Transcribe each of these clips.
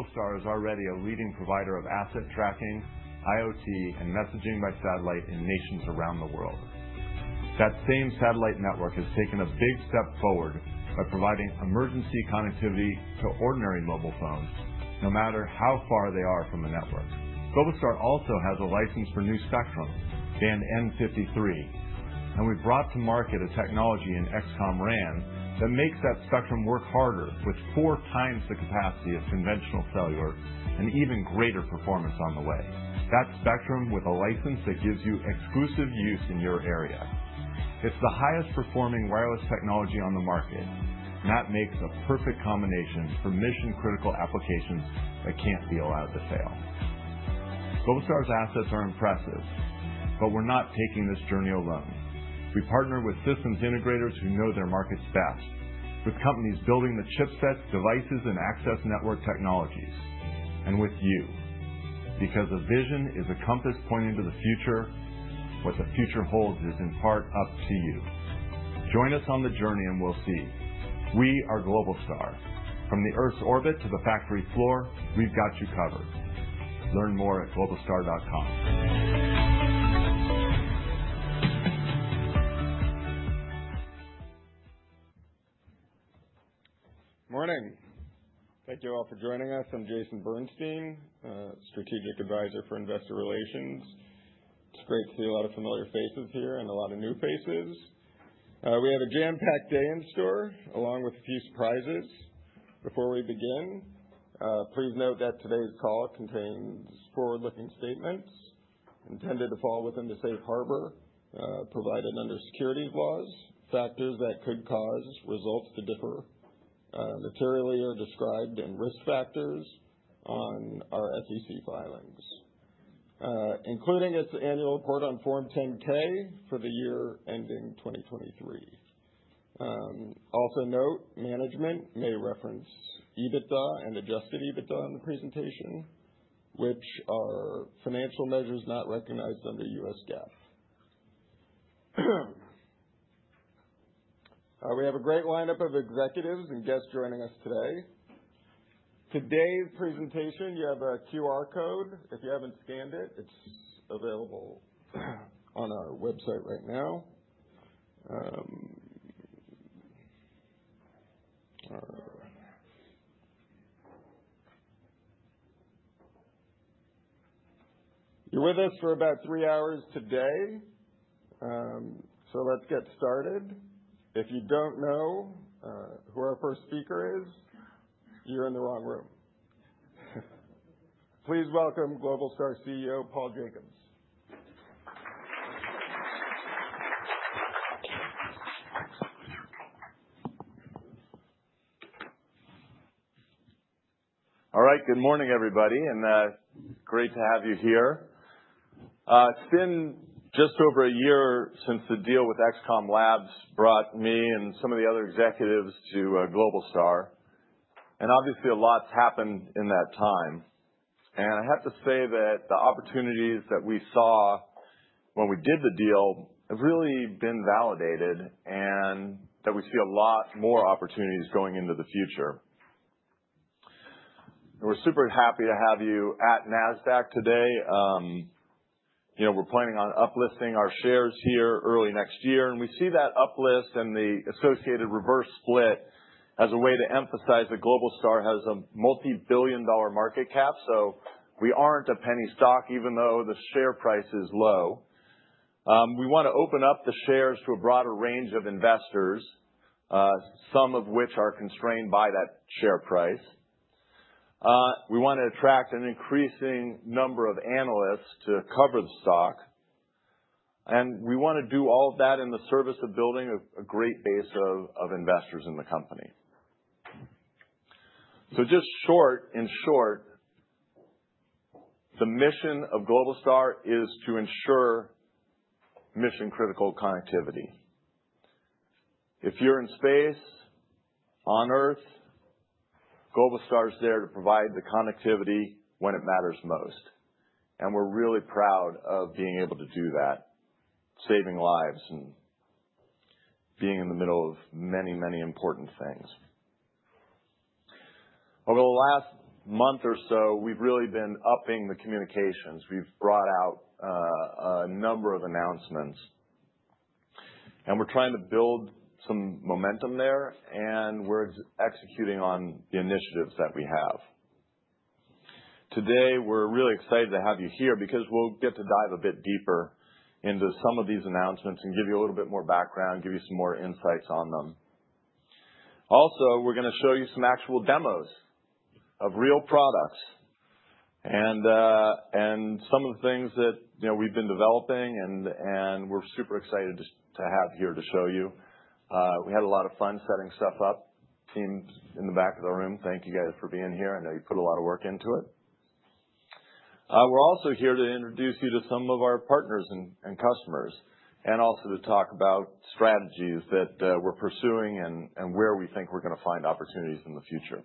Globalstar is already a leading provider of asset tracking, IoT, and messaging by satellite in nations around the world. That same satellite network has taken a big step forward by providing emergency connectivity to ordinary mobile phones, no matter how far they are from the network. Globalstar also has a license for new spectrum, Band n53, and we've brought to market a technology in XCOM RAN that makes that spectrum work harder with four times the capacity of conventional cellular and even greater performance on the way. That spectrum with a license that gives you exclusive use in your area. It's the highest performing wireless technology on the market, and that makes a perfect combination for mission-critical applications that can't be allowed to fail. Globalstar's assets are impressive, but we're not taking this journey alone. We partner with systems integrators who know their markets best, with companies building the chipsets, devices, and access network technologies, and with you. Because a vision is a compass pointing to the future, what the future holds is in part up to you. Join us on the journey and we'll see. We are Globalstar. From the Earth's orbit to the factory floor, we've got you covered. Learn more at globalstar.com. Morning. Thank you all for joining us. I'm Jason Bernstein, Strategic Advisor for Investor Relations. It's great to see a lot of familiar faces here and a lot of new faces. We have a jam-packed day in store, along with a few surprises. Before we begin, please note that today's call contains forward-looking statements intended to fall within the safe harbor provided under securities laws, factors that could cause results to differ, materially or described, and risk factors on our SEC filings, including its annual report on Form 10-K for the year ending 2023. Also note, management may reference EBITDA and adjusted EBITDA in the presentation, which are financial measures not recognized under U.S. GAAP. We have a great lineup of executives and guests joining us today. Today's presentation, you have a QR code. If you haven't scanned it, it's available on our website right now. You're with us for about three hours today, so let's get started. If you don't know who our first speaker is, you're in the wrong room. Please welcome Globalstar CEO Paul Jacobs. All right. Good morning, everybody, and great to have you here. It's been just over a year since the deal with XCOM Labs brought me and some of the other executives to Globalstar, and obviously, a lot's happened in that time, and I have to say that the opportunities that we saw when we did the deal have really been validated and that we see a lot more opportunities going into the future. We're super happy to have you at Nasdaq today. We're planning on uplifting our shares here early next year, and we see that uplist and the associated reverse split as a way to emphasize that Globalstar has a multi-billion dollar market cap, so we aren't a penny stock, even though the share price is low. We want to open up the shares to a broader range of investors, some of which are constrained by that share price. We want to attract an increasing number of analysts to cover the stock, and we want to do all of that in the service of building a great base of investors in the company. So just short, in short, the mission of Globalstar is to ensure mission-critical connectivity. If you're in space, on Earth, Globalstar is there to provide the connectivity when it matters most, and we're really proud of being able to do that, saving lives and being in the middle of many, many important things. Over the last month or so, we've really been upping the communications. We've brought out a number of announcements, and we're trying to build some momentum there, and we're executing on the initiatives that we have. Today, we're really excited to have you here because we'll get to dive a bit deeper into some of these announcements and give you a little bit more background, give you some more insights on them. Also, we're going to show you some actual demos of real products and some of the things that we've been developing, and we're super excited to have here to show you. We had a lot of fun setting stuff up. Teams in the back of the room, thank you guys for being here. I know you put a lot of work into it. We're also here to introduce you to some of our partners and customers and also to talk about strategies that we're pursuing and where we think we're going to find opportunities in the future.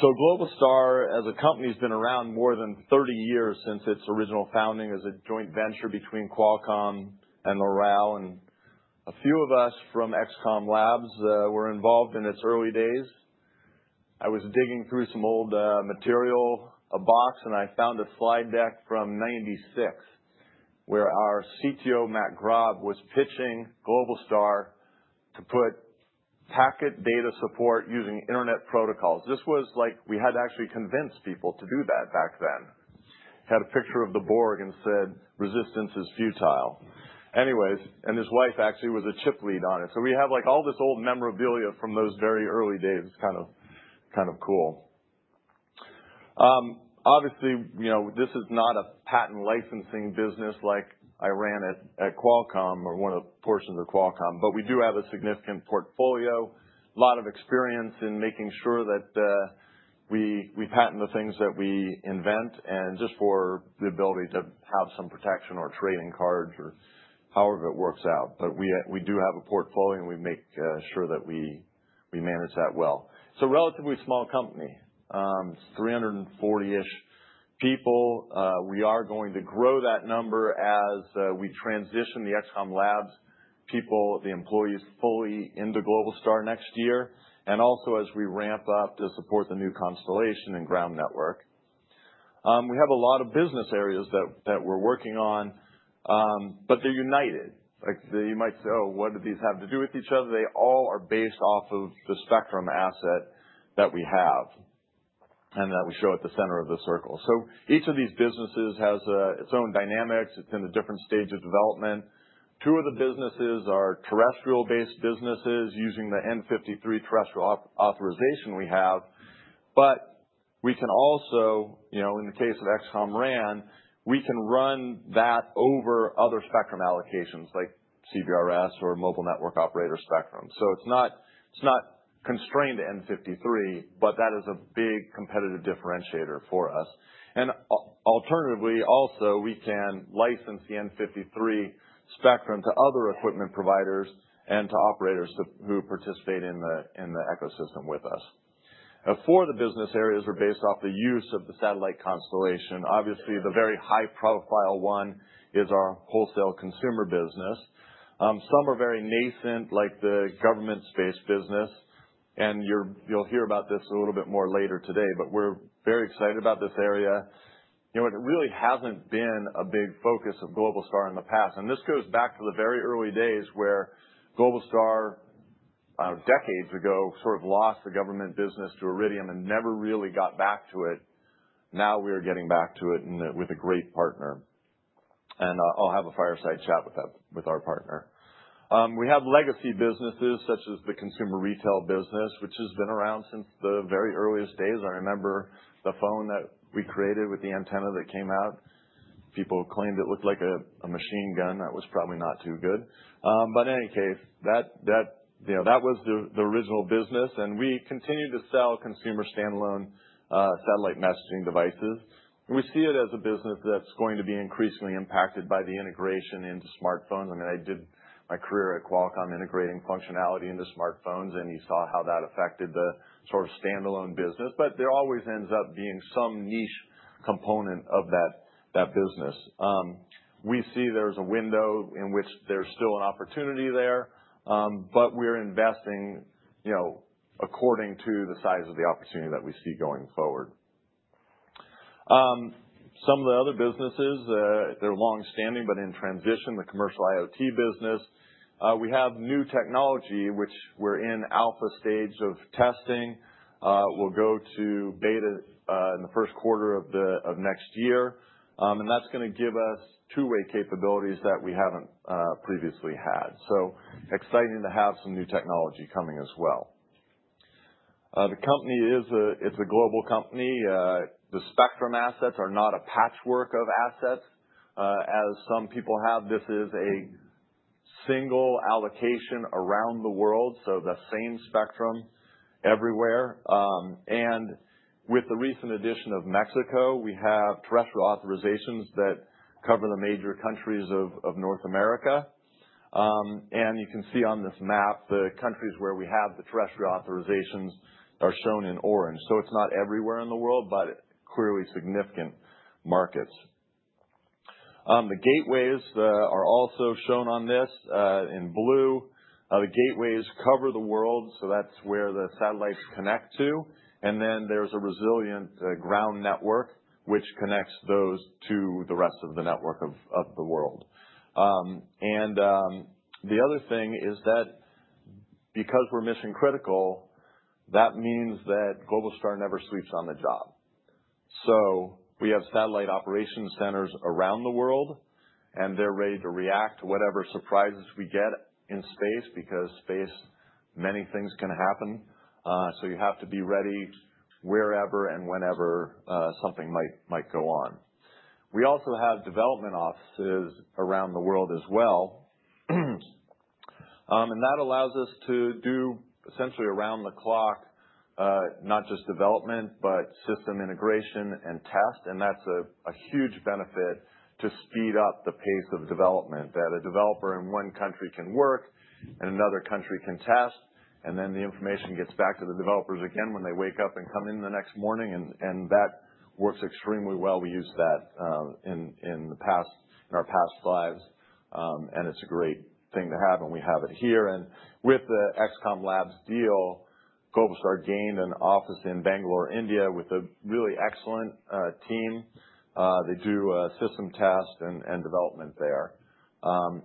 Globalstar, as a company, has been around more than 30 years since its original founding as a joint venture between Qualcomm and Loral, and a few of us from XCOM Labs were involved in its early days. I was digging through some old material, a box, and I found a slide deck from 1996 where our CTO, Matt Grob, was pitching Globalstar to put packet data support using internet protocols. This was like we had to actually convince people to do that back then. He had a picture of the Borg and said, "Resistance is futile." Anyways, and his wife actually was a chip lead on it. So we have all this old memorabilia from those very early days. It's kind of cool. Obviously, this is not a patent licensing business like I ran at Qualcomm or one of the portions of Qualcomm, but we do have a significant portfolio, a lot of experience in making sure that we patent the things that we invent and just for the ability to have some protection or trading cards or however it works out. But we do have a portfolio, and we make sure that we manage that well. It's a relatively small company. It's 340-ish people. We are going to grow that number as we transition the XCOM Labs people, the employees, fully into Globalstar next year and also as we ramp up to support the new constellation and ground network. We have a lot of business areas that we're working on, but they're united. You might say, "Oh, what do these have to do with each other?" They all are based off of the spectrum asset that we have and that we show at the center of the circle. So each of these businesses has its own dynamics. It's in a different stage of development. Two of the businesses are terrestrial-based businesses using the n53 terrestrial authorization we have, but we can also, in the case of XCOM RAN, we can run that over other spectrum allocations like CBRS or mobile network operator spectrum. So it's not constrained to n53, but that is a big competitive differentiator for us. And alternatively, also, we can license the n53 spectrum to other equipment providers and to operators who participate in the ecosystem with us. Four of the business areas are based off the use of the satellite constellation. Obviously, the very high-profile one is our wholesale consumer business. Some are very nascent, like the government-space business, and you'll hear about this a little bit more later today, but we're very excited about this area. It really hasn't been a big focus of Globalstar in the past, and this goes back to the very early days where Globalstar, decades ago, sort of lost the government business to Iridium and never really got back to it. Now we are getting back to it with a great partner, and I'll have a fireside chat with our partner. We have legacy businesses such as the consumer retail business, which has been around since the very earliest days. I remember the phone that we created with the antenna that came out. People claimed it looked like a machine gun. That was probably not too good. But in any case, that was the original business, and we continue to sell consumer standalone satellite messaging devices. We see it as a business that's going to be increasingly impacted by the integration into smartphones. I mean, I did my career at Qualcomm integrating functionality into smartphones, and you saw how that affected the sort of standalone business, but there always ends up being some niche component of that business. We see there's a window in which there's still an opportunity there, but we're investing according to the size of the opportunity that we see going forward. Some of the other businesses, they're long-standing but in transition, the commercial IoT business. We have new technology, which we're in alpha stage of testing. We'll go to beta in the first quarter of next year, and that's going to give us two-way capabilities that we haven't previously had. It's exciting to have some new technology coming as well. The company is a global company. The spectrum assets are not a patchwork of assets, as some people have. This is a single allocation around the world, so the same spectrum everywhere. With the recent addition of Mexico, we have terrestrial authorizations that cover the major countries of North America. You can see on this map, the countries where we have the terrestrial authorizations are shown in orange. It's not everywhere in the world, but clearly significant markets. The gateways are also shown on this in blue. The gateways cover the world, so that's where the satellites connect to. Then there's a resilient ground network, which connects those to the rest of the network of the world. The other thing is that because we're mission-critical, that means that Globalstar never sleeps on the job. So we have satellite operations centers around the world, and they're ready to react to whatever surprises we get in space because in space, many things can happen. So you have to be ready wherever and whenever something might go on. We also have development offices around the world as well, and that allows us to do essentially around the clock, not just development, but system integration and test. And that's a huge benefit to speed up the pace of development, that a developer in one country can work and another country can test, and then the information gets back to the developers again when they wake up and come in the next morning, and that works extremely well. We used that in our past lives, and it's a great thing to have, and we have it here. With the XCOM Labs deal, Globalstar gained an office in Bangalore, India, with a really excellent team. They do system test and development there.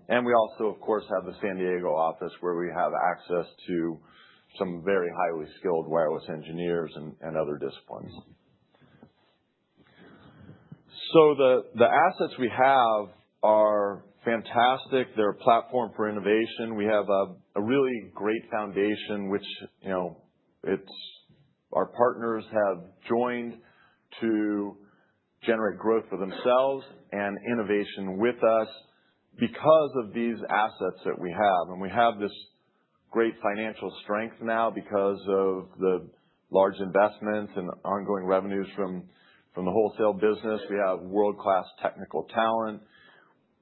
We also, of course, have the San Diego office where we have access to some very highly skilled wireless engineers and other disciplines. The assets we have are fantastic. They're a platform for innovation. We have a really great foundation, which our partners have joined to generate growth for themselves and innovation with us because of these assets that we have. We have this great financial strength now because of the large investments and ongoing revenues from the wholesale business. We have world-class technical talent.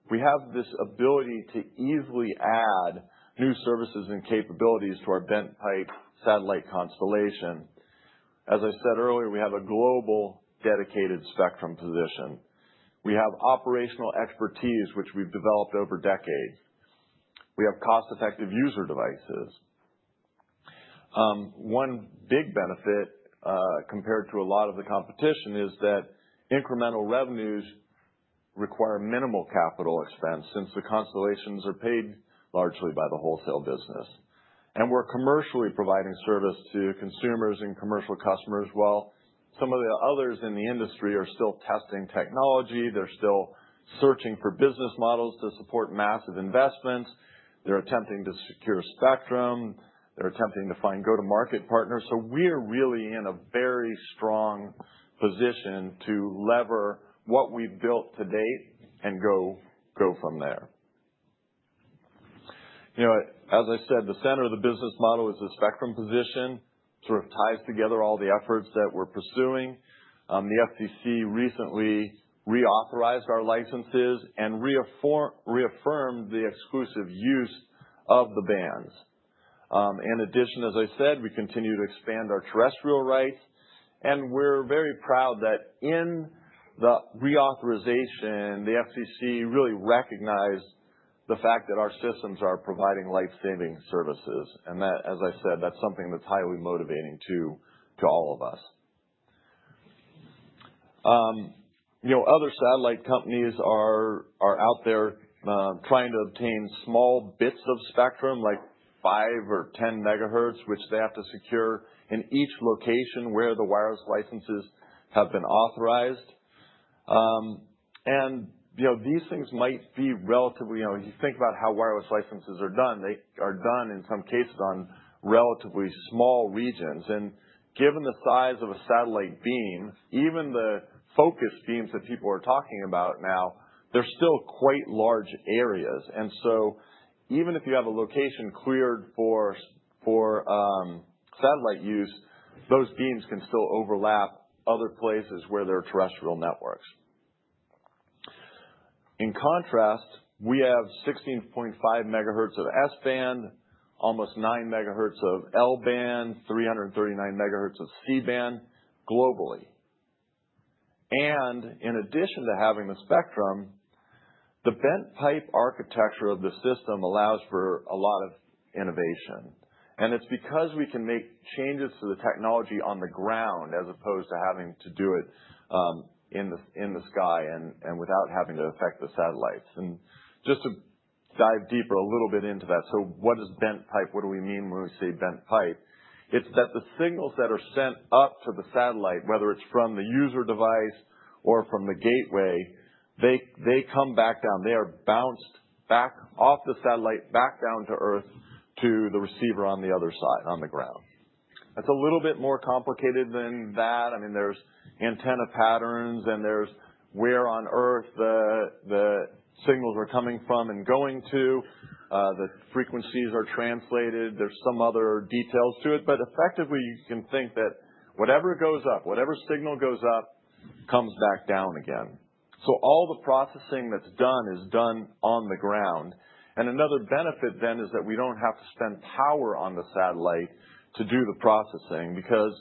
We have this ability to easily add new services and capabilities to our bent pipe satellite constellation. As I said earlier, we have a global dedicated spectrum position. We have operational expertise, which we've developed over decades. We have cost-effective user devices. One big benefit compared to a lot of the competition is that incremental revenues require minimal capital expense since the constellations are paid largely by the wholesale business. And we're commercially providing service to consumers and commercial customers while some of the others in the industry are still testing technology. They're still searching for business models to support massive investments. They're attempting to secure spectrum. They're attempting to find go-to-market partners. So we're really in a very strong position to lever what we've built to date and go from there. As I said, the center of the business model is the spectrum position. It sort of ties together all the efforts that we're pursuing. The FCC recently reauthorized our licenses and reaffirmed the exclusive use of the bands. In addition, as I said, we continue to expand our terrestrial rights, and we're very proud that in the reauthorization, the FCC really recognized the fact that our systems are providing lifesaving services, and as I said, that's something that's highly motivating to all of us. Other satellite companies are out there trying to obtain small bits of spectrum, like 5 or 10 megahertz, which they have to secure in each location where the wireless licenses have been authorized, and these things might be relatively, if you think about how wireless licenses are done, they are done in some cases on relatively small regions, and given the size of a satellite beam, even the focus beams that people are talking about now, they're still quite large areas, and so even if you have a location cleared for satellite use, those beams can still overlap other places where there are terrestrial networks. In contrast, we have 16.5 megahertz of S-band, almost nine megahertz of L-band, 339 megahertz of C-band globally. In addition to having the spectrum, the bent pipe architecture of the system allows for a lot of innovation. It's because we can make changes to the technology on the ground as opposed to having to do it in the sky and without having to affect the satellites. Just to dive deeper a little bit into that, so what is bent pipe? What do we mean when we say bent pipe? It's that the signals that are sent up to the satellite, whether it's from the user device or from the gateway, they come back down. They are bounced back off the satellite, back down to Earth, to the receiver on the other side, on the ground. It's a little bit more complicated than that. I mean, there's antenna patterns, and there's where on Earth the signals are coming from and going to. The frequencies are translated. There's some other details to it. But effectively, you can think that whatever goes up, whatever signal goes up, comes back down again. So all the processing that's done is done on the ground. And another benefit then is that we don't have to spend power on the satellite to do the processing because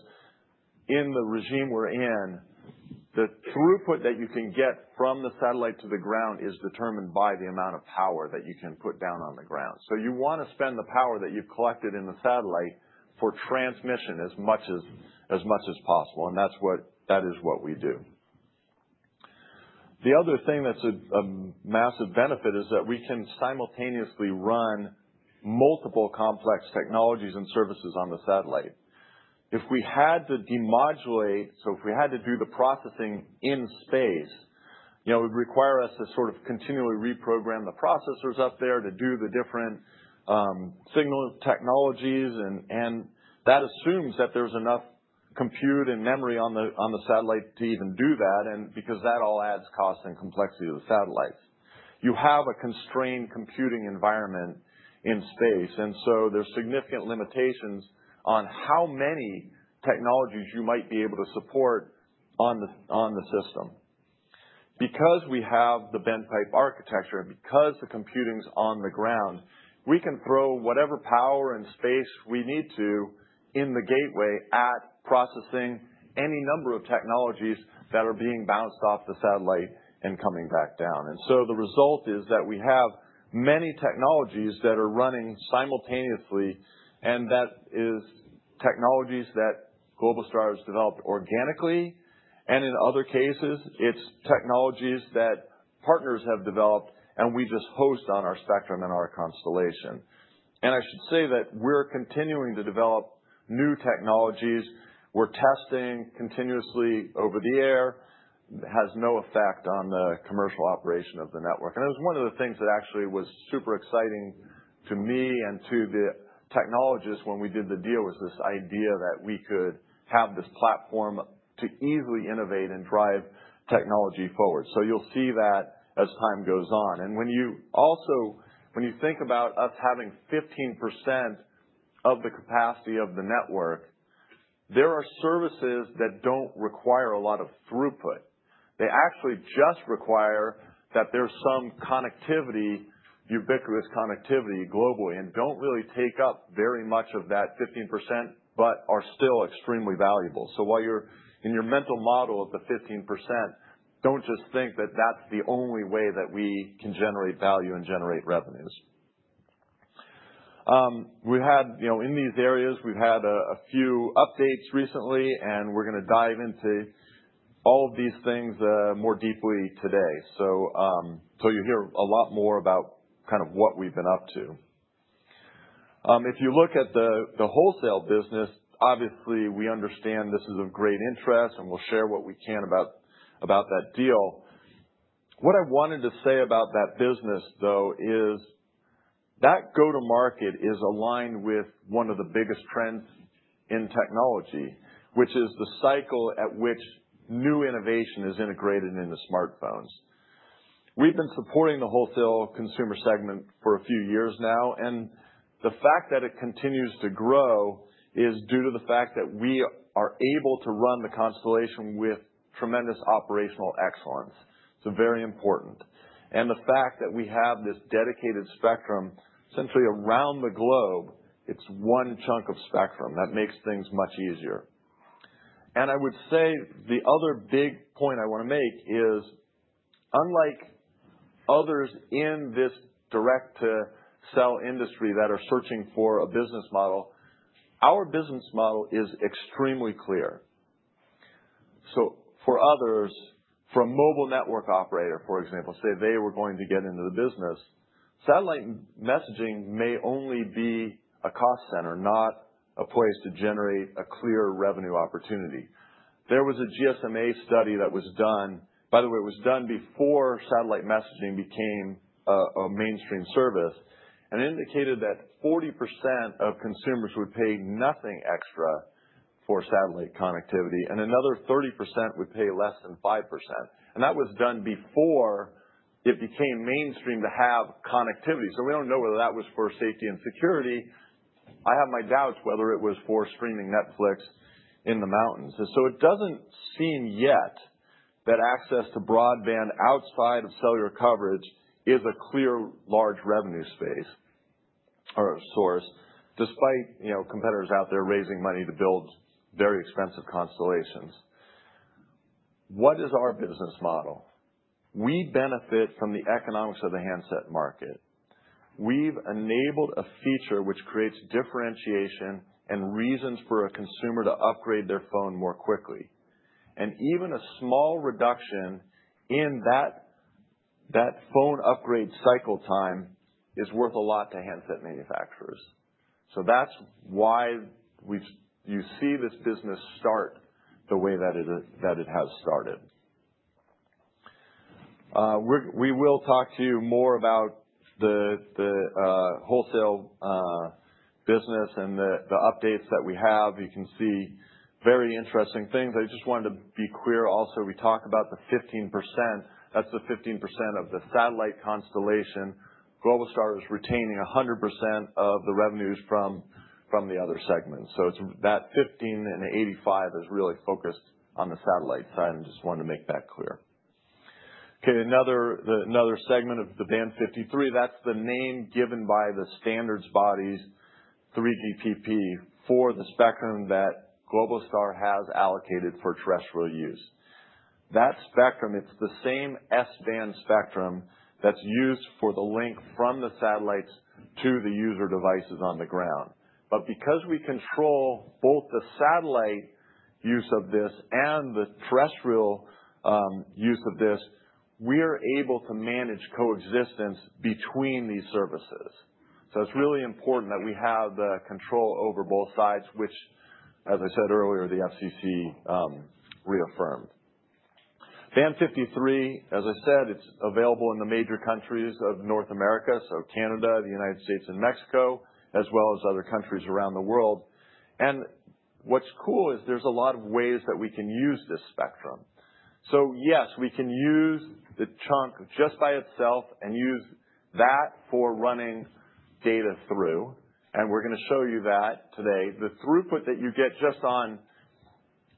in the regime we're in, the throughput that you can get from the satellite to the ground is determined by the amount of power that you can put down on the ground. So you want to spend the power that you've collected in the satellite for transmission as much as possible, and that is what we do. The other thing that's a massive benefit is that we can simultaneously run multiple complex technologies and services on the satellite. If we had to demodulate, so if we had to do the processing in space, it would require us to sort of continually reprogram the processors up there to do the different signal technologies, and that assumes that there's enough compute and memory on the satellite to even do that because that all adds cost and complexity to the satellites. You have a constrained computing environment in space, and so there's significant limitations on how many technologies you might be able to support on the system. Because we have the bent pipe architecture and because the computing's on the ground, we can throw whatever power and space we need to in the gateway at processing any number of technologies that are being bounced off the satellite and coming back down. And so the result is that we have many technologies that are running simultaneously, and that is technologies that Globalstar has developed organically. And in other cases, it's technologies that partners have developed, and we just host on our spectrum and our constellation. And I should say that we're continuing to develop new technologies. We're testing continuously over the air. It has no effect on the commercial operation of the network. It was one of the things that actually was super exciting to me and to the technologists when we did the deal was this idea that we could have this platform to easily innovate and drive technology forward. You'll see that as time goes on. When you think about us having 15% of the capacity of the network, there are services that don't require a lot of throughput. They actually just require that there's some connectivity, ubiquitous connectivity globally, and don't really take up very much of that 15% but are still extremely valuable. While you're in your mental model of the 15%, don't just think that that's the only way that we can generate value and generate revenues. In these areas, we've had a few updates recently, and we're going to dive into all of these things more deeply today. So you'll hear a lot more about kind of what we've been up to. If you look at the wholesale business, obviously, we understand this is of great interest, and we'll share what we can about that deal. What I wanted to say about that business, though, is that go-to-market is aligned with one of the biggest trends in technology, which is the cycle at which new innovation is integrated into smartphones. We've been supporting the wholesale consumer segment for a few years now, and the fact that it continues to grow is due to the fact that we are able to run the constellation with tremendous operational excellence. It's very important. And the fact that we have this dedicated spectrum essentially around the globe, it's one chunk of spectrum that makes things much easier. I would say the other big point I want to make is, unlike others in this direct-to-cell industry that are searching for a business model, our business model is extremely clear. So for others, from mobile network operator, for example, say they were going to get into the business, satellite messaging may only be a cost center, not a place to generate a clear revenue opportunity. There was a GSMA study that was done. By the way, it was done before satellite messaging became a mainstream service, and it indicated that 40% of consumers would pay nothing extra for satellite connectivity, and another 30% would pay less than 5%. And that was done before it became mainstream to have connectivity. So we don't know whether that was for safety and security. I have my doubts whether it was for streaming Netflix in the mountains. And so it doesn't seem yet that access to broadband outside of cellular coverage is a clear large revenue space or source, despite competitors out there raising money to build very expensive constellations. What is our business model? We benefit from the economics of the handset market. We've enabled a feature which creates differentiation and reasons for a consumer to upgrade their phone more quickly. And even a small reduction in that phone upgrade cycle time is worth a lot to handset manufacturers. So that's why you see this business start the way that it has started. We will talk to you more about the wholesale business and the updates that we have. You can see very interesting things. I just wanted to be clear also. We talk about the 15%. That's the 15% of the satellite constellation. Globalstar is retaining 100% of the revenues from the other segments. So that 15 and 85 is really focused on the satellite side. I just wanted to make that clear. Okay. Another segment of the Band 53, that's the name given by the standards bodies, 3GPP, for the spectrum that Globalstar has allocated for terrestrial use. That spectrum, it's the same S-band spectrum that's used for the link from the satellites to the user devices on the ground. But because we control both the satellite use of this and the terrestrial use of this, we're able to manage coexistence between these services. So it's really important that we have the control over both sides, which, as I said earlier, the FCC reaffirmed. Band 53, as I said, it's available in the major countries of North America, so Canada, the United States, and Mexico, as well as other countries around the world. What's cool is there's a lot of ways that we can use this spectrum. So yes, we can use the chunk just by itself and use that for running data through. And we're going to show you that today. The throughput that you get just on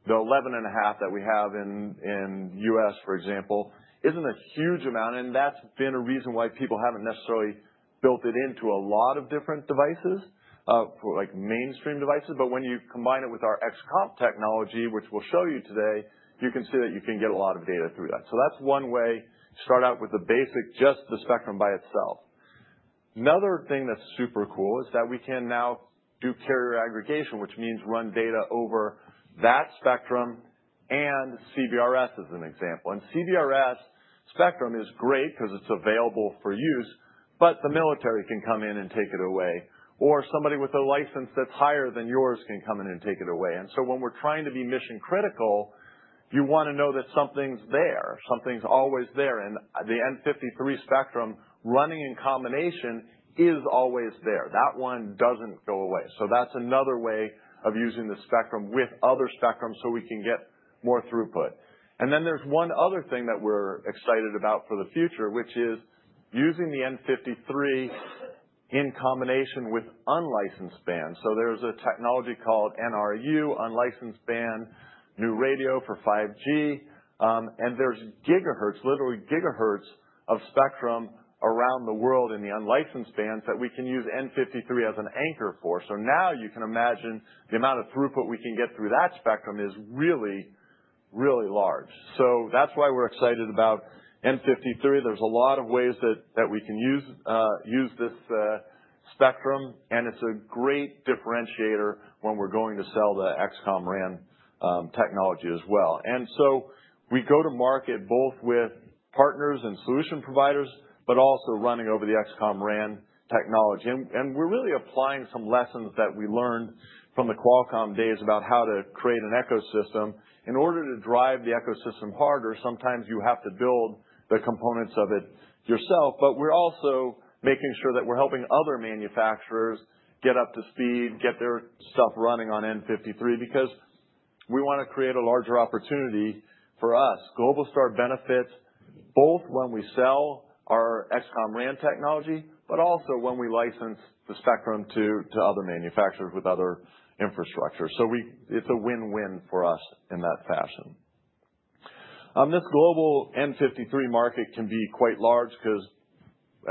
the 11 and a half that we have in the U.S., for example, isn't a huge amount. And that's been a reason why people haven't necessarily built it into a lot of different devices, like mainstream devices. But when you combine it with our XCOM technology, which we'll show you today, you can see that you can get a lot of data through that. So that's one way. Start out with the basic, just the spectrum by itself. Another thing that's super cool is that we can now do carrier aggregation, which means run data over that spectrum and CBRS as an example. CBRS spectrum is great because it's available for use, but the military can come in and take it away. Or somebody with a license that's higher than yours can come in and take it away. When we're trying to be mission-critical, you want to know that something's there. Something's always there. The N53 spectrum running in combination is always there. That one doesn't go away. That's another way of using the spectrum with other spectrums so we can get more throughput. There's one other thing that we're excited about for the future, which is using the N53 in combination with unlicensed bands. There's a technology called NR-U, unlicensed band, new radio for 5G. There's gigahertz, literally gigahertz of spectrum around the world in the unlicensed bands that we can use N53 as an anchor for. So now you can imagine the amount of throughput we can get through that spectrum is really, really large. So that's why we're excited about n53. There's a lot of ways that we can use this spectrum, and it's a great differentiator when we're going to sell the XCOM RAN technology as well. And so we go to market both with partners and solution providers, but also running over the XCOM RAN technology. And we're really applying some lessons that we learned from the Qualcomm days about how to create an ecosystem. In order to drive the ecosystem harder, sometimes you have to build the components of it yourself. But we're also making sure that we're helping other manufacturers get up to speed, get their stuff running on n53 because we want to create a larger opportunity for us. Globalstar benefits both when we sell our XCOM RAN technology, but also when we license the spectrum to other manufacturers with other infrastructure. So it's a win-win for us in that fashion. This global n53 market can be quite large because,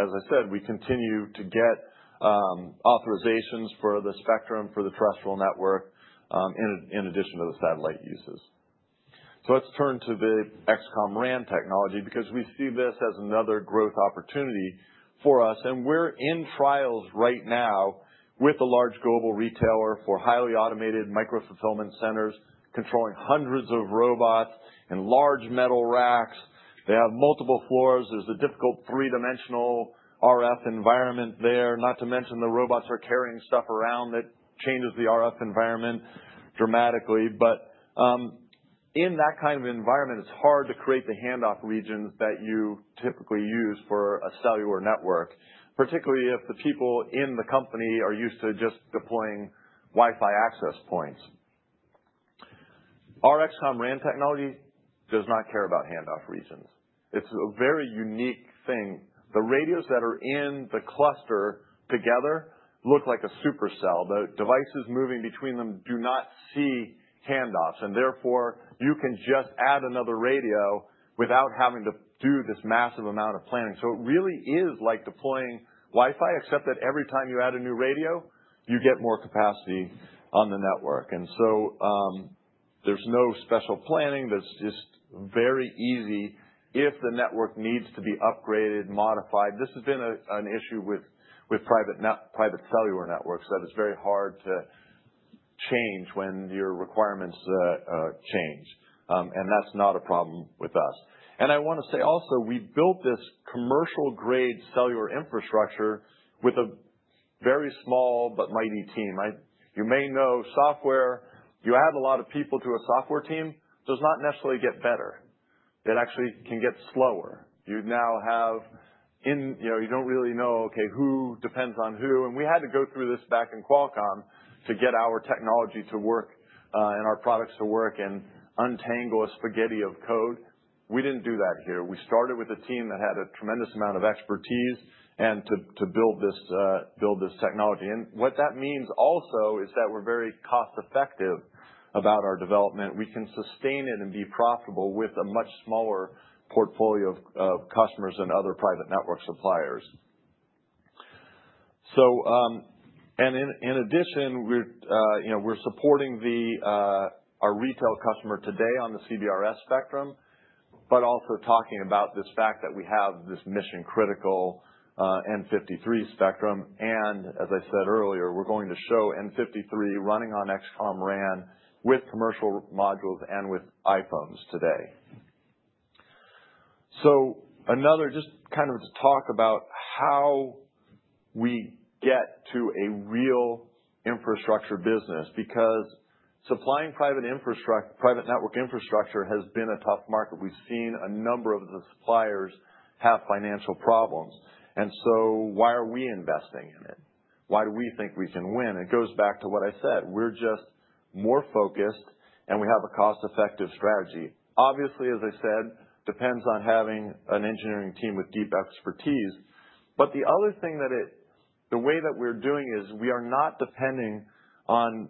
as I said, we continue to get authorizations for the spectrum for the terrestrial network in addition to the satellite uses. So let's turn to the XCOM RAN technology because we see this as another growth opportunity for us. And we're in trials right now with a large global retailer for highly automated microfulfillment centers controlling hundreds of robots and large metal racks. They have multiple floors. There's a difficult three-dimensional RF environment there. Not to mention the robots are carrying stuff around that changes the RF environment dramatically. In that kind of environment, it's hard to create the handoff regions that you typically use for a cellular network, particularly if the people in the company are used to just deploying Wi-Fi access points. Our XCOM RAN technology does not care about handoff regions. It's a very unique thing. The radios that are in the cluster together look like a supercell. The devices moving between them do not see handoffs. And therefore, you can just add another radio without having to do this massive amount of planning. So it really is like deploying Wi-Fi, except that every time you add a new radio, you get more capacity on the network. And so there's no special planning. That's just very easy if the network needs to be upgraded, modified. This has been an issue with private cellular networks that it's very hard to change when your requirements change. That's not a problem with us. I want to say also, we built this commercial-grade cellular infrastructure with a very small but mighty team. You may know software. You add a lot of people to a software team. It does not necessarily get better. It actually can get slower. You now have, and you don't really know, okay, who depends on who. We had to go through this back in Qualcomm to get our technology to work and our products to work and untangle a spaghetti of code. We didn't do that here. We started with a team that had a tremendous amount of expertise to build this technology. What that means also is that we're very cost-effective about our development. We can sustain it and be profitable with a much smaller portfolio of customers and other private network suppliers. And in addition, we're supporting our retail customer today on the CBRS spectrum, but also talking about this fact that we have this mission-critical n53 spectrum. And as I said earlier, we're going to show n53 running on XCOM RAN with commercial modules and with iPhones today. So just kind of to talk about how we get to a real infrastructure business because supplying private network infrastructure has been a tough market. We've seen a number of the suppliers have financial problems. And so why are we investing in it? Why do we think we can win? It goes back to what I said. We're just more focused, and we have a cost-effective strategy. Obviously, as I said, it depends on having an engineering team with deep expertise. But the other thing is the way that we're doing is we are not depending on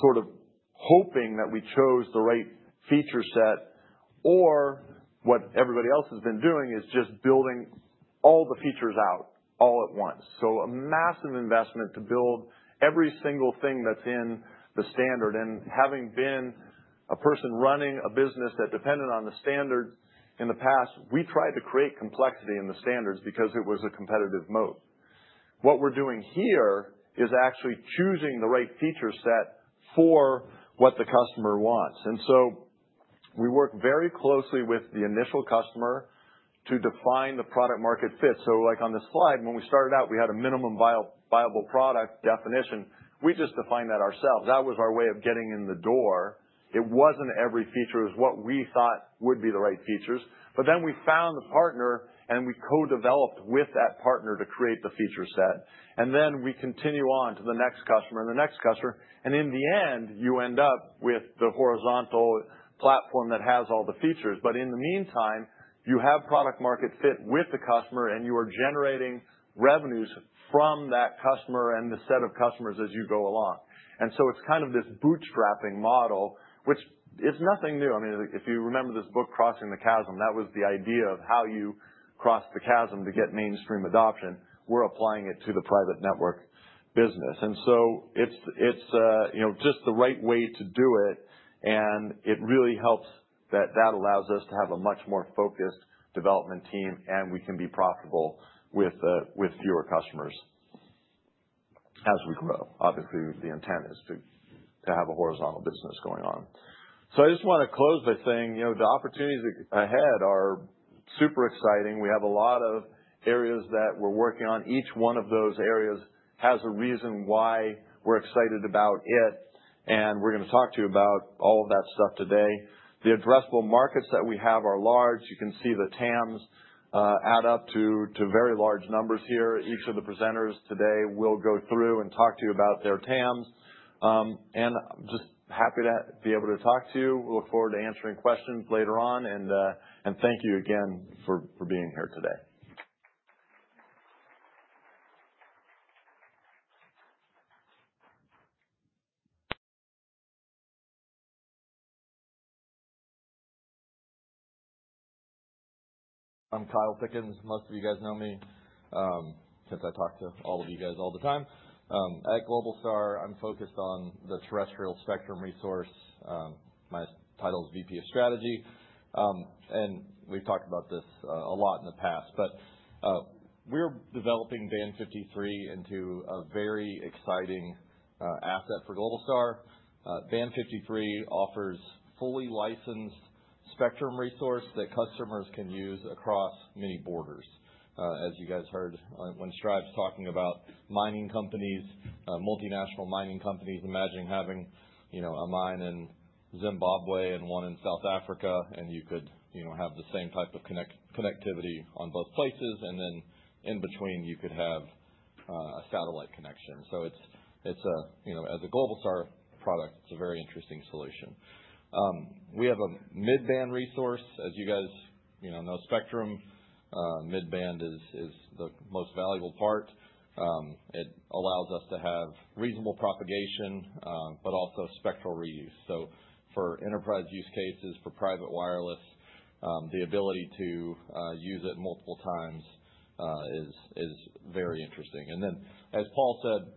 sort of hoping that we chose the right feature set, or what everybody else has been doing is just building all the features out all at once. So a massive investment to build every single thing that's in the standard. Having been a person running a business that depended on the standard in the past, we tried to create complexity in the standards because it was a competitive moat. What we're doing here is actually choosing the right feature set for what the customer wants, and so we work very closely with the initial customer to define the product-market fit, so like on the slide, when we started out, we had a minimum viable product definition. We just defined that ourselves. That was our way of getting in the door. It wasn't every feature. It was what we thought would be the right features. But then we found the partner, and we co-developed with that partner to create the feature set. And then we continue on to the next customer and the next customer. And in the end, you end up with the horizontal platform that has all the features. But in the meantime, you have product-market fit with the customer, and you are generating revenues from that customer and the set of customers as you go along. And so it's kind of this bootstrapping model, which is nothing new. I mean, if you remember this book, Crossing the Chasm, that was the idea of how you cross the chasm to get mainstream adoption. We're applying it to the private network business. And so it's just the right way to do it. And it really helps that that allows us to have a much more focused development team, and we can be profitable with fewer customers as we grow. Obviously, the intent is to have a horizontal business going on. So I just want to close by saying the opportunities ahead are super exciting. We have a lot of areas that we're working on. Each one of those areas has a reason why we're excited about it. And we're going to talk to you about all of that stuff today. The addressable markets that we have are large. You can see the TAMs add up to very large numbers here. Each of the presenters today will go through and talk to you about their TAMs. And I'm just happy to be able to talk to you. We'll look forward to answering questions later on. And thank you again for being here today. I'm Kyle Pickens. Most of you guys know me since I talk to all of you guys all the time. At Globalstar, I'm focused on the terrestrial spectrum resource. My title is VP of Strategy, and we've talked about this a lot in the past, but we're developing Band 53 into a very exciting asset for Globalstar. Band 53 offers fully licensed spectrum resource that customers can use across many borders. As you guys heard when Strive's talking about mining companies, multinational mining companies, imagining having a mine in Zimbabwe and one in South Africa, and you could have the same type of connectivity on both places, and then in between, you could have a satellite connection, so as a Globalstar product, it's a very interesting solution. We have a mid-band resource. As you guys know, spectrum mid-band is the most valuable part. It allows us to have reasonable propagation, but also spectral reuse, so for enterprise use cases, for private wireless, the ability to use it multiple times is very interesting, and then, as Paul said,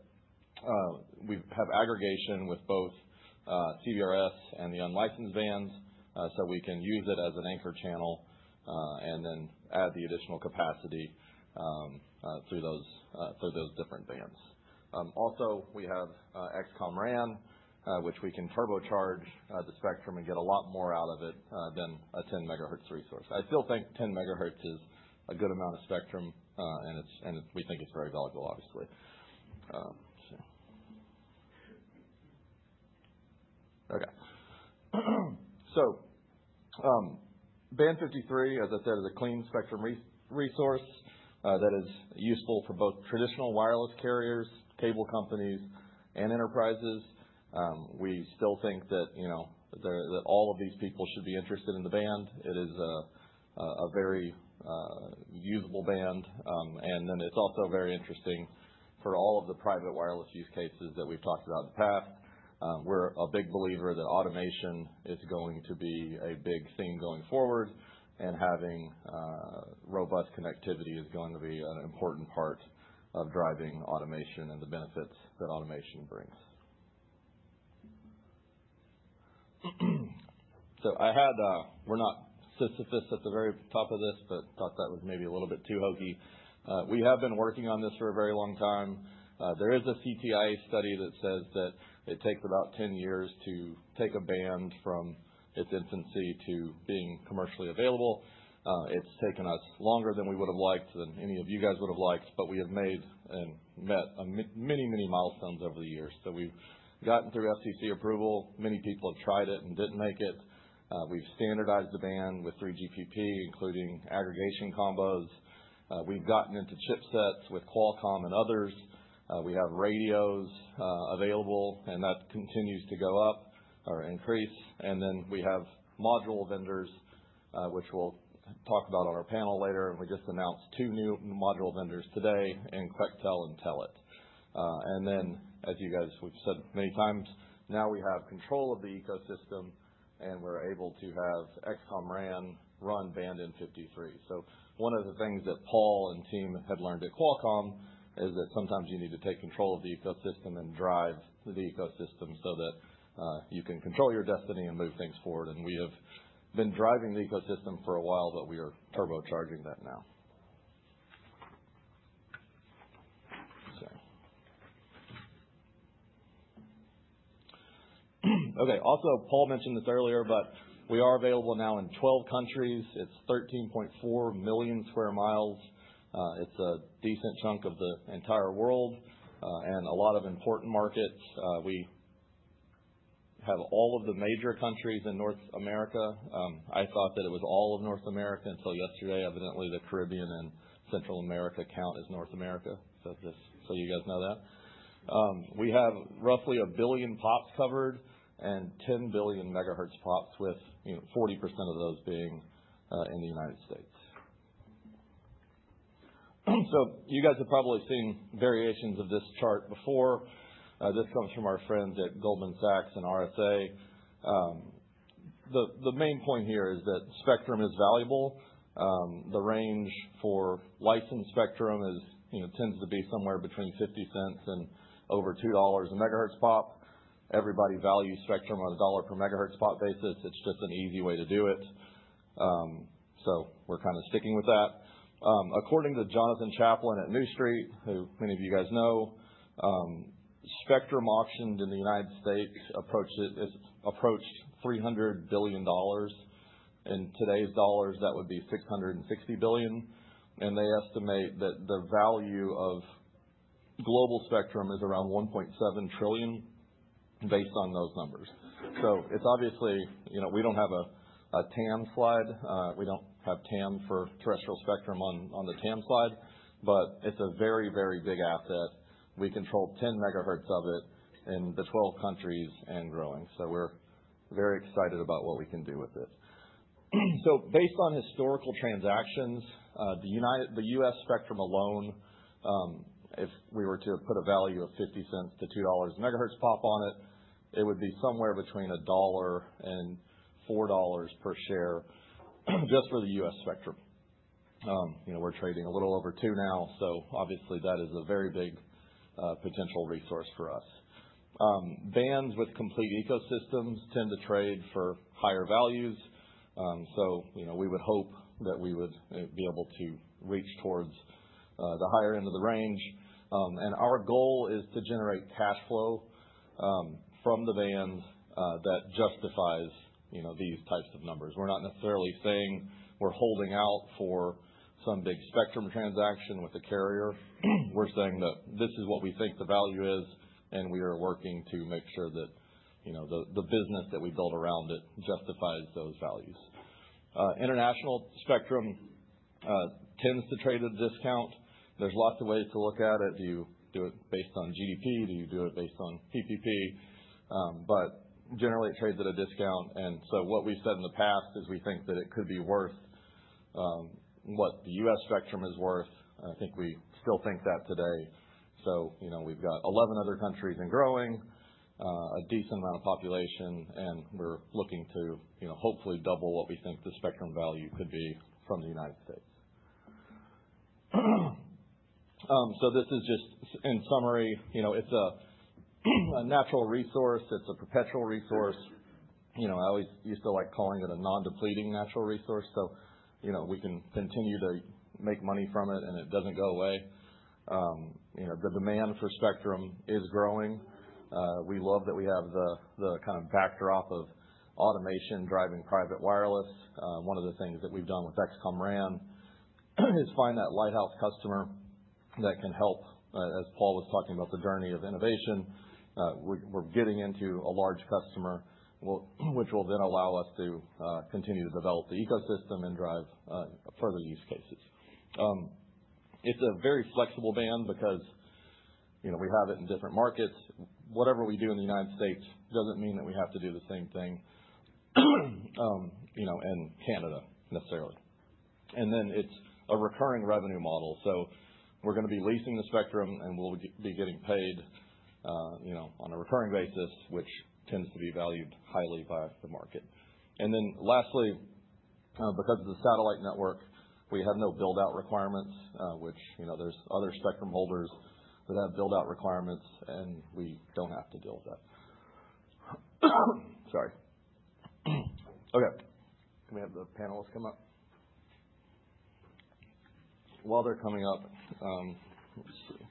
we have aggregation with both CBRS and the unlicensed bands. So we can use it as an anchor channel and then add the additional capacity through those different bands, also, we have XCOM RAN, which we can turbocharge the spectrum and get a lot more out of it than a 10 megahertz resource. I still think 10 megahertz is a good amount of spectrum, and we think it's very valuable, obviously. Okay, so Band 53, as I said, is a clean spectrum resource that is useful for both traditional wireless carriers, cable companies, and enterprises. We still think that all of these people should be interested in the band. It is a very usable band. It's also very interesting for all of the private wireless use cases that we've talked about in the past. We're a big believer that automation is going to be a big theme going forward, and having robust connectivity is going to be an important part of driving automation and the benefits that automation brings. We're not specialists at the very top of this, but thought that was maybe a little bit too hokey. We have been working on this for a very long time. There is a CTIA study that says that it takes about 10 years to take a band from its infancy to being commercially available. It's taken us longer than we would have liked, than any of you guys would have liked. We have made and met many, many milestones over the years. We've gotten through FCC approval. Many people have tried it and didn't make it. We've standardized the band with 3GPP, including aggregation combos. We've gotten into chipsets with Qualcomm and others. We have radios available, and that continues to go up or increase. And then we have module vendors, which we'll talk about on our panel later. And we just announced two new module vendors today: Quectel and Telit. And then, as you guys we've said many times, now we have control of the ecosystem, and we're able to have XCOM RAN run Band 53. So one of the things that Paul and team had learned at Qualcomm is that sometimes you need to take control of the ecosystem and drive the ecosystem so that you can control your destiny and move things forward. And we have been driving the ecosystem for a while, but we are turbocharging that now. Okay. Okay. Also, Paul mentioned this earlier, but we are available now in 12 countries. It's 13.4 million sq mi. It's a decent chunk of the entire world and a lot of important markets. We have all of the major countries in North America. I thought that it was all of North America until yesterday. Evidently, the Caribbean and Central America count as North America. So just so you guys know that. We have roughly a billion pops covered and 10 billion megahertz POPs, with 40% of those being in the United States. So you guys have probably seen variations of this chart before. This comes from our friends at Goldman Sachs and RSA. The main point here is that spectrum is valuable. The range for licensed spectrum tends to be somewhere between $0.50 and over $2 a megahertz pop. Everybody values spectrum on a $1 per megahertz pop basis. It's just an easy way to do it, so we're kind of sticking with that. According to Jonathan Chaplin at New Street, who many of you guys know, spectrum auctioned in the United States approached $300 billion. In today's dollars, that would be $660 billion, and they estimate that the value of global spectrum is around $1.7 trillion based on those numbers, so it's obviously we don't have a TAM slide. We don't have TAM for terrestrial spectrum on the TAM slide, but it's a very, very big asset. We control 10 megahertz of it in the 12 countries and growing, so we're very excited about what we can do with it. So based on historical transactions, the U.S. spectrum alone, if we were to put a value of $0.50-$2 a megahertz pop on it, it would be somewhere between $1 and $4 per share just for the U.S. spectrum. We're trading a little over $2 now. So obviously, that is a very big potential resource for us. Bands with complete ecosystems tend to trade for higher values. So we would hope that we would be able to reach towards the higher end of the range. And our goal is to generate cash flow from the band that justifies these types of numbers. We're not necessarily saying we're holding out for some big spectrum transaction with a carrier. We're saying that this is what we think the value is, and we are working to make sure that the business that we build around it justifies those values. International spectrum tends to trade at a discount. There's lots of ways to look at it. Do you do it based on GDP? Do you do it based on PPP? But generally, it trades at a discount. And so what we've said in the past is we think that it could be worth what the U.S. spectrum is worth. And I think we still think that today. So we've got 11 other countries and growing, a decent amount of population, and we're looking to hopefully double what we think the spectrum value could be from the United States. So this is just, in summary, it's a natural resource. It's a perpetual resource. I always used to like calling it a non-depleting natural resource. So we can continue to make money from it, and it doesn't go away. The demand for spectrum is growing. We love that we have the kind of backdrop of automation driving private wireless. One of the things that we've done with XCOM RAN is find that lighthouse customer that can help. As Paul was talking about the journey of innovation, we're getting into a large customer, which will then allow us to continue to develop the ecosystem and drive further use cases. It's a very flexible band because we have it in different markets. Whatever we do in the United States doesn't mean that we have to do the same thing in Canada necessarily, and then it's a recurring revenue model, so we're going to be leasing the spectrum, and we'll be getting paid on a recurring basis, which tends to be valued highly by the market. Then lastly, because of the satellite network, we have no buildout requirements, which there's other spectrum holders that have buildout requirements, and we don't have to deal with that. Sorry. Okay. Can we have the panelists come up? While they're coming up, let's see.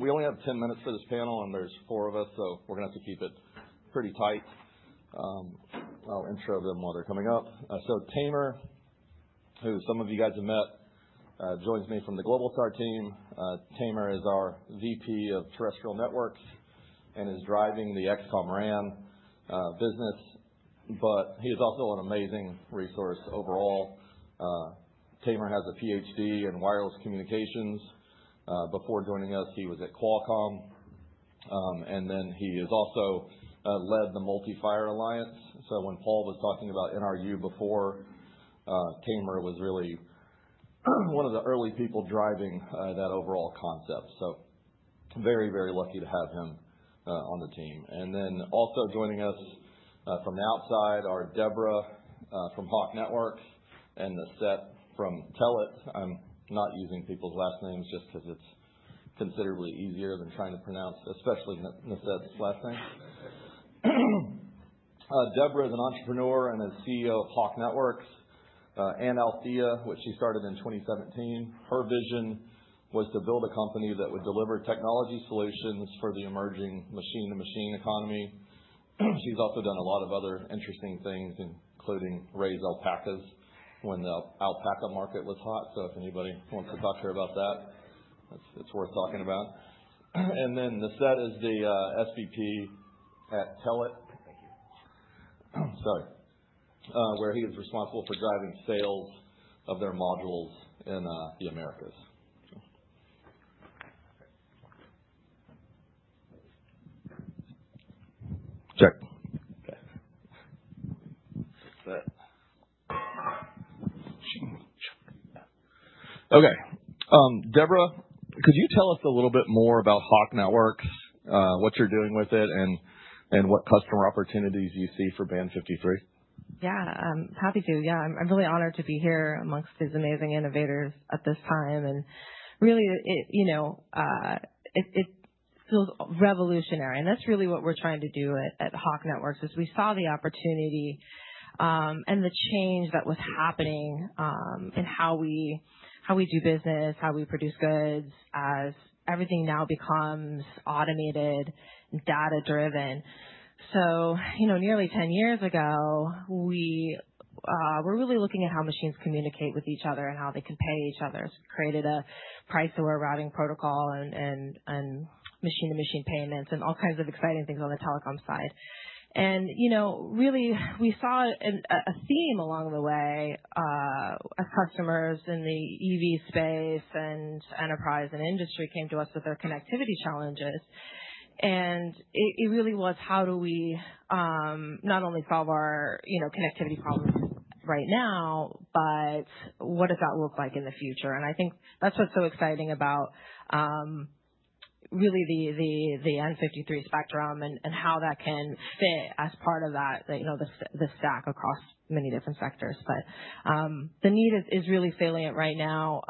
We only have 10 minutes for this panel, and there's four of us, so we're going to have to keep it pretty tight. I'll intro them while they're coming up. Tamer, who some of you guys have met, joins me from the Globalstar team. Tamer is our VP of Terrestrial Networks and is driving the XCOM RAN business, but he is also an amazing resource overall. Tamer has a PhD in wireless communications. Before joining us, he was at Qualcomm. He has also led the MulteFire Alliance. When Paul was talking about NR-U before, Tamer was really one of the early people driving that overall concept. Very, very lucky to have him on the team. And then also joining us from the outside are Deborah from Hawk Networks and Neset from Telit. I'm not using people's last names just because it's considerably easier than trying to pronounce, especially Neset's last name. Deborah is an entrepreneur and a CEO of Hawk Networks and Althea, which she started in 2017. Her vision was to build a company that would deliver technology solutions for the emerging machine-to-machine economy. She's also done a lot of other interesting things, including raise alpacas when the alpaca market was hot. If anybody wants to talk to her about that, it's worth talking about. And then Neset is the SVP at Telit. Thank you. Sorry. Where he is responsible for driving sales of their modules in the Americas. Check. Okay. Deborah, could you tell us a little bit more about Hawk Networks, what you're doing with it, and what customer opportunities you see for Band 53? Yeah. Happy to. Yeah. I'm really honored to be here amongst these amazing innovators at this time, and really, it feels revolutionary. And that's really what we're trying to do at Hawk Networks is we saw the opportunity and the change that was happening in how we do business, how we produce goods as everything now becomes automated and data-driven. So nearly 10 years ago, we were really looking at how machines communicate with each other and how they can pay each other. It created a price-aware routing protocol and machine-to-machine payments and all kinds of exciting things on the telecom side. And really, we saw a theme along the way as customers in the EV space and enterprise and industry came to us with their connectivity challenges. And it really was, how do we not only solve our connectivity problems right now, but what does that look like in the future? And I think that's what's so exciting about really the n53 spectrum and how that can fit as part of the stack across many different sectors. But the need is really salient right now.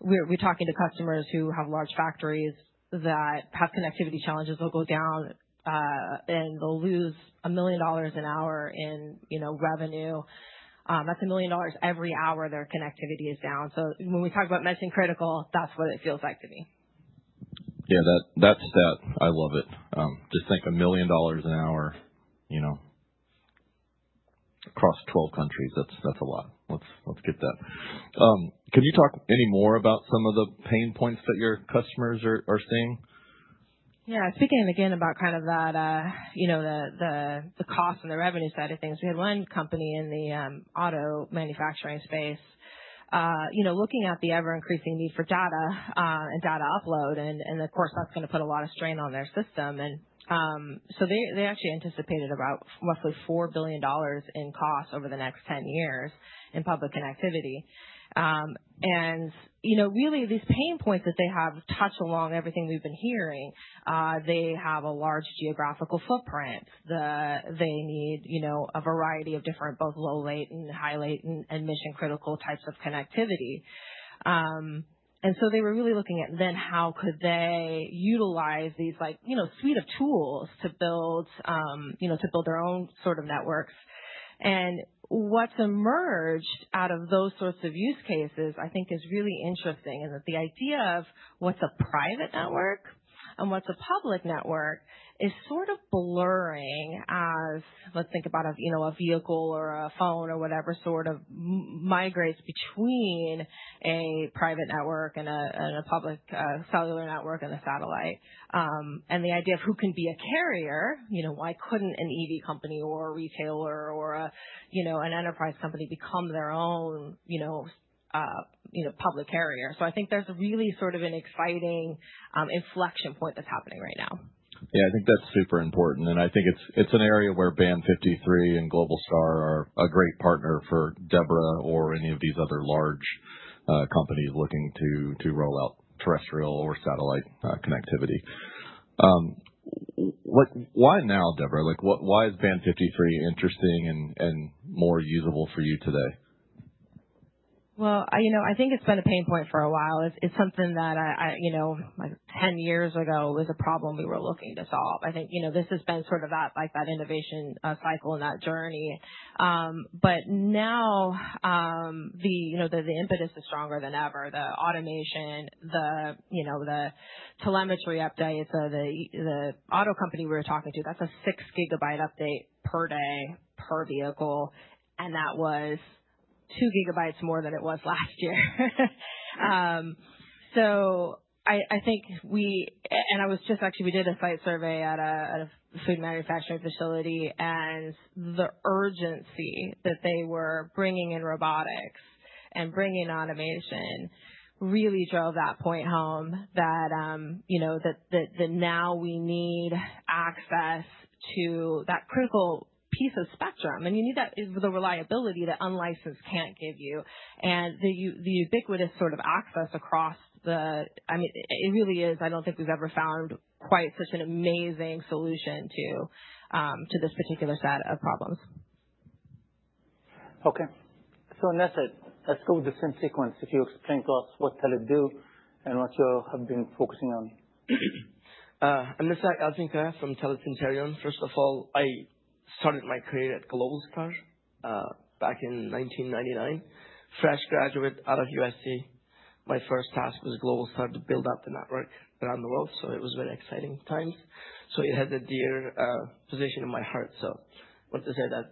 We're talking to customers who have large factories that have connectivity challenges. They'll go down, and they'll lose $1 million an hour in revenue. That's $1 million every hour their connectivity is down. So when we talk about mission-critical, that's what it feels like to me. Yeah. That stat, I love it. Just think $1 million an hour across 12 countries. That's a lot. Let's get that. Can you talk any more about some of the pain points that your customers are seeing? Yeah. Speaking again about kind of the cost and the revenue side of things, we had one company in the auto manufacturing space looking at the ever-increasing need for data and data upload. And of course, that's going to put a lot of strain on their system. And so they actually anticipated about roughly $4 billion in cost over the next 10 years in public connectivity. And really, these pain points that they have touch on everything we've been hearing. They have a large geographical footprint. They need a variety of different both low-latency, high-latency, and mission-critical types of connectivity. And so they were really looking at then how could they utilize these suite of tools to build their own sort of networks. What's emerged out of those sorts of use cases, I think, is really interesting in that the idea of what's a private network and what's a public network is sort of blurring as let's think about a vehicle or a phone or whatever sort of migrates between a private network and a public cellular network and a satellite. The idea of who can be a carrier, why couldn't an EV company or a retailer or an enterprise company become their own public carrier? I think there's really sort of an exciting inflection point that's happening right now. Yeah. I think that's super important. I think it's an area where Band 53 and Globalstar are a great partner for Deborah or any of these other large companies looking to roll out terrestrial or satellite connectivity. Why now, Deborah? Why is Band 53 interesting and more usable for you today? Well, I think it's been a pain point for a while. It's something that 10 years ago was a problem we were looking to solve. I think this has been sort of that innovation cycle and that journey. But now the impetus is stronger than ever. The automation, the telemetry updates. The auto company we were talking to, that's a 6-gigabyte update per day per vehicle. And that was 2 gigabytes more than it was last year. So I think we, and I was just actually, we did a site survey at a food manufacturing facility. And the urgency that they were bringing in robotics and bringing in automation really drove that point home that now we need access to that critical piece of spectrum. You need the reliability that unlicensed can't give you and the ubiquitous sort of access across the, I mean, it really is. I don't think we've ever found quite such an amazing solution to this particular set of problems. Okay. Neset, let's go with the same sequence. If you explain to us what Telit do and what you have been focusing on. I'm Neset Yalcinkaya from Telit Cinterion. First of all, I started my career at Globalstar back in 1999. Fresh graduate out of USC. My first task was Globalstar to build out the network around the world. It was very exciting times. It has a dear position in my heart. I want to say that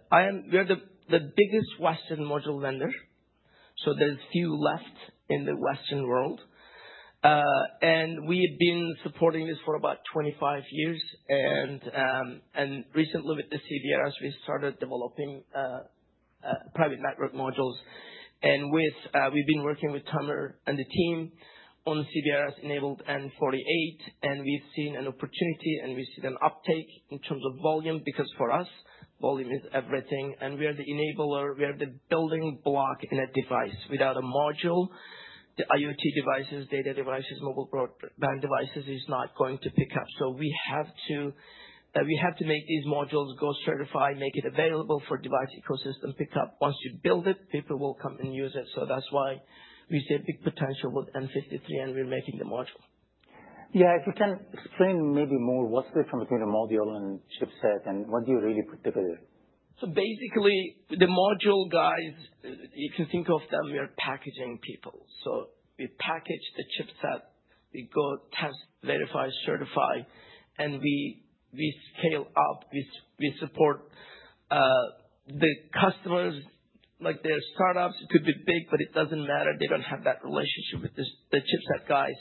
we are the biggest Western module vendor. There's few left in the Western world. We have been supporting this for about 25 years. Recently with the CBRS, we started developing private network modules. We've been working with Tamer and the team on CBRS-enabled n48. We've seen an opportunity, and we've seen an uptake in terms of volume because for us, volume is everything. We are the enabler. We are the building block in a device. Without a module, the IoT devices, data devices, mobile broadband devices is not going to pick up. We have to make these modules go certified, make it available for device ecosystem pickup. Once you build it, people will come and use it. That's why we see a big potential with N53, and we're making the module. Yeah. If you can explain maybe more what's different between a module and chipset and what do you really put together. Basically, the module guys, if you think of them, we are packaging people. So we package the chipset. We go test, verify, certify, and we scale up. We support the customers. Their startups could be big, but it doesn't matter. They don't have that relationship with the chipset guys.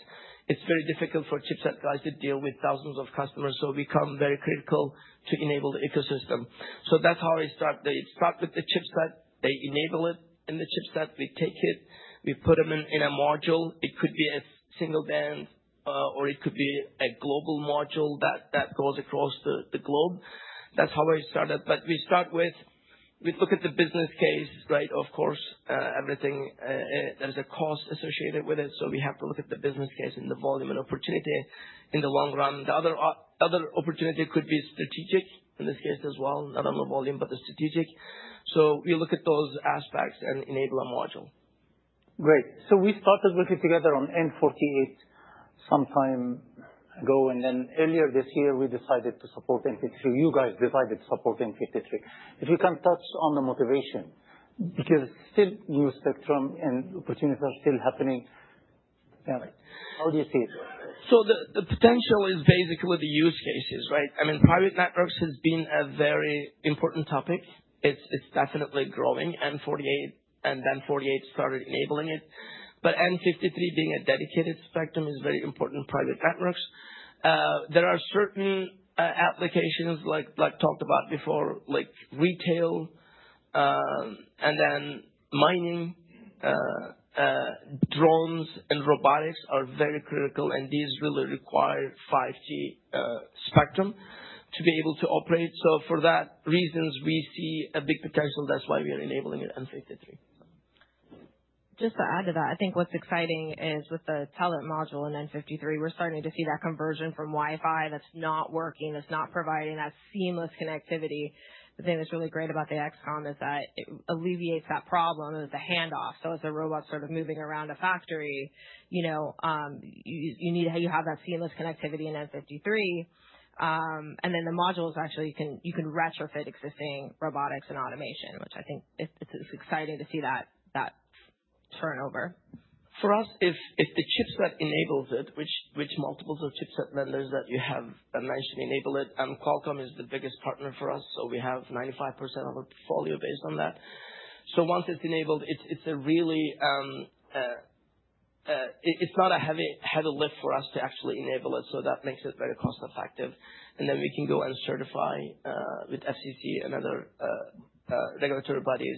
It's very difficult for chipset guys to deal with thousands of customers. So we become very critical to enable the ecosystem. So that's how I start. It starts with the chipset. They enable it in the chipset. We take it. We put them in a module. It could be a single band, or it could be a global module that goes across the globe. That's how I started. But we start with we look at the business case, right? Of course, everything. There's a cost associated with it. So we have to look at the business case and the volume and opportunity in the long run. The other opportunity could be strategic in this case as well, not only volume, but the strategic. So we look at those aspects and enable a module. Great. So we started working together on N48 some time ago. And then earlier this year, we decided to support N53. You guys decided to support N53. If you can touch on the motivation because still new spectrum and opportunities are still happening. Yeah. How do you see it? So the potential is basically the use cases, right? I mean, private networks has been a very important topic. It's definitely growing. And then 48 started enabling it. But N53 being a dedicated spectrum is very important private networks. There are certain applications like talked about before, like retail and then mining, drones, and robotics are very critical. And these really require 5G spectrum to be able to operate. For those reasons, we see a big potential. That's why we are enabling it, n53. Just to add to that, I think what's exciting is with the Telit module and n53, we're starting to see that conversion from Wi-Fi that's not working, that's not providing that seamless connectivity. The thing that's really great about the XCOM is that it alleviates that problem of the handoff, as a robot sort of moving around a factory, you have that seamless connectivity in n53. The modules, actually, you can retrofit existing robotics and automation, which I think it's exciting to see that turnover. For us, if the chipset enables it, which multiple chipset vendors that you have mentioned enable it, and Qualcomm is the biggest partner for us. We have 95% of our portfolio based on that. So once it's enabled, it's really not a heavy lift for us to actually enable it, so that makes it very cost-effective. And then we can go and certify with FCC and other regulatory bodies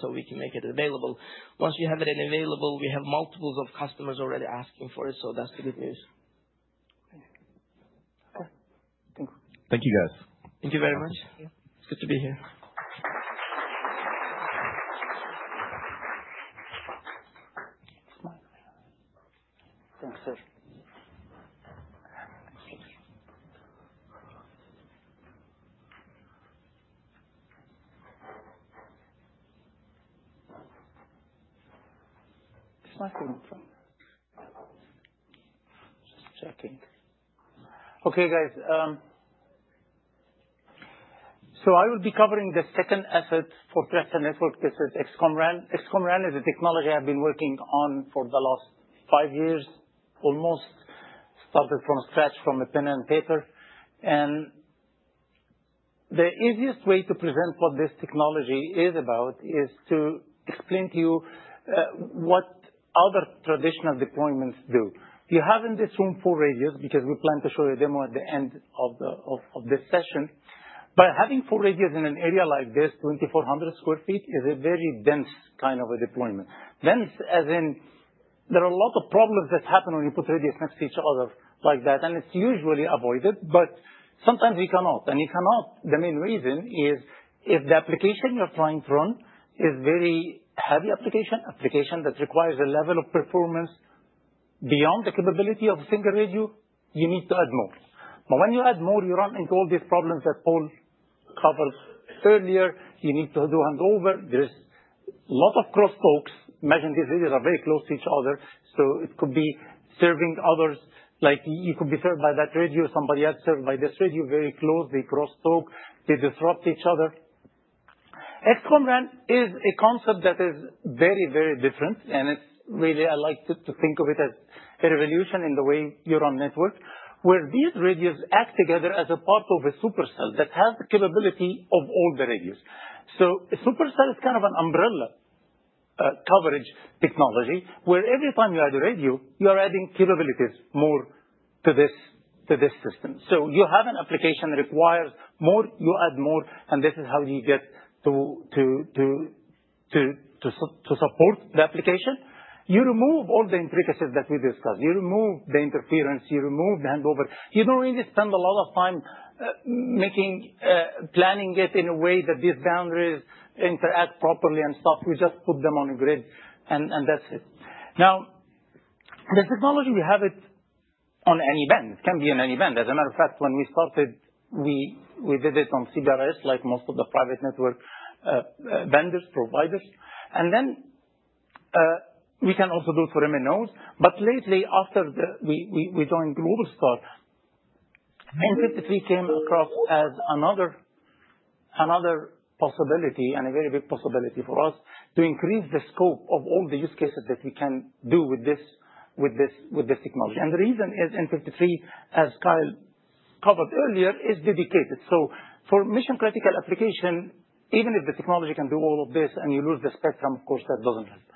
so we can make it available. Once we have it available, we have multiples of customers already asking for it. So that's the good news. Thank you. Okay. Thank you. Thank you, guys. Thank you very much. It's good to be here. Thanks, sir. Just checking. Okay, guys. I will be covering the second asset, the RAN. This is XCOM RAN. XCOM RAN is a technology I've been working on for the last five years, almost started from scratch from a pen and paper. And the easiest way to present what this technology is about is to explain to you what other traditional deployments do. You have in this room four radios because we plan to show you a demo at the end of this session, but having four radios in an area like this, 2,400 sq ft, is a very dense kind of a deployment. Dense as in there are a lot of problems that happen when you put radios next to each other like that, and it's usually avoided, but sometimes we cannot. The main reason is if the application you're trying to run is a very heavy application, an application that requires a level of performance beyond the capability of a single radio, you need to add more. But when you add more, you run into all these problems that Paul covered earlier. You need to do handover. There's a lot of crosstalk. Imagine these radios are very close to each other, so it could be serving others. You could be served by that radio. Somebody else served by this radio. Very close. They cross-talk. They disrupt each other. XCOM RAN is a concept that is very, very different. And I like to think of it as a revolution in the way you run network, where these radios act together as a part of a supercell that has the capability of all the radios. So a supercell is kind of an umbrella coverage technology where every time you add a radio, you are adding capabilities more to this system. So you have an application that requires more. You add more. And this is how you get to support the application. You remove all the intricacies that we discussed. You remove the interference. You remove the handover. You don't really spend a lot of time planning it in a way that these boundaries interact properly and stuff. You just put them on a grid, and that's it. Now, the technology, we have it on any band. It can be on any band. As a matter of fact, when we started, we did it on CBRS, like most of the private network vendors, providers. And then we can also do it for MNOs. But lately, after we joined Globalstar, n53 came across as another possibility and a very big possibility for us to increase the scope of all the use cases that we can do with this technology. And the reason is n53, as Kyle covered earlier, is dedicated. So for mission-critical application, even if the technology can do all of this and you lose the spectrum, of course, that doesn't help.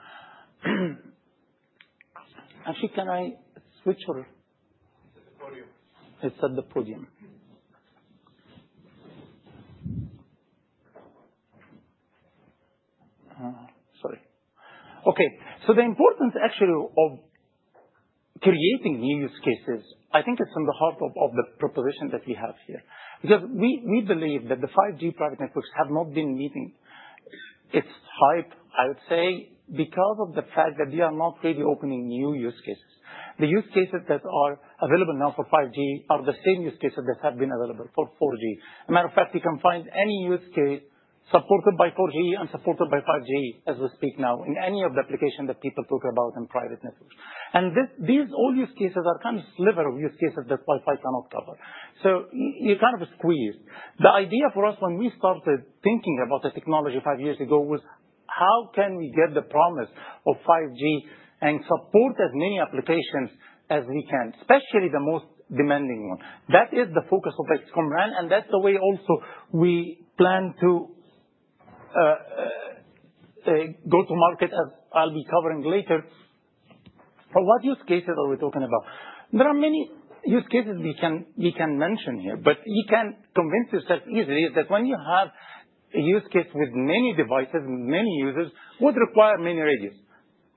Actually, can I switch or? It's at the podium. It's at the podium. Sorry. Okay. The importance, actually, of creating new use cases, I think it's in the heart of the proposition that we have here because we believe that the 5G private networks have not been meeting its hype, I would say, because of the fact that we are not really opening new use cases. The use cases that are available now for 5G are the same use cases that have been available for 4G. As a matter of fact, you can find any use case supported by 4G and supported by 5G as we speak now in any of the applications that people talk about in private networks. And these old use cases are kind of sliver of use cases that Wi-Fi cannot cover. You're kind of squeezed. The idea for us when we started thinking about the technology five years ago was, how can we get the promise of 5G and support as many applications as we can, especially the most demanding one? That is the focus of XCOM RAN, and that's the way also we plan to go to market, as I'll be covering later. What use cases are we talking about? There are many use cases we can mention here, but you can convince yourself easily that when you have a use case with many devices, many users, it would require many radios.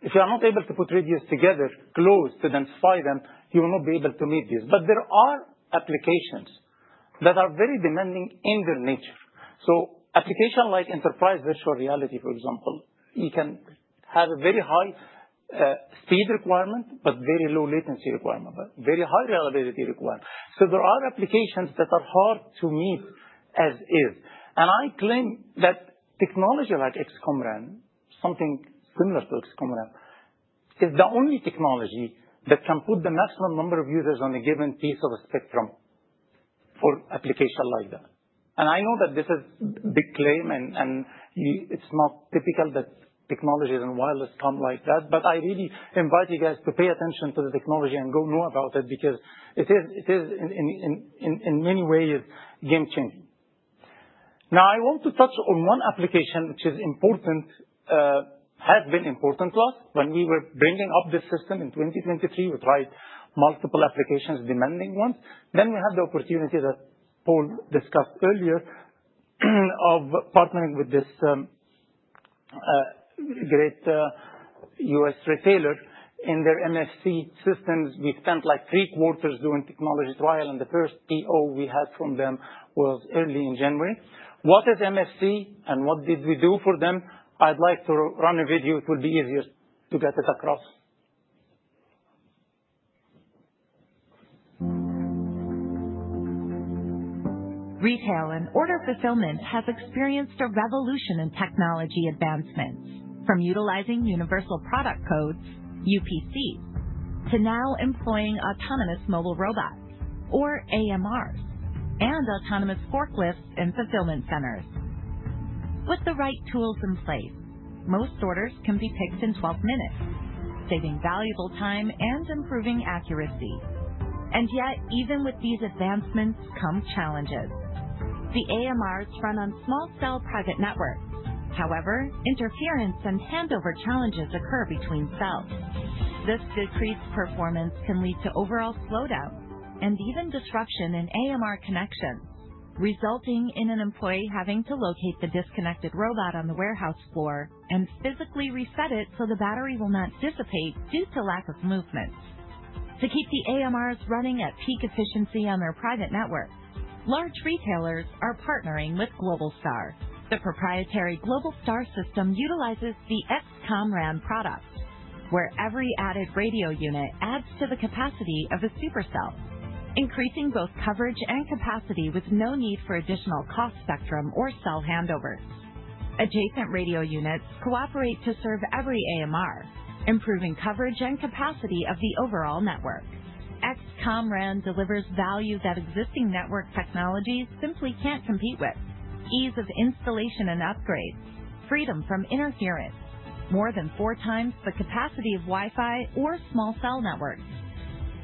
If you are not able to put radios together close to densify them, you will not be able to meet these, but there are applications that are very demanding in their nature. So applications like enterprise virtual reality, for example, you can have a very high speed requirement, but very low latency requirement, but very high reliability requirement. So there are applications that are hard to meet as is. And I claim that technology like XCOM RAN, something similar to XCOM RAN, is the only technology that can put the maximum number of users on a given piece of a spectrum for application like that. And I know that this is a big claim, and it's not typical that technologies and wireless come like that. But I really invite you guys to pay attention to the technology and go know about it because it is, in many ways, game-changing. Now, I want to touch on one application which has been important to us. When we were bringing up this system in 2023, we tried multiple applications, demanding ones. Then we had the opportunity that Paul discussed earlier of partnering with this great US retailer in their MFC systems. We spent like three quarters doing technology trial. The first PO we had from them was early in January. What is MFC and what did we do for them? I'd like to run a video. It will be easier to get it across. Retail and order fulfillment has experienced a revolution in technology advancements, from utilizing universal product codes, UPCs, to now employing autonomous mobile robots, or AMRs, and autonomous forklifts in fulfillment centers. With the right tools in place, most orders can be picked in 12 minutes, saving valuable time and improving accuracy. Yet, even with these advancements come challenges. The AMRs run on small-cell private networks. However, interference and handover challenges occur between cells. This decreased performance can lead to overall slowdowns and even disruption in AMR connections, resulting in an employee having to locate the disconnected robot on the warehouse floor and physically reset it so the battery will not dissipate due to lack of movement. To keep the AMRs running at peak efficiency on their private networks, large retailers are partnering with Globalstar. The proprietary Globalstar system utilizes the XCOM RAN product, where every added radio unit adds to the capacity of a supercell, increasing both coverage and capacity with no need for additional cost spectrum or cell handover. Adjacent radio units cooperate to serve every AMR, improving coverage and capacity of the overall network. XCOM RAN delivers value that existing network technologies simply can't compete with: ease of installation and upgrades, freedom from interference, more than four times the capacity of Wi-Fi or small-cell networks,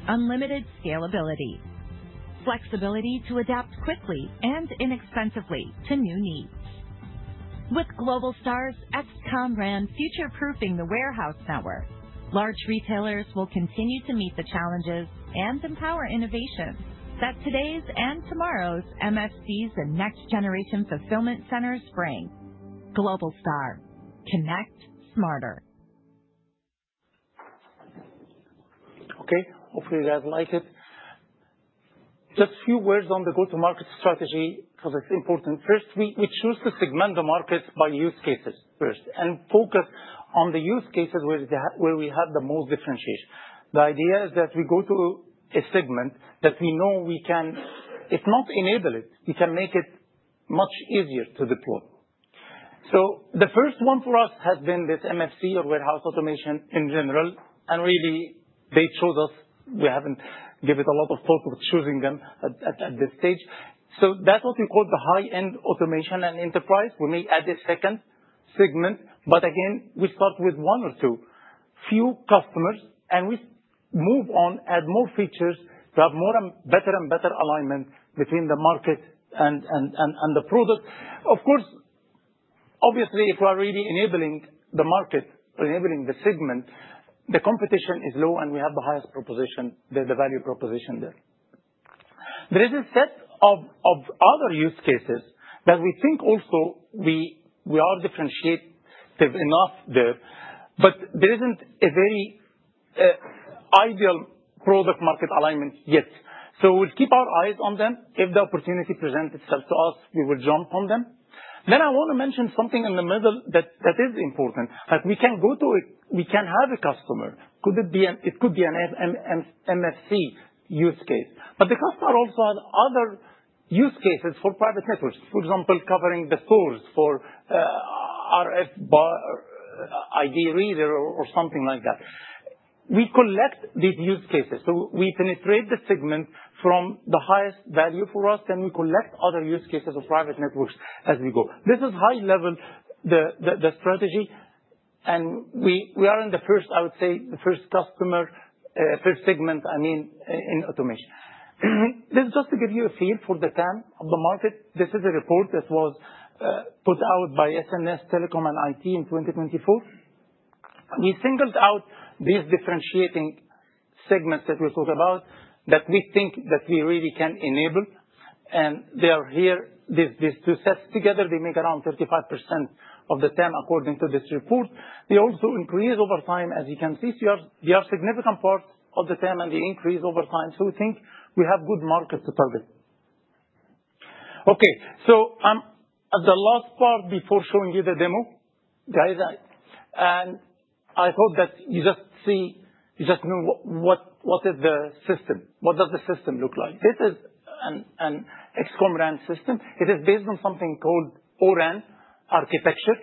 unlimited scalability, flexibility to adapt quickly and inexpensively to new needs. With Globalstar's XCOM RAN future-proofing the warehouse network, large retailers will continue to meet the challenges and empower innovation that today's and tomorrow's MFCs and next-generation fulfillment centers bring. Globalstar, connect smarter. Okay. Hopefully, you guys like it. Just a few words on the go-to-market strategy because it's important. First, we choose to segment the market by use cases first and focus on the use cases where we have the most differentiation. The idea is that we go to a segment that we know we can, if not enable it, we can make it much easier to deploy. So the first one for us has been this MFC or warehouse automation in general. And really, they chose us. We haven't given a lot of thought with choosing them at this stage. So that's what we call the high-end automation and enterprise. We may add a second segment. But again, we start with one or two, few customers, and we move on, add more features to have better and better alignment between the market and the product. Of course, obviously, if we are really enabling the market or enabling the segment, the competition is low, and we have the highest proposition, the value proposition there. There is a set of other use cases that we think also we are differentiative enough there, but there isn't a very ideal product-market alignment yet. So we'll keep our eyes on them. If the opportunity presents itself to us, we will jump on them, then I want to mention something in the middle that is important. We can have a customer. It could be an MFC use case. But the customer also has other use cases for private networks, for example, covering the stores for RFID reader or something like that. We collect these use cases. So we penetrate the segment from the highest value for us, then we collect other use cases of private networks as we go. This is, high-level, the strategy and we are in the first customer, first segment, I mean, in automation. This is just to give you a feel for the timing of the market. This is a report that was put out by SNS Telecom & IT in 2024. We singled out these differentiating segments that we'll talk about that we think that we really can enable, and they are here. These two sets together, they make around 35% of the time according to this report. They also increase over time, as you can see, so they are significant parts of the time, and they increase over time, so we think we have good market to target. Okay, so the last part before showing you the demo, guys, and I thought that you just know what is the system. What does the system look like? This is an XCOM RAN system. It is based on something called O-RAN architecture.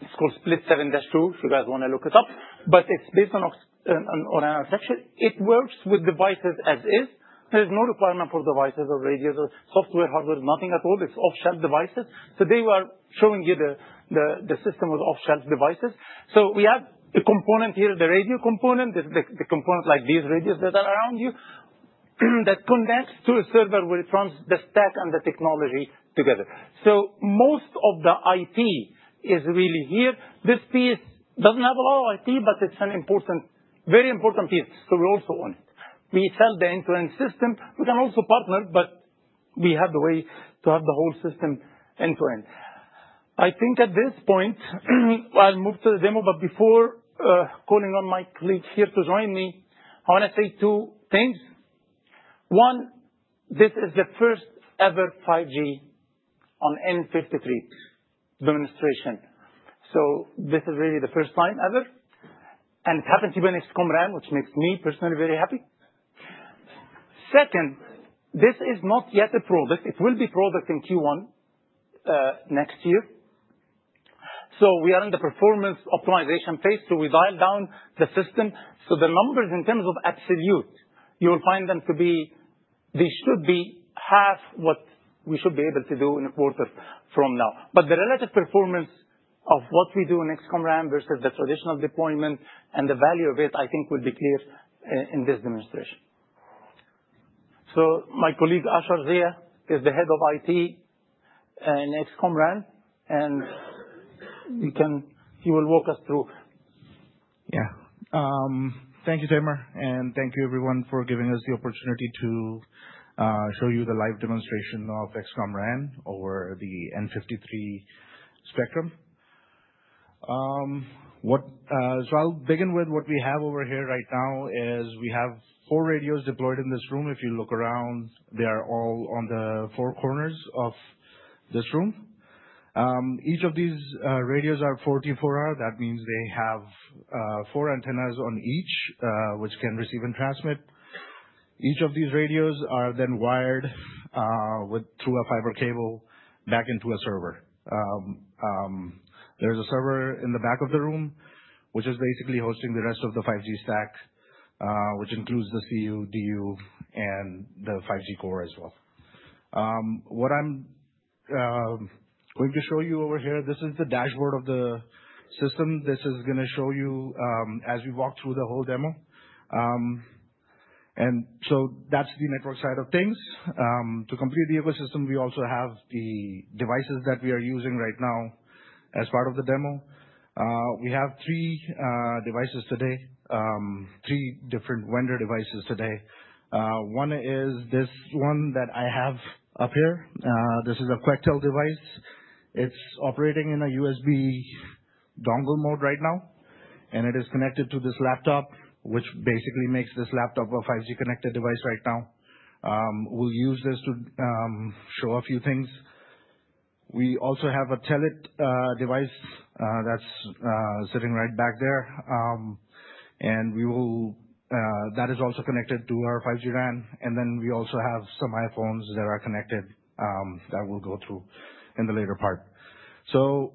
It's called Split 7-2 if you guys want to look it up. But it's based on O-RAN architecture. It works with devices as is. There's no requirement for devices or radios or software, hardware, nothing at all. It's off-the-shelf devices. Today, we are showing you the system with off-the-shelf devices. So we have a component here, the radio component, the component like these radios that are around you, that connects to a server where it runs the stack and the technology together. So most of the IP is really here. This piece doesn't have a lot of IP, but it's a very important piece. So we're also on it. We sell the end-to-end system. We can also partner, but we have the way to have the whole system end-to-end. I think at this point, I'll move to the demo. But before calling on my colleague here to join me, I want to say two things. One, this is the first-ever 5G on n53 demonstration. So this is really the first time ever. And it happens to be an XCOM RAN, which makes me personally very happy. Second, this is not yet a product. It will be product in Q1 next year. So we are in the performance optimization phase. So the numbers in terms of absolute, you will find them to be they should be half what we should be able to do in a quarter from now. But the relative performance of what we do in XCOM RAN versus the traditional deployment and the value of it, I think, will be clear in this demonstration. So my colleague Ashar Zia is the head of IT in XCOM RAN. And he will walk us through. Yeah. Thank you, Tamer. And thank you, everyone, for giving us the opportunity to show you the live demonstration of XCOM RAN over the n53 spectrum. I'll begin with what we have over here right now is we have four radios deployed in this room. If you look around, they are all on the four corners of this room. Each of these radios are 4x4s. That means they have four antennas on each, which can receive and transmit. Each of these radios are then wired through a fiber cable back into a server. There's a server in the back of the room, which is basically hosting the rest of the 5G stack, which includes the CU, DU, and the 5G core as well. What I'm going to show you over here, this is the dashboard of the system. This is going to show you as we walk through the whole demo. That's the network side of things. To complete the ecosystem, we also have the devices that we are using right now as part of the demo. We have three devices today, three different vendor devices today. One is this one that I have up here. This is a Quectel device. It's operating in a USB dongle mode right now, and it is connected to this laptop, which basically makes this laptop a 5G connected device right now. We'll use this to show a few things. We also have a Telit device that's sitting right back there, and that is also connected to our 5G RAN, and then we also have some iPhones that are connected that we'll go through in the later part, so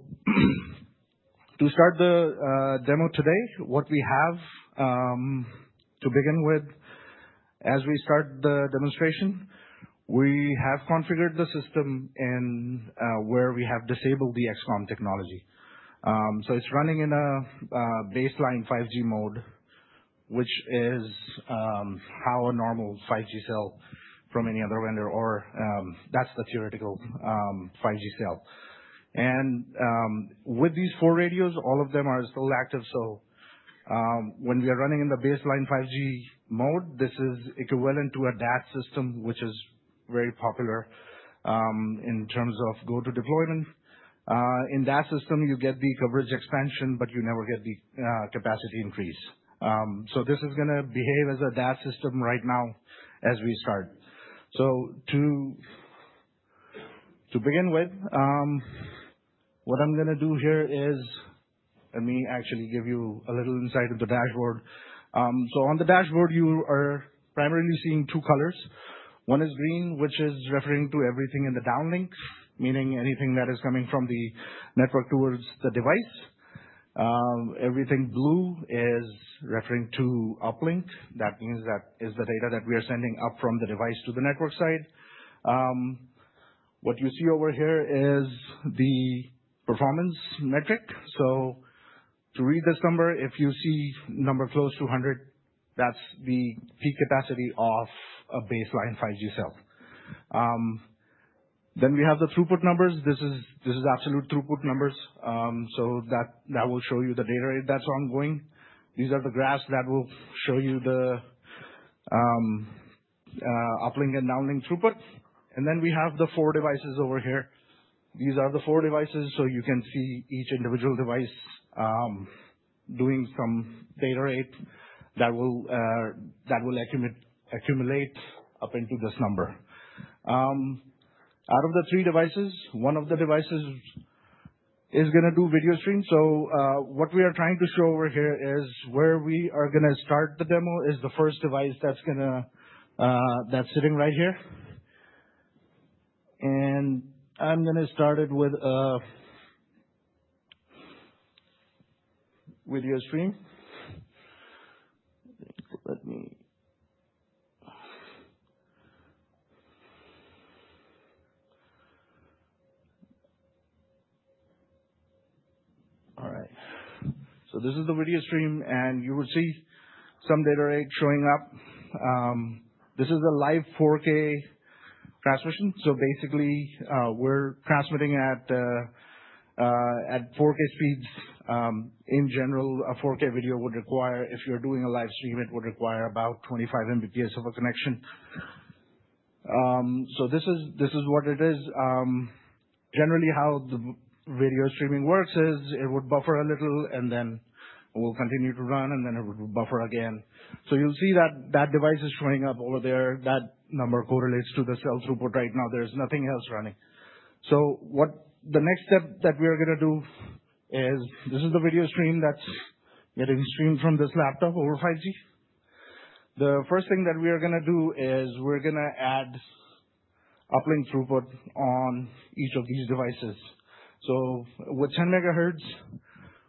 to start the demo today, what we have to begin with, as we start the demonstration, we have configured the system where we have disabled the XCOM technology. It's running in a baseline 5G mode, which is how a normal 5G cell from any other vendor or that's the theoretical 5G cell. And with these four radios, all of them are still active. So when we are running in the baseline 5G mode, this is equivalent to a DAS system, which is very popular in terms of go-to deployment. In DAS system, you get the coverage expansion, but you never get the capacity increase. So this is going to behave as a DAS system right now as we start. So to begin with, what I'm going to do here is let me actually give you a little insight of the dashboard. So on the dashboard, you are primarily seeing two colors. One is green, which is referring to everything in the downlink, meaning anything that is coming from the network towards the device. Everything blue is referring to uplink. That means that is the data that we are sending up from the device to the network side. What you see over here is the performance metric. So to read this number, if you see a number close to 100, that's the peak capacity of a baseline 5G cell. Then we have the throughput numbers. This is absolute throughput numbers. So that will show you the data rate that's ongoing. These are the graphs that will show you the uplink and downlink throughput. And then we have the four devices over here. These are the four devices. So you can see each individual device doing some data rate that will accumulate up into this number. Out of the three devices, one of the devices is going to do video streams. So what we are trying to show over here is where we are going to start the demo is the first device that's sitting right here. And I'm going to start it with video stream. So this is the video stream. And you will see some data rate showing up. This is a live 4K transmission. So basically, we're transmitting at 4K speeds. In general, a 4K video would require, if you're doing a live stream, it would require about 25 Mbps of a connection. So this is what it is. Generally, how the video streaming works is it would buffer a little, and then it will continue to run, and then it would buffer again. So you'll see that that device is showing up over there. That number correlates to the cell throughput right now. There's nothing else running. The next step that we are going to do is this is the video stream that's getting streamed from this laptop over 5G. The first thing that we are going to do is we're going to add uplink throughput on each of these devices. With 10 megahertz,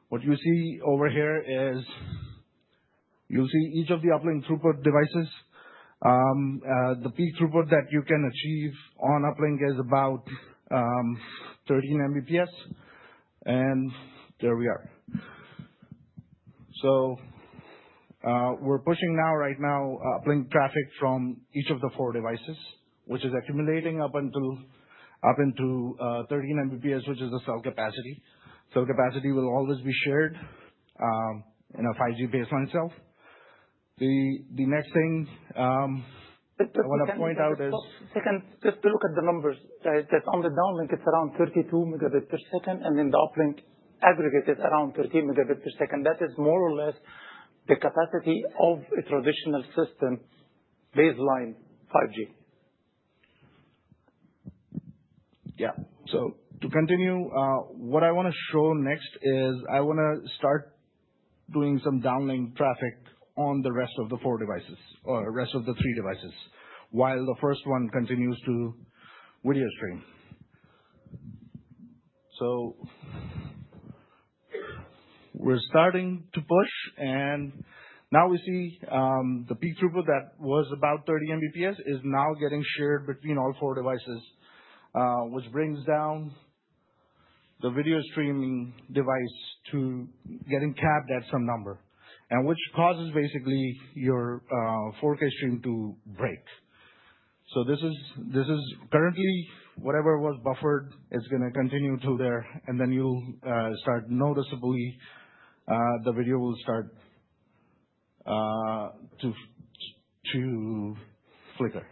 what you see over here is you'll see each of the uplink throughput devices. The peak throughput that you can achieve on uplink is about 13 Mbps. And there we are. We're pushing now, right now, uplink traffic from each of the four devices, which is accumulating up until 13 Mbps, which is the cell capacity. Cell capacity will always be shared in a 5G baseline cell. The next thing I want to point out is just to look at the numbers. That's on the downlink. It's around 32 megabits per second. And then the uplink aggregated around 13 megabits per second. That is more or less the capacity of a traditional system baseline 5G. Yeah. So to continue, what I want to show next is I want to start doing some downlink traffic on the rest of the four devices or rest of the three devices while the first one continues to video stream. So we're starting to push. And now we see the peak throughput that was about 30 Mbps is now getting shared between all four devices, which brings down the video streaming device to getting capped at some number, which causes basically your 4K stream to break. So this is currently whatever was buffered. It's going to continue to there. And then you'll start noticeably the video will start to flicker.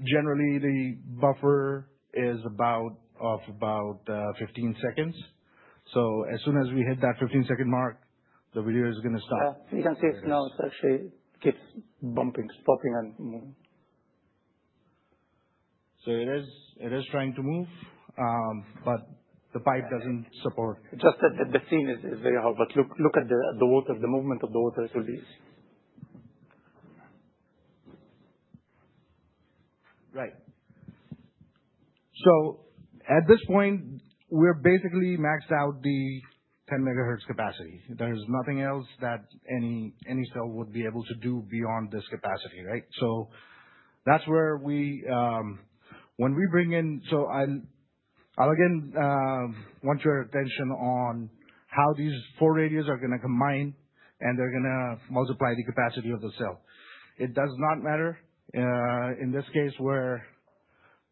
Just generally, the buffer is of about 15 seconds. So as soon as we hit that 15-second mark, the video is going to stop. You can see it's now it's actually keeps bumping, stopping, and moving. So it is trying to move, but the pipe doesn't support. Just that the scene is very hard. But look at the movement of the water to these. Right. So at this point, we're basically maxed out the 10 megahertz capacity. There is nothing else that any cell would be able to do beyond this capacity, right? So that's where when we bring in so I'll again want your attention on how these four radios are going to combine, and they're going to multiply the capacity of the cell. It does not matter in this case where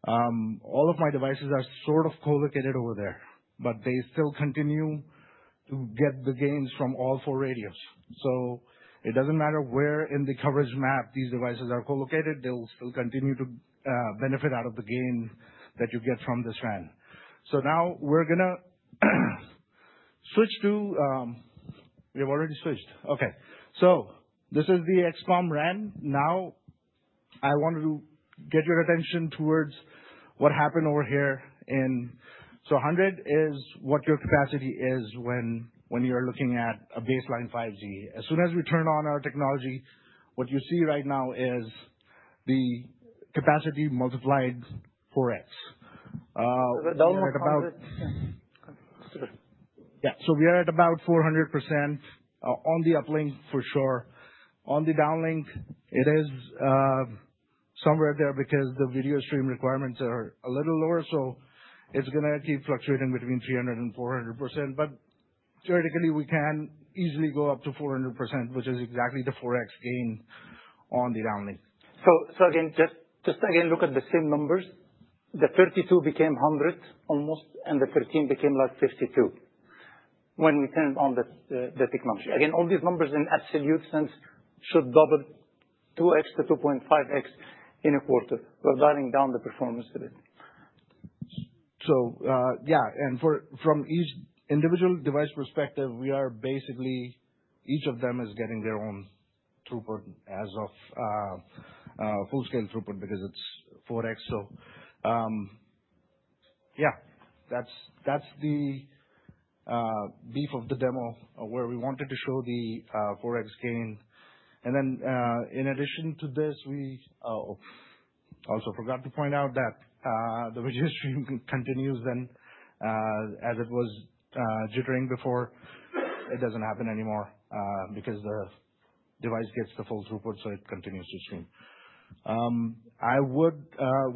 all of my devices are sort of co-located over there, but they still continue to get the gains from all four radios. So it doesn't matter where in the coverage map these devices are co-located. They'll still continue to benefit out of the gain that you get from this RAN. So now we're going to switch to. We have already switched. Okay. So this is the XCOM RAN. Now I want to get your attention towards what happened over here. And so 100 is what your capacity is when you're looking at a baseline 5G. As soon as we turn on our technology, what you see right now is the capacity multiplied 4X. We're at about 400% on the uplink, for sure. On the downlink, it is somewhere there because the video stream requirements are a little lower. So it's going to keep fluctuating between 300 and 400%. But theoretically, we can easily go up to 400%, which is exactly the 4X gain on the downlink. So again, look at the same numbers. The 32 became 100 almost, and the 13 became like 52 when we turned on the technology. Again, all these numbers in absolute sense should double 2-2.5X in a quarter. We're dialing down the performance a bit, so yeah. From each individual device perspective, we are basically each of them is getting their own throughput as of full-scale throughput because it's 4X. Yeah, that's the beef of the demo where we wanted to show the 4X gain. Then in addition to this, we also forgot to point out that the video stream continues then as it was jittering before. It doesn't happen anymore because the device gets the full throughput, so it continues to stream.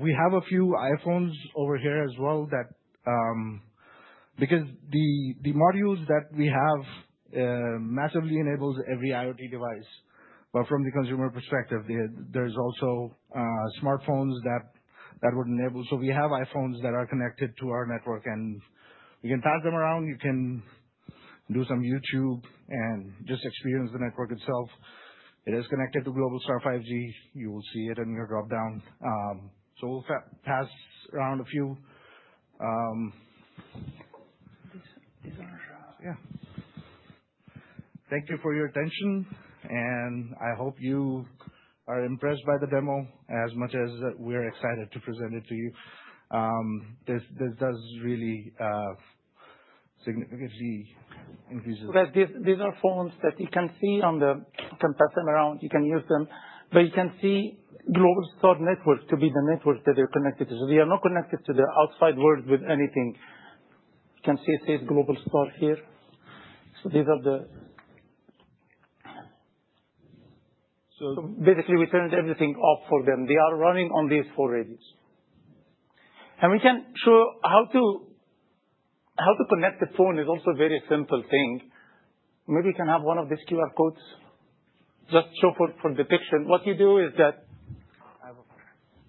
We have a few iPhones over here as well that, because the modules that we have, massively enables every IoT device. But from the consumer perspective, there's also smartphones that would enable. So we have iPhones that are connected to our network. And we can pass them around. You can do some YouTube and just experience the network itself. It is connected to Globalstar 5G. You will see it in your dropdown. So we'll pass around a few. Yeah. Thank you for your attention. And I hope you are impressed by the demo as much as we're excited to present it to you. This does really significantly increase the. These are phones that you can see on the. You can pass them around. You can use them. But you can see Globalstar Network to be the network that they're connected to. So they are not connected to the outside world with anything. You can see it says Globalstar here. So these are the. So basically, we turned everything off for them. They are running on these four radios, and we can show how to connect the phone is also a very simple thing. Maybe you can have one of these QR codes just show for depiction. What you do is that. I have a phone.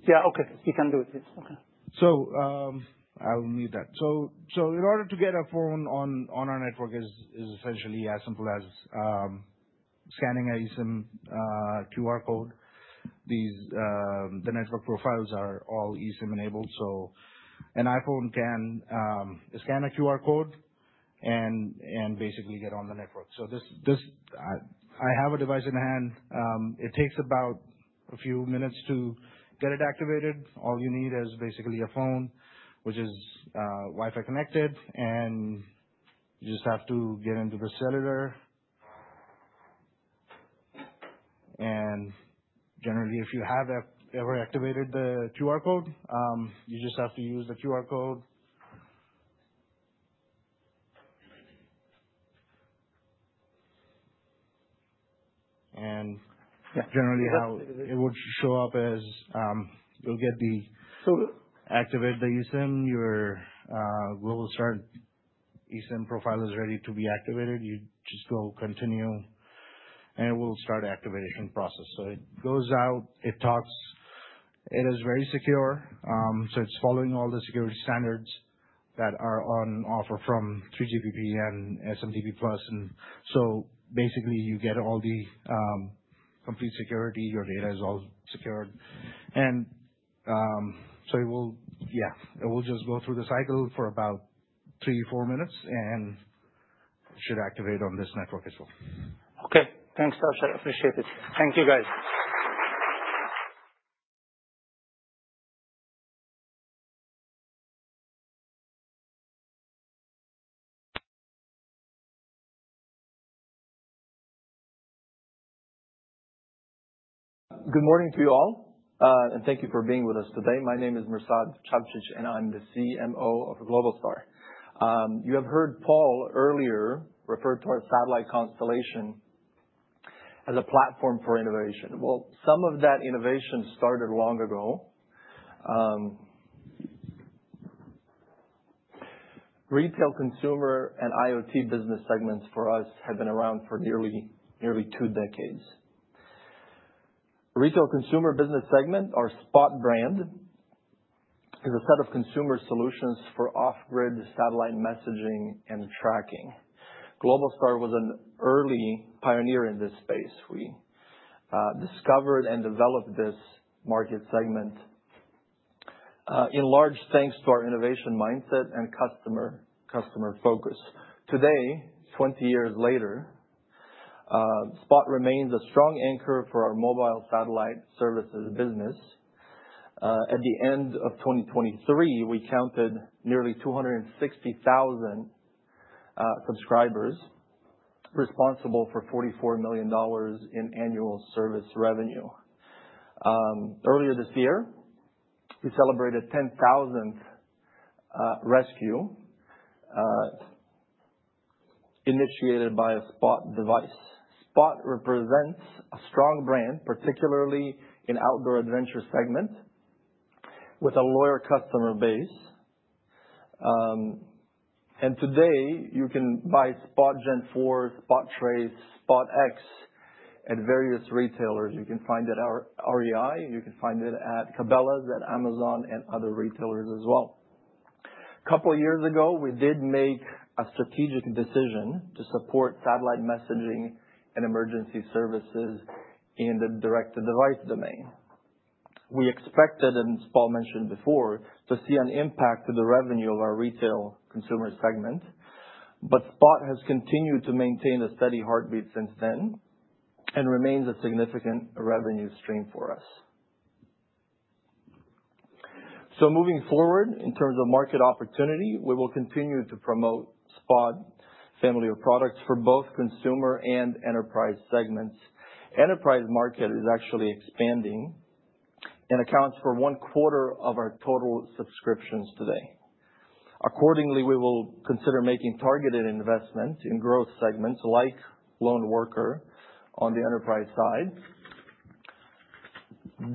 Yeah. Okay. You can do it. Yes. Okay, so I will need that, so in order to get a phone on our network is essentially as simple as scanning an eSIM QR code. The network profiles are all eSIM-enabled, so an iPhone can scan a QR code and basically get on the network, so I have a device in hand. It takes about a few minutes to get it activated. All you need is basically a phone, which is Wi-Fi connected, and you just have to get into the cellular. Generally, if you have ever activated the QR code, you just have to use the QR code. Generally, it would show up as you'll get the. So activate the eSIM. Your Globalstar eSIM profile is ready to be activated. You just go continue, and it will start the activation process. So it goes out. It talks. It is very secure. So it's following all the security standards that are on offer from 3GPP and SM-DP+. And so basically, you get all the complete security. Your data is all secured. And so yeah, it will just go through the cycle for about three, four minutes and should activate on this network as well. Okay. Thanks, Ashar. I appreciate it. Thank you, guys. Good morning to you all. Thank you for being with us today. My name is Mirsad Cavcic, and I'm the CMO of Globalstar. You have heard Paul earlier refer to our satellite constellation as a platform for innovation. Some of that innovation started long ago. Retail, consumer, and IoT business segments for us have been around for nearly two decades. Retail, consumer, business segment, our SPOT brand, is a set of consumer solutions for off-grid satellite messaging and tracking. Globalstar was an early pioneer in this space. We discovered and developed this market segment in large thanks to our innovation mindset and customer focus. Today, 20 years later, SPOT remains a strong anchor for our mobile satellite services business. At the end of 2023, we counted nearly 260,000 subscribers responsible for $44 million in annual service revenue. Earlier this year, we celebrated 10,000th rescue initiated by a SPOT device. SPOT represents a strong brand, particularly in outdoor adventure segment with a loyal customer base. Today, you can buy SPOT Gen4, SPOT Trace, SPOT X at various retailers. You can find it at REI. You can find it at Cabela's, at Amazon, and other retailers as well. A couple of years ago, we did make a strategic decision to support satellite messaging and emergency services in the direct-to-device domain. We expected, and Paul mentioned before, to see an impact to the revenue of our retail consumer segment. But SPOT has continued to maintain a steady heartbeat since then and remains a significant revenue stream for us. So moving forward, in terms of market opportunity, we will continue to promote SPOT family of products for both consumer and enterprise segments. Enterprise market is actually expanding and accounts for one quarter of our total subscriptions today. Accordingly, we will consider making targeted investments in growth segments like lone worker on the enterprise side.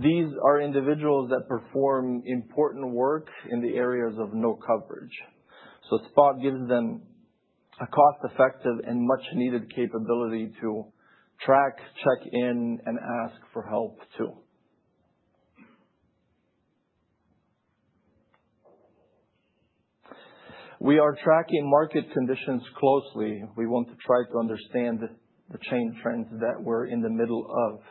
These are individuals that perform important work in the areas of no coverage, so SPOT gives them a cost-effective and much-needed capability to track, check in, and ask for help too. We are tracking market conditions closely. We want to try to understand the chain trends that we're in the middle of.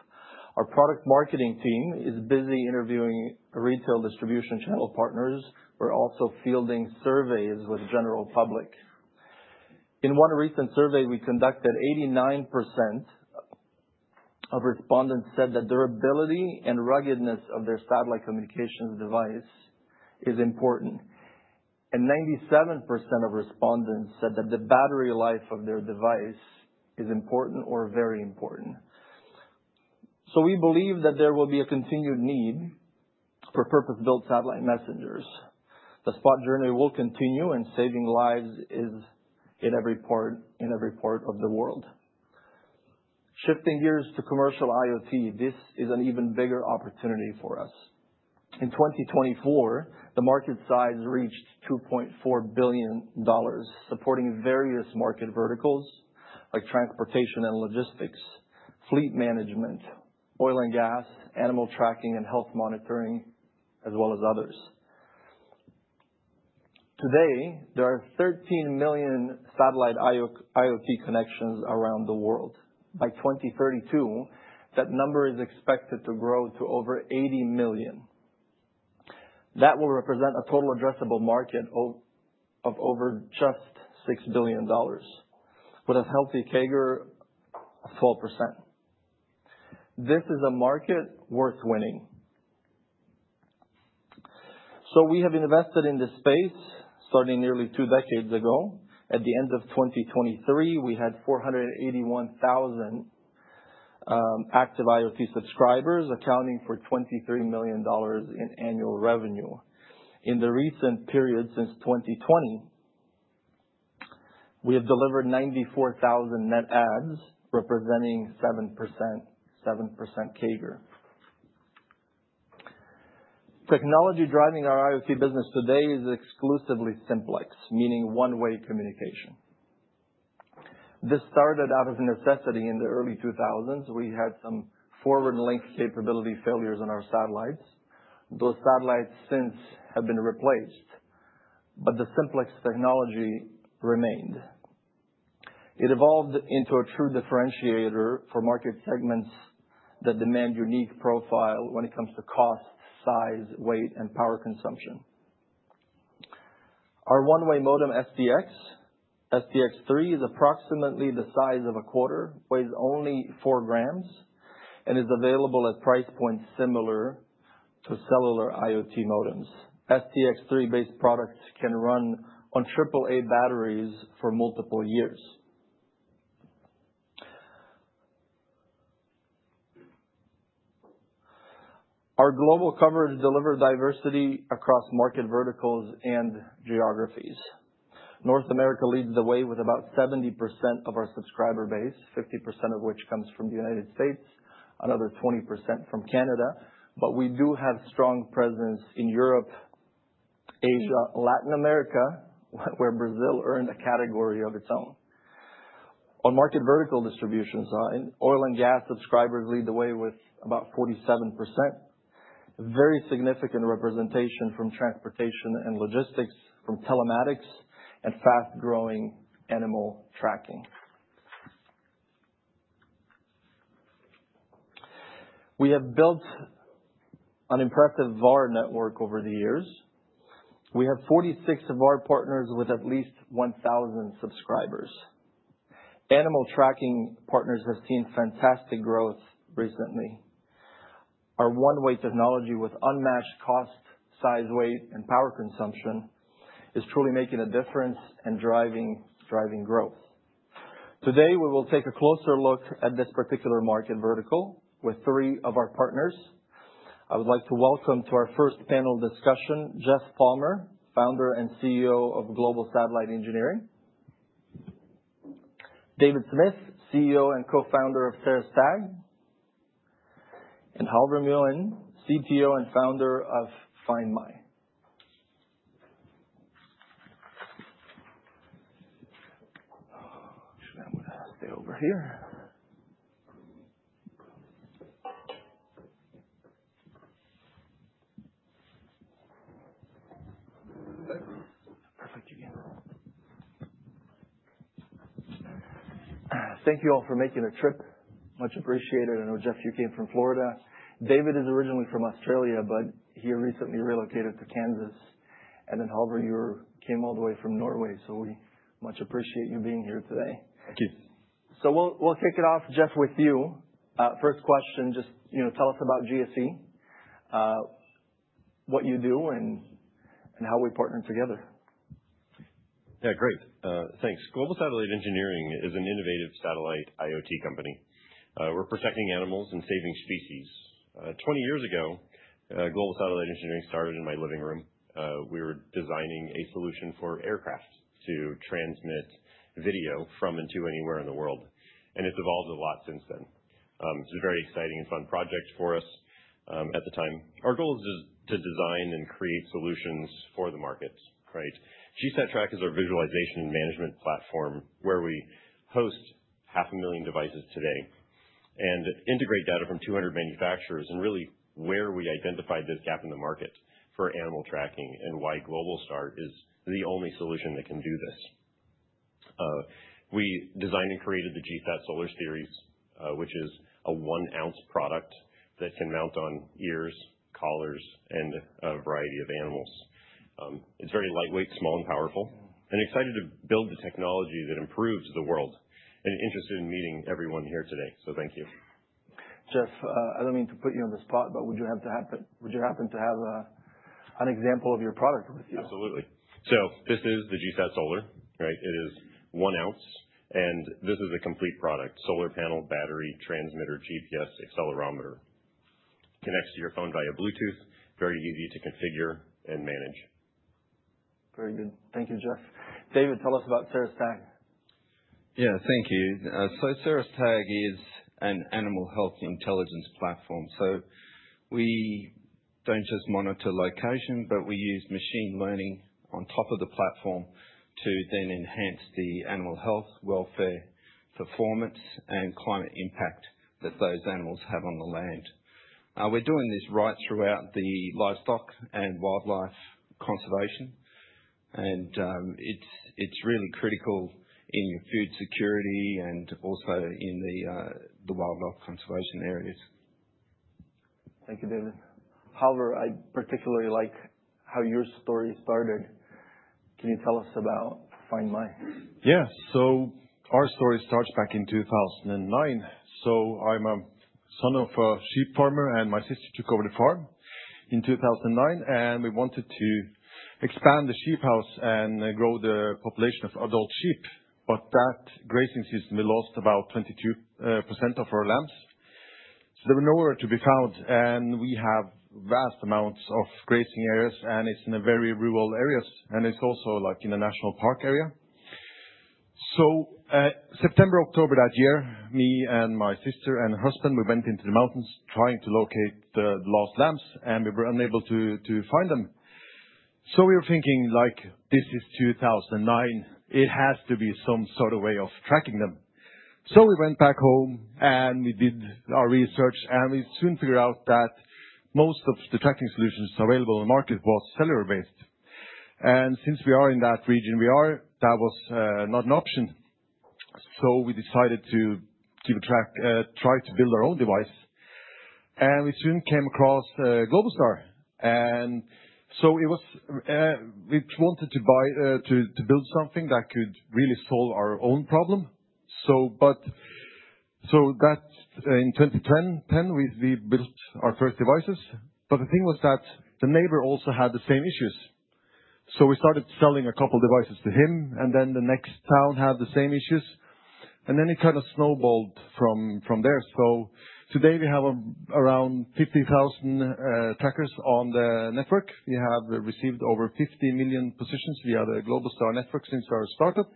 Our product marketing team is busy interviewing retail distribution channel partners. We're also fielding surveys with the general public. In one recent survey we conducted, 89% of respondents said that durability and ruggedness of their satellite communications device is important, and 97% of respondents said that the battery life of their device is important or very important, so we believe that there will be a continued need for purpose-built satellite messengers. The Spot journey will continue, and saving lives is in every part of the world. Shifting gears to commercial IoT, this is an even bigger opportunity for us. In 2024, the market size reached $2.4 billion, supporting various market verticals like transportation and logistics, fleet management, oil and gas, animal tracking and health monitoring, as well as others. Today, there are 13 million satellite IoT connections around the world. By 2032, that number is expected to grow to over 80 million. That will represent a total addressable market of over just $6 billion, with a healthy CAGR of 12%. This is a market worth winning. So we have invested in this space starting nearly two decades ago. At the end of 2023, we had 481,000 active IoT subscribers, accounting for $23 million in annual revenue. In the recent period since 2020, we have delivered 94,000 net adds, representing 7% CAGR. Technology driving our IoT business today is exclusively simplex, meaning one-way communication. This started out of necessity in the early 2000s. We had some forward link capability failures on our satellites. Those satellites since have been replaced, but the simplex technology remained. It evolved into a true differentiator for market segments that demand unique profile when it comes to cost, size, weight, and power consumption. Our one-way modem STX3 is approximately the size of a quarter, weighs only 4 grams, and is available at price points similar to cellular IoT modems. STX3-based products can run on AAA batteries for multiple years. Our global coverage delivers diversity across market verticals and geographies. North America leads the way with about 70% of our subscriber base, 50% of which comes from the United States, another 20% from Canada, but we do have strong presence in Europe, Asia, Latin America, where Brazil earned a category of its own. On market vertical distribution side, oil and gas subscribers lead the way with about 47%. Very significant representation from transportation and logistics, from telematics and fast-growing animal tracking. We have built an impressive VAR network over the years. We have 46 of our partners with at least 1,000 subscribers. Animal tracking partners have seen fantastic growth recently. Our one-way technology with unmatched cost, size, weight, and power consumption is truly making a difference and driving growth. Today, we will take a closer look at this particular market vertical with three of our partners. I would like to welcome to our first panel discussion Jeff Palmer, Founder and CEO of Global Satellite Engineering. David Smith, CEO and Co-Founder of ceres Tag. And Halvor Møllen, CTO and Founder of FindMy. Actually, I'm going to stay over here. Perfect. Thank you all for making a trip. Much appreciated. I know, Jeff, you came from Florida. David is originally from Australia, but he recently relocated to Kansas, and then Halvor, you came all the way from Norway. So we much appreciate you being here today. Thank you. So we'll kick it off, Jeff, with you. First question, just tell us about GSE, what you do, and how we partner together. Yeah. Great. Thanks. Global Satellite Engineering is an innovative satellite IoT company. We're protecting animals and saving species. 20 years ago, Global Satellite Engineering started in my living room. We were designing a solution for aircraft to transmit video from and to anywhere in the world, and it's evolved a lot since then. It's a very exciting and fun project for us at the time. Our goal is to design and create solutions for the market, right? GSatTrack is our visualization and management platform where we host 500,000 devices today and integrate data from 200 manufacturers and really where we identified this gap in the market for animal tracking and why Globalstar is the only solution that can do this. We designed and created the GatSolar Series, which is a one-ounce product that can mount on ears, collars, and a variety of animals. It's very lightweight, small, and powerful. [We're] excited to build the technology that improves the world. [We're] interested in meeting everyone here today. So thank you. Jeff, I don't mean to put you on the spot, but would you happen to have an example of your product with you? Absolutely. So this is the GSatSolar, right? It is one ounce. And this is a complete product: solar panel, battery, transmitter, GPS, accelerometer. Connects to your phone via Bluetooth. Very easy to configure and manage. Very good. Thank you, Jeff. David, tell us about Saras Tag. Yeah. Thank you. So Saras Tag is an animal health intelligence platform. So we don't just monitor location, but we use machine learning on top of the platform to then enhance the animal health, welfare, performance, and climate impact that those animals have on the land. We're doing this right throughout the livestock and wildlife conservation. And it's really critical in your food security and also in the wildlife conservation areas. Thank you, David. Halvor, I particularly like how your story started. Can you tell us about FindMy? Yeah. So our story starts back in 2009. So I'm a son of a sheep farmer, and my sister took over the farm in 2009. And we wanted to expand the sheephouse and grow the population of adult sheep. That grazing season, we lost about 22% of our lambs. There were nowhere to be found. We have vast amounts of grazing areas, and it's in very rural areas. It's also in a national park area. September, October that year, me and my sister and husband, we went into the mountains trying to locate the lost lambs, and we were unable to find them. We were thinking, "This is 2009. It has to be some sort of way of tracking them." We went back home, and we did our research, and we soon figured out that most of the tracking solutions available on the market were cellular-based. Since we are in that region we are, that was not an option. We decided to try to build our own device. We soon came across Globalstar. And so we wanted to build something that could really solve our own problem. So in 2010, we built our first devices. But the thing was that the neighbor also had the same issues. So we started selling a couple of devices to him, and then the next town had the same issues. And then it kind of snowballed from there. So today, we have around 50,000 trackers on the network. We have received over 50 million positions via the Globalstar network since our startup.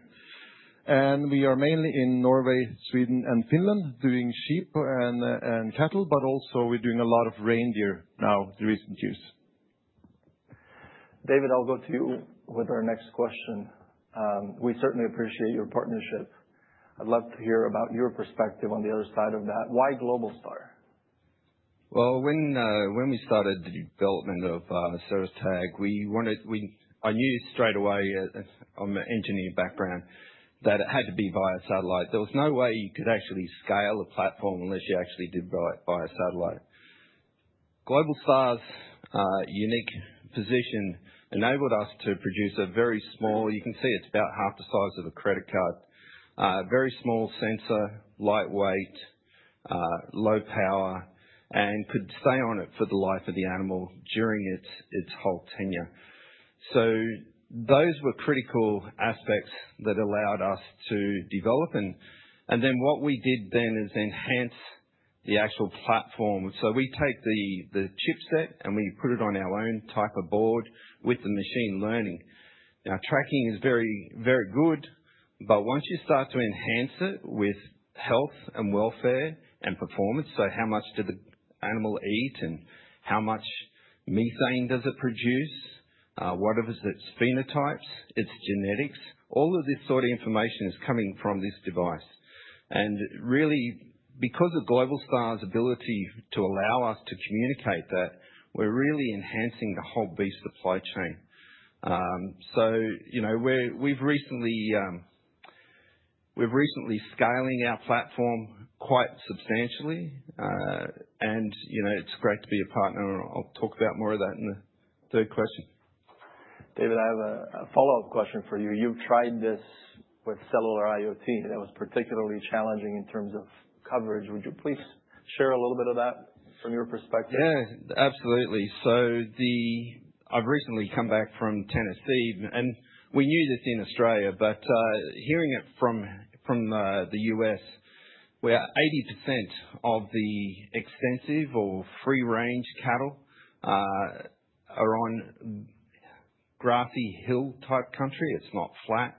And we are mainly in Norway, Sweden, and Finland doing sheep and cattle, but also we're doing a lot of reindeer now in recent years. David, I'll go to you with our next question. We certainly appreciate your partnership. I'd love to hear about your perspective on the other side of that. Why Globalstar? When we started the development of Saras Tag, we knew straight away from an engineering background that it had to be via satellite. There was no way you could actually scale a platform unless you actually did buy a satellite. Globalstar's unique position enabled us to produce a very small—you can see it's about half the size of a credit card—very small sensor, lightweight, low power, and could stay on it for the life of the animal during its whole tenure. Those were critical aspects that allowed us to develop. What we did then is enhance the actual platform. We take the chipset and we put it on our own type of board with the machine learning. Now, tracking is very good, but once you start to enhance it with health and welfare and performance, so how much did the animal eat and how much methane does it produce, what are its phenotypes, its genetics? All of this sort of information is coming from this device. And really, because of Globalstar's ability to allow us to communicate that, we're really enhancing the whole beef supply chain. So we've recently scaled our platform quite substantially. And it's great to be a partner. I'll talk about more of that in the third question. David, I have a follow-up question for you. You've tried this with cellular IoT. That was particularly challenging in terms of coverage. Would you please share a little bit of that from your perspective? Yeah. Absolutely. So I've recently come back from Tennessee. We knew this in Australia, but hearing it from the US, where 80% of the extensive or free-range cattle are on grassy hill-type country, it's not flat.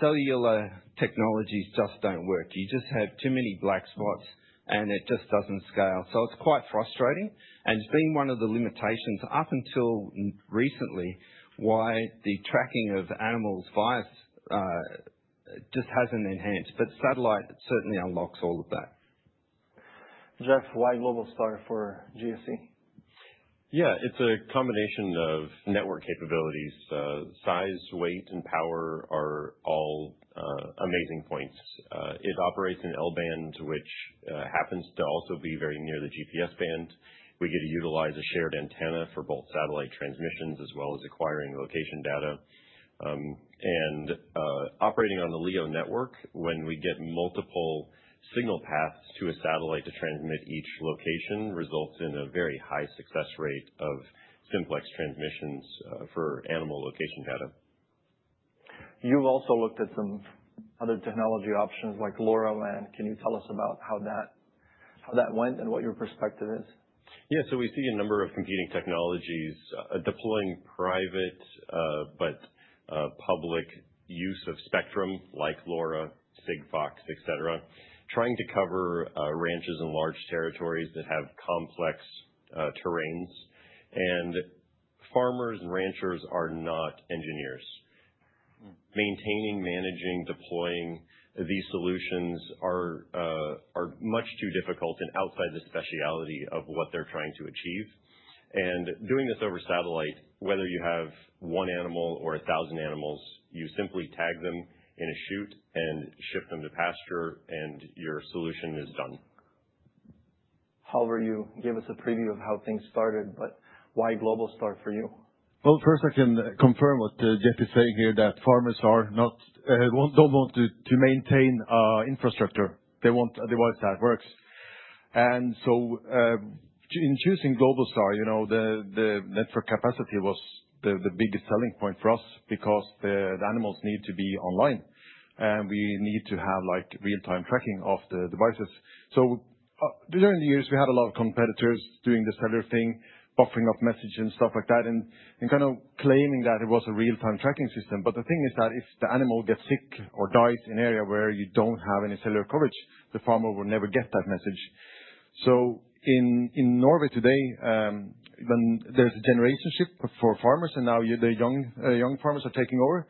Cellular technologies just don't work. You just have too many black spots, and it just doesn't scale, so it's quite frustrating. It's been one of the limitations up until recently why the tracking of animals has just hasn't advanced. Satellite certainly unlocks all of that. Jeff, why Globalstar for GSE? Yeah. It's a combination of network capabilities. Size, weight, and power are all amazing points. It operates in L-band, which happens to also be very near the GPS band. We get to utilize a shared antenna for both satellite transmissions as well as acquiring location data. Operating on the LEO network, when we get multiple signal paths to a satellite to transmit each location, results in a very high success rate of simplex transmissions for animal location data. You've also looked at some other technology options like LoRaWAN. Can you tell us about how that went and what your perspective is? Yeah. So we see a number of competing technologies deploying private but public use of spectrum like LoRa, Sigfox, etc., trying to cover ranches in large territories that have complex terrains, and farmers and ranchers are not engineers. Maintaining, managing, deploying these solutions are much too difficult and outside the specialty of what they're trying to achieve. Doing this over satellite, whether you have one animal or 1,000 animals, you simply tag them in a chute and ship them to pasture, and your solution is done. Halvor, you gave us a preview of how things started, but why Globalstar for you? Well, first, I can confirm what Jeff is saying here, that farmers don't want to maintain infrastructure. They want a device that works. And so in choosing Globalstar, the network capacity was the biggest selling point for us because the animals need to be online. And we need to have real-time tracking of the devices. So during the years, we had a lot of competitors doing the cellular thing, buffering up message and stuff like that, and kind of claiming that it was a real-time tracking system. But the thing is that if the animal gets sick or dies in an area where you don't have any cellular coverage, the farmer will never get that message. So in Norway today, there's a generation shift for farmers. And now the young farmers are taking over.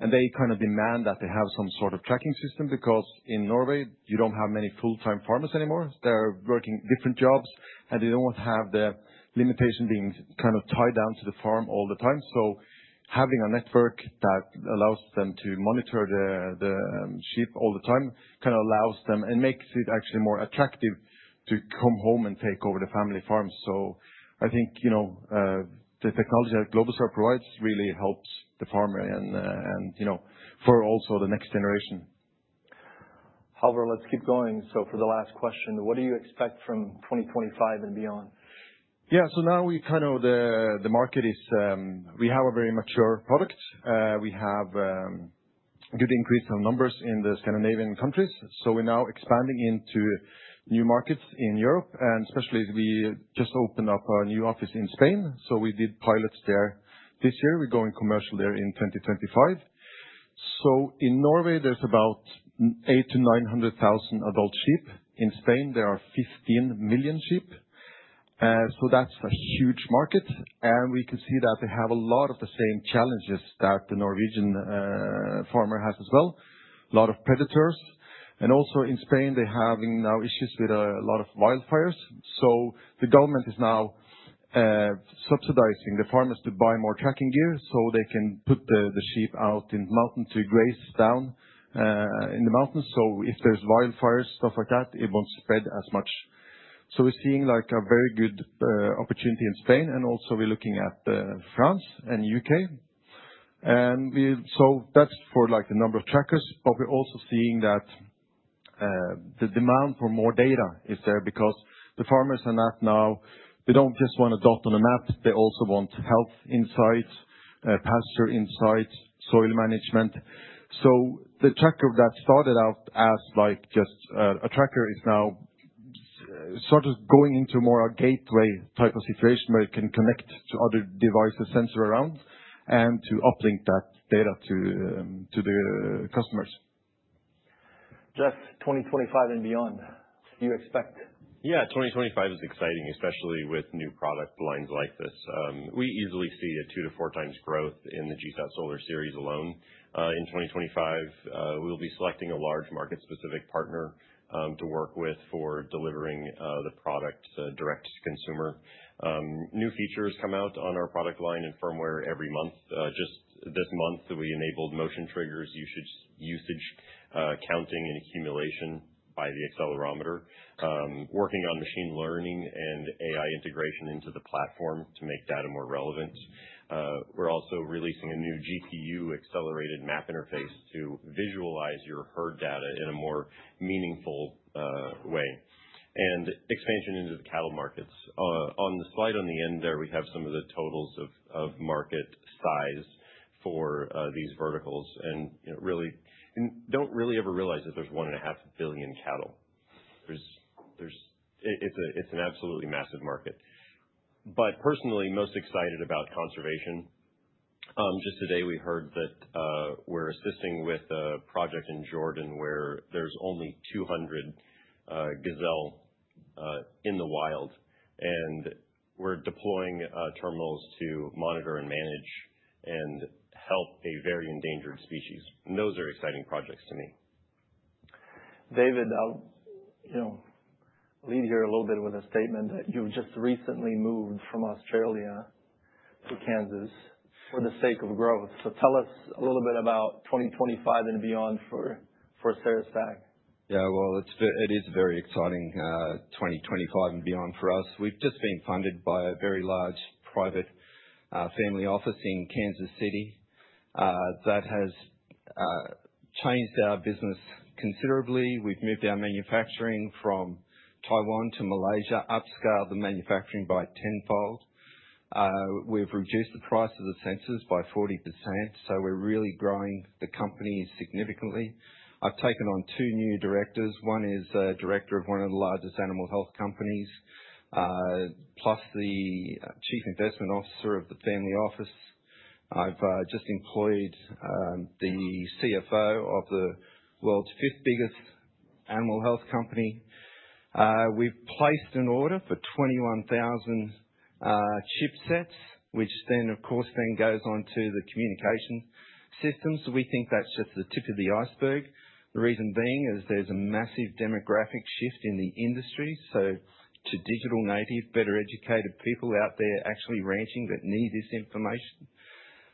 They kind of demand that they have some sort of tracking system because in Norway, you don't have many full-time farmers anymore. They're working different jobs. And they don't have the limitation being kind of tied down to the farm all the time. So having a network that allows them to monitor the sheep all the time kind of allows them and makes it actually more attractive to come home and take over the family farm. So I think the technology that Globalstar provides really helps the farmer and for also the next generation. Halvor, let's keep going. So for the last question, what do you expect from 2025 and beyond? Yeah. So now we kind of the market is we have a very mature product. We have a good increase in numbers in the Scandinavian countries. So we're now expanding into new markets in Europe. And especially, we just opened up a new office in Spain. So we did pilots there this year. We're going commercial there in 2025. So in Norway, there's about eight to 900,000 adult sheep. In Spain, there are 15 million sheep. So that's a huge market. And we can see that they have a lot of the same challenges that the Norwegian farmer has as well. A lot of predators. And also in Spain, they're having now issues with a lot of wildfires. So the government is now subsidizing the farmers to buy more tracking gear so they can put the sheep out in the mountain to graze down in the mountains. So if there's wildfires, stuff like that, it won't spread as much. So we're seeing a very good opportunity in Spain. And also, we're looking at France and the U.K. And so that's for the number of trackers. But we're also seeing that the demand for more data is there because the farmers are not now, they don't just want a dot on a map. They also want health insights, pasture insights, soil management. So the tracker that started out as just a tracker is now sort of going into more a gateway type of situation where it can connect to other devices, sensors around, and to uplink that data to the customers. Jeff, 2025 and beyond, what do you expect? Yeah. 2025 is exciting, especially with new product lines like this. We easily see a two- to four-times growth in the GSAT Solar series alone. In 2025, we will be selecting a large market-specific partner to work with for delivering the product direct to consumer. New features come out on our product line and firmware every month. Just this month, we enabled motion triggers, usage counting, and accumulation by the accelerometer, working on machine learning and AI integration into the platform to make data more relevant. We're also releasing a new GPU accelerated map interface to visualize your herd data in a more meaningful way and expansion into the cattle markets. On the slide on the end there, we have some of the totals of market size for these verticals. And really, you don't really ever realize that there's one and a half billion cattle. It's an absolutely massive market. But personally, I'm most excited about conservation. Just today, we heard that we're assisting with a project in Jordan where there's only 200 gazelle in the wild. And we're deploying terminals to monitor and manage and help a very endangered species. And those are exciting projects to me. David, I'll lead here a little bit with a statement that you've just recently moved from Australia to Kansas for the sake of growth. So tell us a little bit about 2025 and beyond for Saras Tag. Yeah. Well, it is a very exciting 2025 and beyond for us. We've just been funded by a very large private family office in Kansas City. That has changed our business considerably. We've moved our manufacturing from Taiwan to Malaysia, upscaled the manufacturing by tenfold. We've reduced the price of the sensors by 40%. So we're really growing the company significantly. I've taken on two new directors. One is a director of one of the largest animal health companies, plus the Chief Investment Officer of the family office. I've just employed the CFO of the world's fifth biggest animal health company. We've placed an order for 21,000 chipsets, which then, of course, goes on to the communication systems. We think that's just the tip of the iceberg. The reason being is there's a massive demographic shift in the industry, so to digital native, better educated people out there actually ranching that need this information.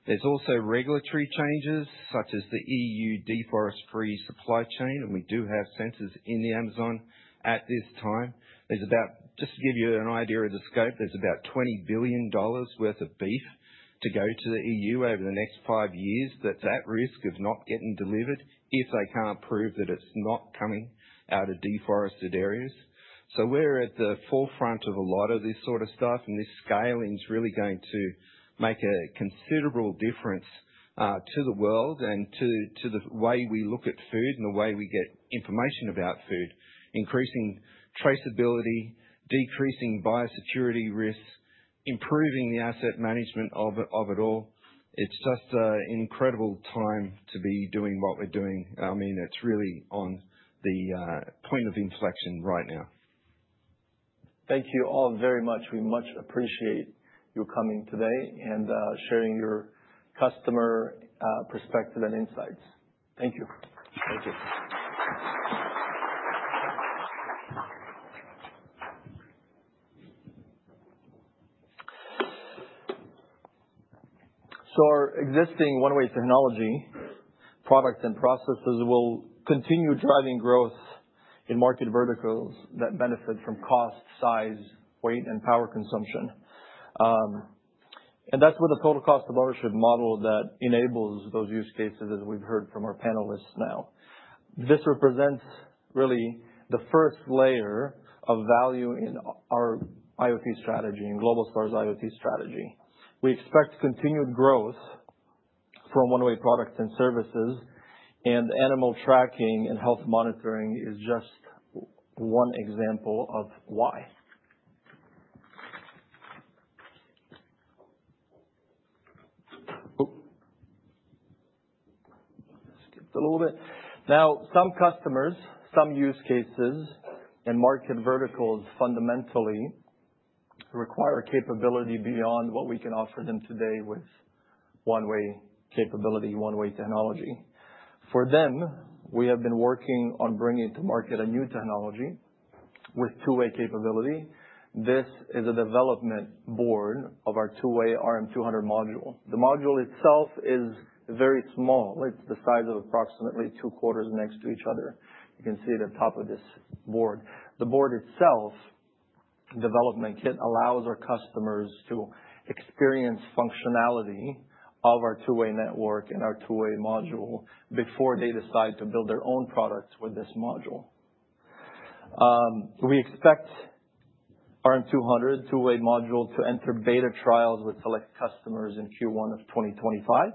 There's also regulatory changes such as the EU deforestation-free supply chain, and we do have sensors in the Amazon at this time. Just to give you an idea of the scope, there's about $20 billion worth of beef to go to the EU over the next five years that's at risk of not getting delivered if they can't prove that it's not coming out of deforested areas, so we're at the forefront of a lot of this sort of stuff. And this scaling is really going to make a considerable difference to the world and to the way we look at food and the way we get information about food, increasing traceability, decreasing biosecurity risk, improving the asset management of it all. It's just an incredible time to be doing what we're doing. I mean, it's really on the point of inflection right now. Thank you all very much. We much appreciate your coming today and sharing your customer perspective and insights. Thank you. Thank you. So our existing one-way technology products and processes will continue driving growth in market verticals that benefit from cost, size, weight, and power consumption. And that's with a total cost of ownership model that enables those use cases, as we've heard from our panelists now. This represents really the first layer of value in our IoT strategy and Globalstar's IoT strategy. We expect continued growth from one-way products and services, and animal tracking and health monitoring is just one example of why. Now, some customers, some use cases, and market verticals fundamentally require capability beyond what we can offer them today with one-way capability, one-way technology. For them, we have been working on bringing to market a new technology with two-way capability. This is a development board of our two-way RM200 module. The module itself is very small. It's the size of approximately two quarters next to each other. You can see the top of this board. The board itself, development kit, allows our customers to experience functionality of our two-way network and our two-way module before they decide to build their own products with this module. We expect RM200 two-way module to enter beta trials with select customers in Q1 of 2025.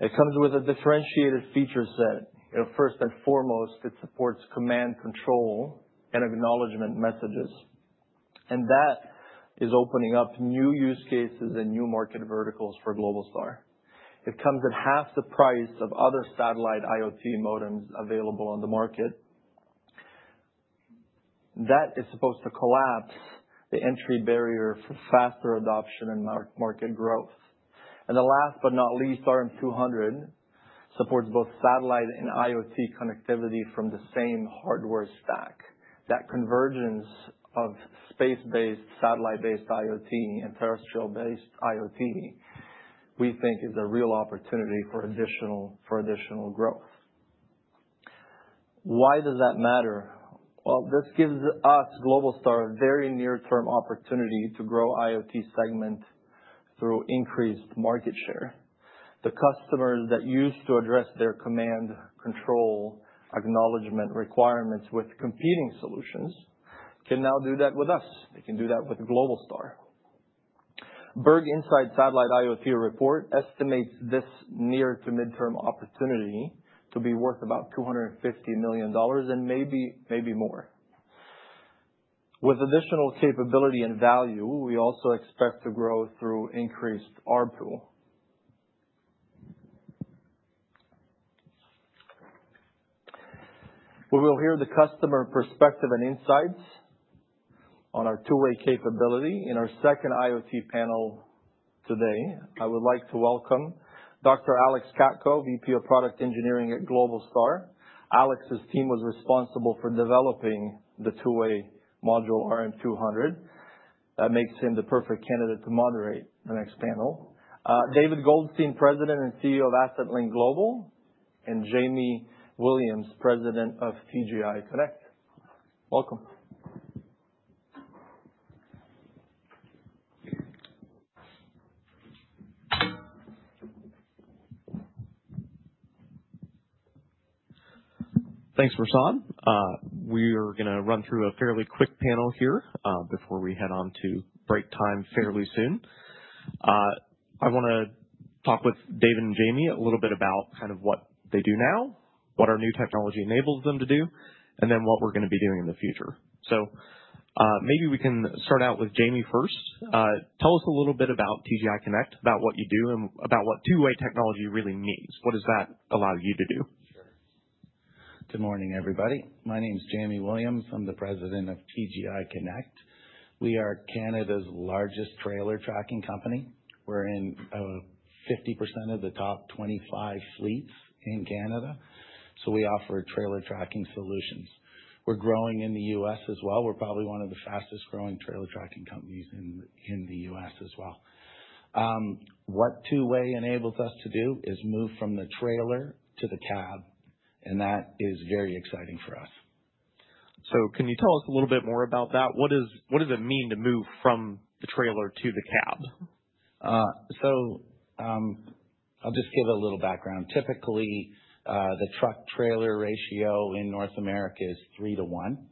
It comes with a differentiated feature set. First and foremost, it supports command control and acknowledgement messages. And that is opening up new use cases and new market verticals for Globalstar. It comes at half the price of other satellite IoT modems available on the market. That is supposed to collapse the entry barrier for faster adoption and market growth. And the last but not least, RM200 supports both satellite and IoT connectivity from the same hardware stack. That convergence of space-based, satellite-based IoT and terrestrial-based IoT, we think, is a real opportunity for additional growth. Why does that matter? Well, this gives us, Globalstar, a very near-term opportunity to grow IoT segment through increased market share. The customers that used to address their command control acknowledgement requirements with competing solutions can now do that with us. They can do that with Globalstar. Berg Insight Satellite IoT report estimates this near-to-mid-term opportunity to be worth about $250 million and maybe more. With additional capability and value, we also expect to grow through increased RPUL. We will hear the customer perspective and insights on our two-way capability in our second IoT panel today. I would like to welcome Dr. Alex Katko, VP of Product Engineering at Globalstar. Alex's team was responsible for developing the two-way module RM200. That makes him the perfect candidate to moderate the next panel. David Goldstein, President and CEO of AssetLink Global, and Jamie Williams, President of TGI Connect. Welcome. Thanks, Roshan. We are going to run through a fairly quick panel here before we head on to break time fairly soon. I want to talk with David and Jamie a little bit about kind of what they do now, what our new technology enables them to do, and then what we're going to be doing in the future, so maybe we can start out with Jamie first. Tell us a little bit about TGI Connect, about what you do, and about what two-way technology really means. What does that allow you to do? Good morning, everybody. My name is Jamie Williams. I'm the President of TGI Connect. We are Canada's largest trailer tracking company. We're in 50% of the top 25 fleets in Canada. So we offer trailer tracking solutions. We're growing in the U.S. as well. We're probably one of the fastest growing trailer tracking companies in the U.S. as well. What two-way enables us to do is move from the trailer to the cab. That is very exciting for us. Can you tell us a little bit more about that? What does it mean to move from the trailer to the cab? I'll just give a little background. Typically, the truck-trailer ratio in North America is three to one.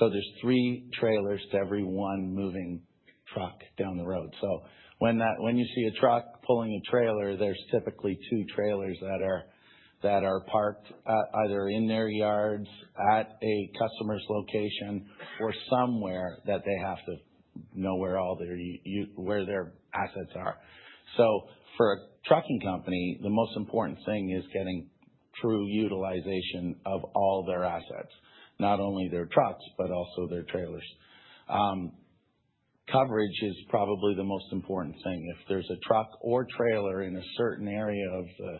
There's three trailers to every one moving truck down the road. When you see a truck pulling a trailer, there's typically two trailers that are parked either in their yards, at a customer's location, or somewhere that they have to know where all their assets are. For a trucking company, the most important thing is getting true utilization of all their assets, not only their trucks, but also their trailers. Coverage is probably the most important thing. If there's a truck or trailer in a certain area of the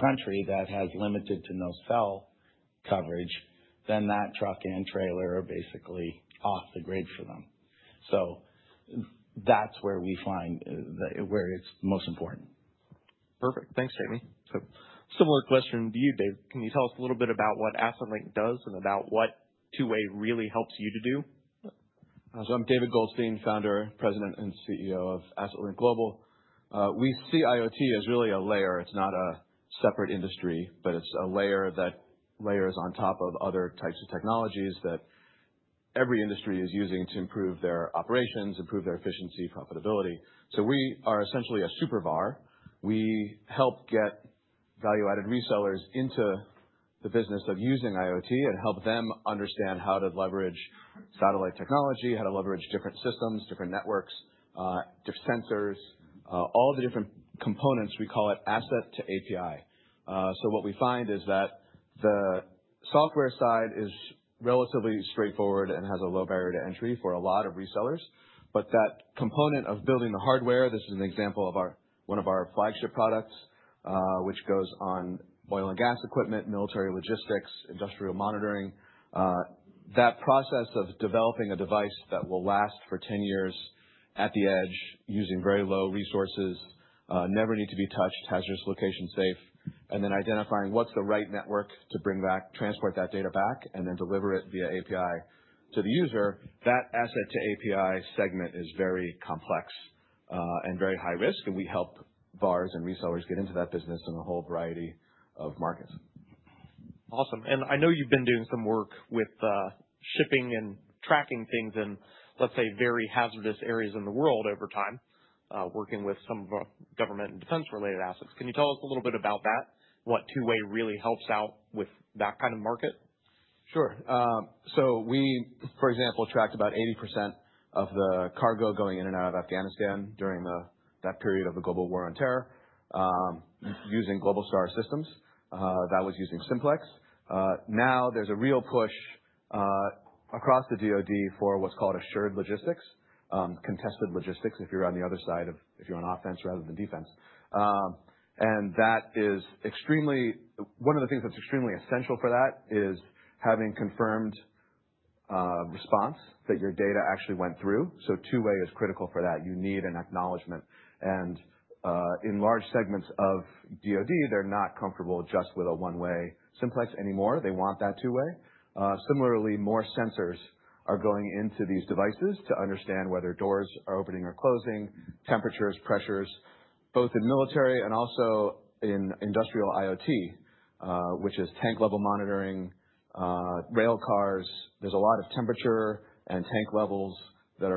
country that has limited to no cell coverage, then that truck and trailer are basically off the grid for them. So that's where we find where it's most important. Perfect. Thanks, Jamie. Similar question to you, David. Can you tell us a little bit about what AssetLink does and about what two-way really helps you to do? So I'm David Goldstein, Founder, President and CEO of AssetLink Global. We see IoT as really a layer. It's not a separate industry, but it's a layer that layers on top of other types of technologies that every industry is using to improve their operations, improve their efficiency, profitability. So we are essentially a super VAR. We help get value-added resellers into the business of using IoT and help them understand how to leverage satellite technology, how to leverage different systems, different networks, different sensors, all the different components. We call it asset to API. So what we find is that the software side is relatively straightforward and has a low barrier to entry for a lot of resellers. But that component of building the hardware, this is an example of one of our flagship products, which goes on oil and gas equipment, military logistics, industrial monitoring, that process of developing a device that will last for 10 years at the edge, using very low resources, never need to be touched, hazardous location safe, and then identifying what's the right network to bring back, transport that data back, and then deliver it via API to the user. That asset to API segment is very complex and very high risk. And we help VARs and resellers get into that business in a whole variety of markets. Awesome. And I know you've been doing some work with shipping and tracking things in, let's say, very hazardous areas in the world over time, working with some of our government and defense-related assets. Can you tell us a little bit about that, what two-way really helps out with that kind of market? Sure. So we, for example, tracked about 80% of the cargo going in and out of Afghanistan during that period of the global war on terror using Globalstar systems. That was using Simplex. Now there's a real push across the DOD for what's called assured logistics, contested logistics, if you're on the other side of, if you're on offense rather than defense. That is extremely one of the things that's extremely essential for that, having confirmed response that your data actually went through. So two-way is critical for that. You need an acknowledgment. In large segments of DoD, they're not comfortable just with a one-way Simplex anymore. They want that two-way. Similarly, more sensors are going into these devices to understand whether doors are opening or closing, temperatures, pressures, both in military and also in industrial IoT, which is tank-level monitoring, rail cars. There's a lot of temperature and tank levels that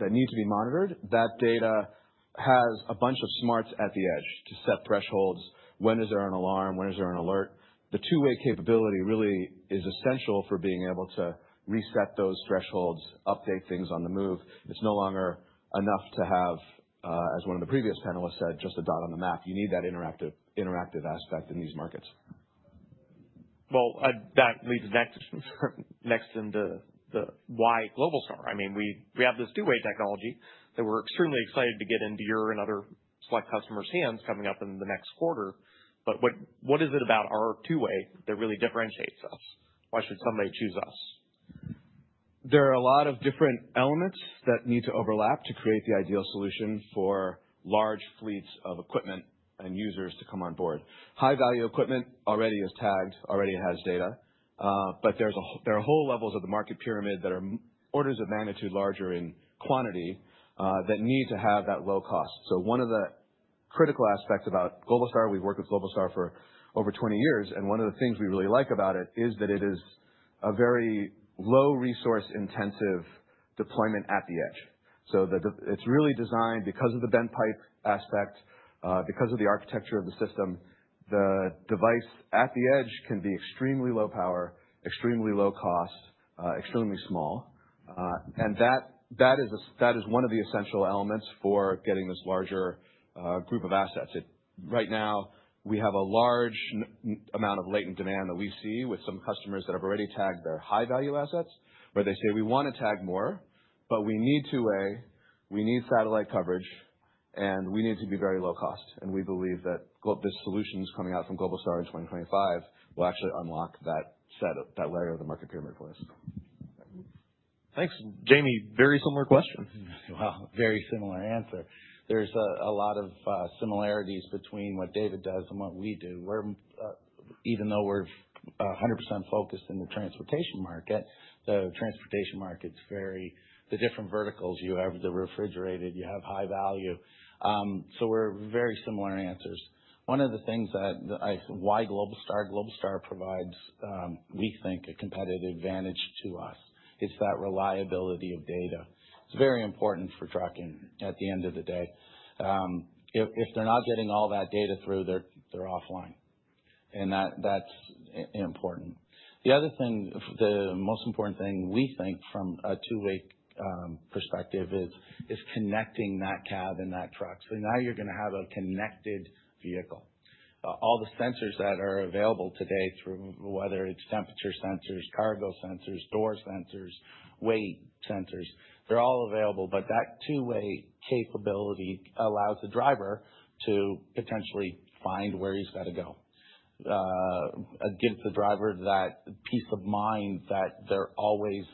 need to be monitored. That data has a bunch of smarts at the edge to set thresholds. When is there an alarm? When is there an alert? The two-way capability really is essential for being able to reset those thresholds, update things on the move. It's no longer enough to have, as one of the previous panelists said, just a dot on the map. You need that interactive aspect in these markets. That leads next into why Globalstar. I mean, we have this two-way technology that we're extremely excited to get into your and other select customers' hands coming up in the next quarter. But what is it about our two-way that really differentiates us? Why should somebody choose us? There are a lot of different elements that need to overlap to create the ideal solution for large fleets of equipment and users to come on board. High-value equipment already is tagged, already has data. But there are whole levels of the market pyramid that are orders of magnitude larger in quantity that need to have that low cost. So one of the critical aspects about Globalstar, we've worked with Globalstar for over 20 years. And one of the things we really like about it is that it is a very low-resource-intensive deployment at the edge. So it's really designed because of the bent pipe aspect, because of the architecture of the system. The device at the edge can be extremely low power, extremely low cost, extremely small. And that is one of the essential elements for getting this larger group of assets. Right now, we have a large amount of latent demand that we see with some customers that have already tagged their high-value assets, where they say, "We want to tag more, but we need two-way, we need satellite coverage, and we need to be very low cost." And we believe that this solution coming out from Globalstar in 2025 will actually unlock that layer of the market pyramid for us. Thanks. Jamie, very similar question. Wow. Very similar answer. There's a lot of similarities between what David does and what we do. Even though we're 100% focused in the transportation market, the transportation market's very the different verticals you have, the refrigerated, you have high value. So we're very similar answers. One of the things that I why Globalstar, Globalstar provides, we think, a competitive advantage to us is that reliability of data. It's very important for trucking at the end of the day. If they're not getting all that data through, they're offline. And that's important. The other thing, the most important thing we think from a two-way perspective is connecting that cab and that truck. So now you're going to have a connected vehicle. All the sensors that are available today, whether it's temperature sensors, cargo sensors, door sensors, weight sensors, they're all available. But that two-way capability allows the driver to potentially find where he's got to go, gives the driver that peace of mind that they're always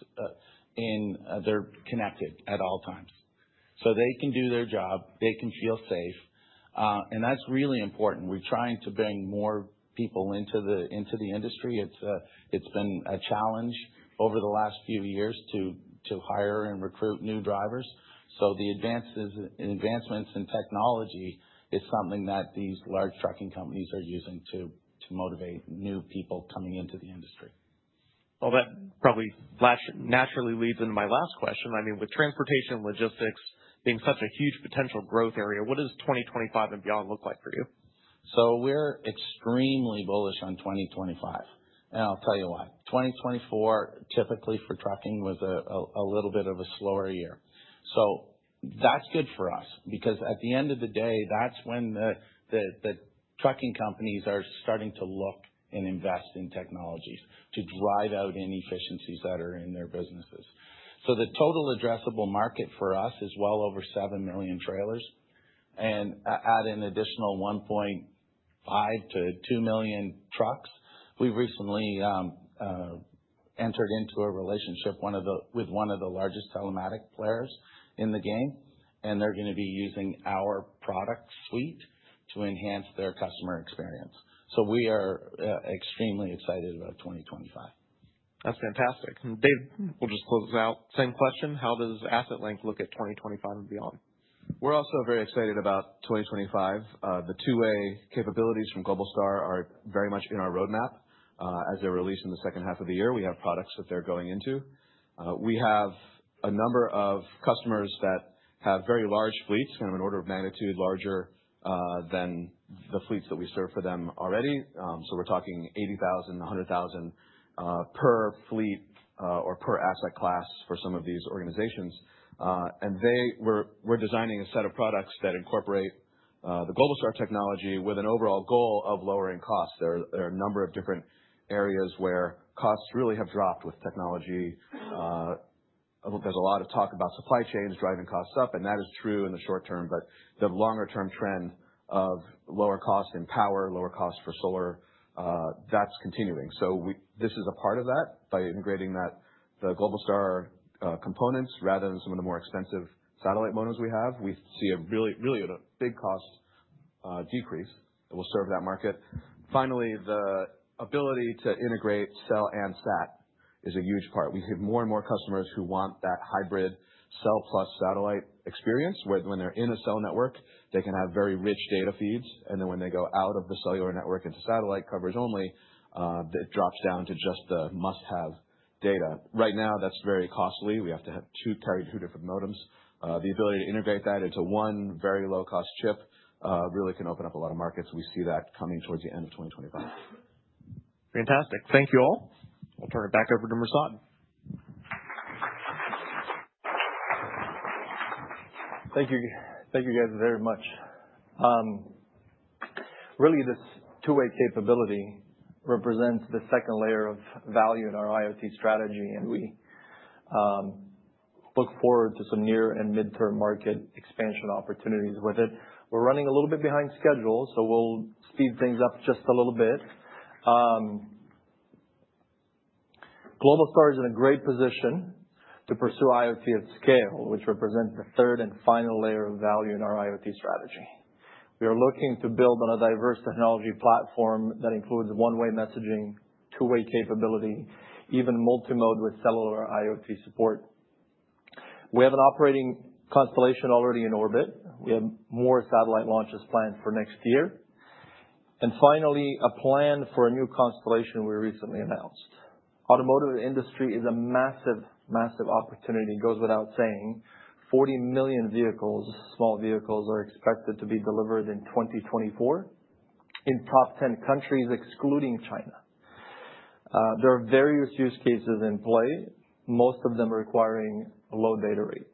in, they're connected at all times. So they can do their job, they can feel safe. And that's really important. We're trying to bring more people into the industry. It's been a challenge over the last few years to hire and recruit new drivers. The advancements in technology are something that these large trucking companies are using to motivate new people coming into the industry. Well, that probably naturally leads into my last question. I mean, with transportation logistics being such a huge potential growth area, what does 2025 and beyond look like for you? We're extremely bullish on 2025. And I'll tell you why. 2024, typically for trucking, was a little bit of a slower year. So that's good for us because at the end of the day, that's when the trucking companies are starting to look and invest in technologies to drive out inefficiencies that are in their businesses. So the total addressable market for us is well over 7 million trailers. And at an additional 1.5-2 million trucks, we recently entered into a relationship with one of the largest telematics players in the game. They're going to be using our product suite to enhance their customer experience. So we are extremely excited about 2025. That's fantastic. David, we'll just close this out. Same question. How does AssetLink look at 2025 and beyond? We're also very excited about 2025. The two-way capabilities from Globalstar are very much in our roadmap as they're released in the second half of the year. We have products that they're going into. We have a number of customers that have very large fleets, kind of an order of magnitude larger than the fleets that we serve for them already. So we're talking 80,000, 100,000 per fleet or per asset class for some of these organizations. We're designing a set of products that incorporate the Globalstar technology with an overall goal of lowering costs. There are a number of different areas where costs really have dropped with technology. There's a lot of talk about supply chains driving costs up. And that is true in the short term. But the longer-term trend of lower cost in power, lower cost for solar, that's continuing. So this is a part of that by integrating the Globalstar components rather than some of the more expensive satellite modems we have. We see a really big cost decrease that will serve that market. Finally, the ability to integrate cell and sat is a huge part. We have more and more customers who want that hybrid cell plus satellite experience where when they're in a cell network, they can have very rich data feeds. And then when they go out of the cellular network into satellite coverage only, it drops down to just the must-have data. Right now, that's very costly. We have to carry two different modems. The ability to integrate that into one very low-cost chip really can open up a lot of markets. We see that coming towards the end of 2025. Fantastic. Thank you all. I'll turn it back over to Mirsad. Thank you guys very much. Really, this two-way capability represents the second layer of value in our IoT strategy. And we look forward to some near and mid-term market expansion opportunities with it. We're running a little bit behind schedule, so we'll speed things up just a little bit. Globalstar is in a great position to pursue IoT at scale, which represents the third and final layer of value in our IoT strategy. We are looking to build on a diverse technology platform that includes one-way messaging, two-way capability, even multi-mode with cellular IoT support. We have an operating constellation already in orbit. We have more satellite launches planned for next year. Finally, a plan for a new constellation we recently announced. The automotive industry is a massive, massive opportunity. It goes without saying. 40 million small vehicles are expected to be delivered in 2024 in top 10 countries excluding China. There are various use cases in play. Most of them are requiring a low data rate.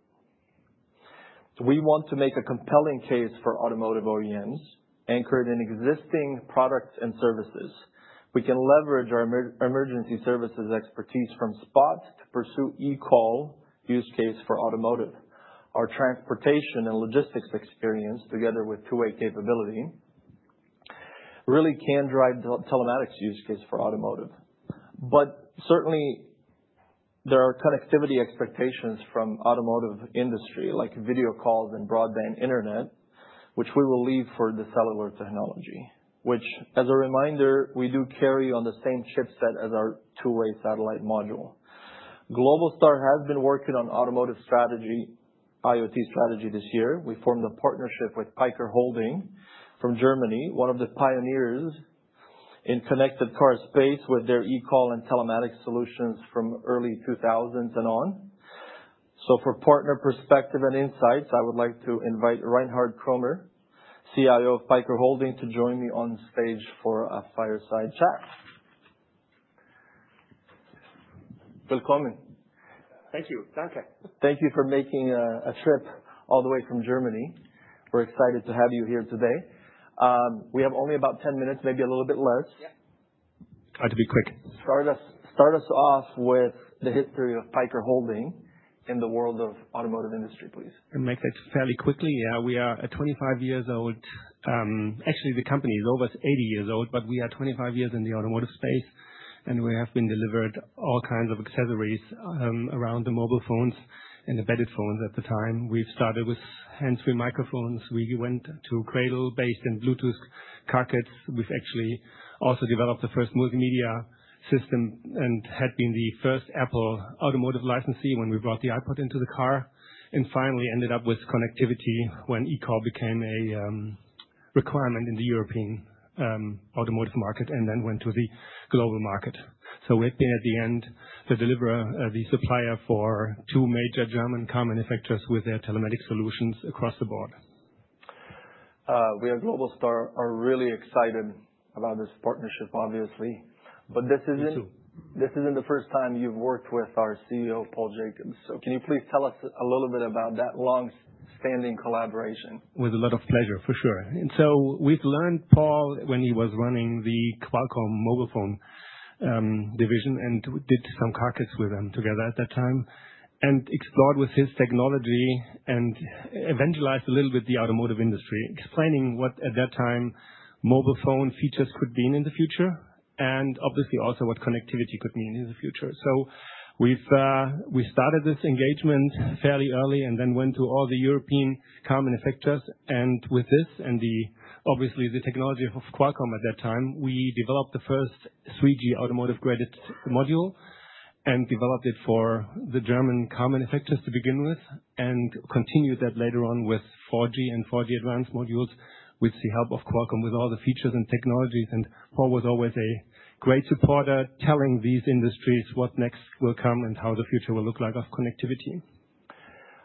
We want to make a compelling case for automotive OEMs anchored in existing products and services. We can leverage our emergency services expertise from Spot to pursue eCall use case for automotive. Our transportation and logistics experience, together with two-way capability, really can drive telematics use case for automotive. But certainly, there are connectivity expectations from the automotive industry, like video calls and broadband internet, which we will leave for the cellular technology, which, as a reminder, we do carry on the same chipset as our two-way satellite module. Globalstar has been working on automotive strategy, IoT strategy this year. We formed a partnership with peiker Holding from Germany, one of the pioneers in connected car space with their e-call and telematics solutions from the early 2000s and on. So for partner perspective and insights, I would like to invite Reinhard Kromer, CIO of peiker Holding, to join me on stage for a fireside chat. Willkommen. Thank you. Danke. Thank you for making a trip all the way from Germany. We're excited to have you here today. We have only about 10 minutes, maybe a little bit less. Yeah. Try to be quick. Start us off with the history of peiker Holding in the world of the automotive industry, please. I'll make that fairly quickly. Yeah, we are 25 years old. Actually, the company is over 80 years old, but we are 25 years in the automotive space. And we have been delivered all kinds of accessories around the mobile phones and embedded phones at the time. We've started with hands-free microphones. We went to cradle-based and Bluetooth car kits. We've actually also developed the first multimedia system and had been the first Apple automotive licensee when we brought the iPod into the car. And finally ended up with connectivity when e-call became a requirement in the European automotive market and then went to the global market. So we've been at the end the deliverer, the supplier for two major German car manufacturers with their telematic solutions across the board. We at Globalstar are really excited about this partnership, obviously. But this isn't the first time you've worked with our CEO, Paul Jacobs. So can you please tell us a little bit about that long-standing collaboration? With a lot of pleasure, for sure. And so we've learned, Paul, when he was running the Qualcomm mobile phone division and did some car kits with them together at that time and explored with his technology and evangelized a little bit the automotive industry, explaining what at that time mobile phone features could mean in the future and obviously also what connectivity could mean in the future. So we started this engagement fairly early and then went to all the European car manufacturers. And with this and obviously the technology of Qualcomm at that time, we developed the first 3G automotive-graded module and developed it for the German car manufacturers to begin with and continued that later on with 4G and 4G advanced modules with the help of Qualcomm with all the features and technologies. Paul was always a great supporter telling these industries what next will come and how the future will look like of connectivity.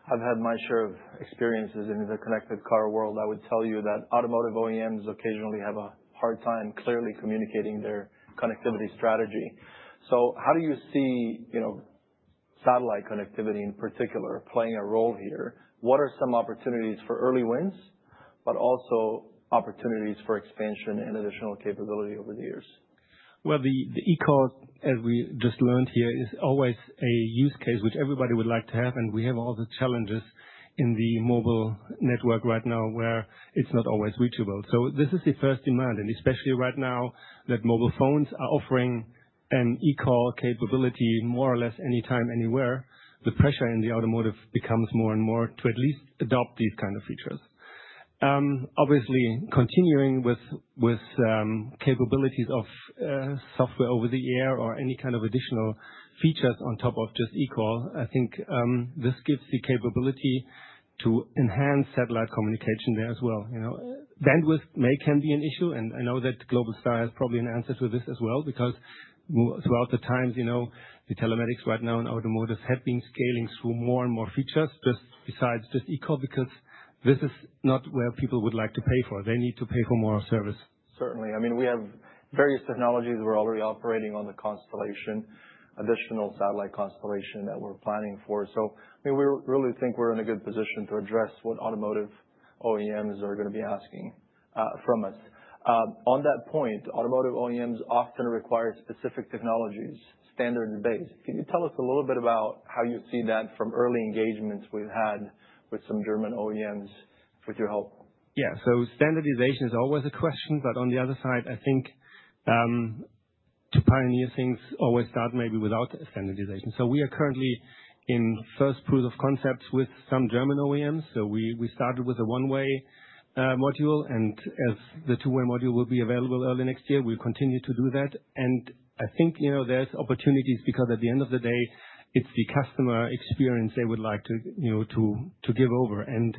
I've had my share of experiences in the connected car world. I would tell you that automotive OEMs occasionally have a hard time clearly communicating their connectivity strategy. How do you see satellite connectivity in particular playing a role here? What are some opportunities for early wins, but also opportunities for expansion and additional capability over the years? The e-call, as we just learned here, is always a use case which everybody would like to have. And we have all the challenges in the mobile network right now where it's not always reachable. This is the first in mind. And especially right now that mobile phones are offering an e-call capability more or less anytime, anywhere, the pressure in the automotive becomes more and more to at least adopt these kinds of features. Obviously, continuing with capabilities of software over the air or any kind of additional features on top of just e-call, I think this gives the capability to enhance satellite communication there as well. Bandwidth may be an issue. And I know that Globalstar has probably an answer to this as well because throughout the times, the telematics right now in automotive had been scaling through more and more features besides just e-call because this is not where people would like to pay for. They need to pay for more service. Certainly. I mean, we have various technologies. We're already operating on the constellation, additional satellite constellation that we're planning for. So we really think we're in a good position to address what automotive OEMs are going to be asking from us. On that point, automotive OEMs often require specific technologies, standards-based. Can you tell us a little bit about how you see that from early engagements we've had with some German OEMs with your help? Yeah. So standardization is always a question. But on the other side, I think to pioneer things always start maybe without standardization. So we are currently in first proof of concepts with some German OEMs. So we started with a one-way module. And as the two-way module will be available early next year, we'll continue to do that. And I think there's opportunities because at the end of the day, it's the customer experience they would like to give over. And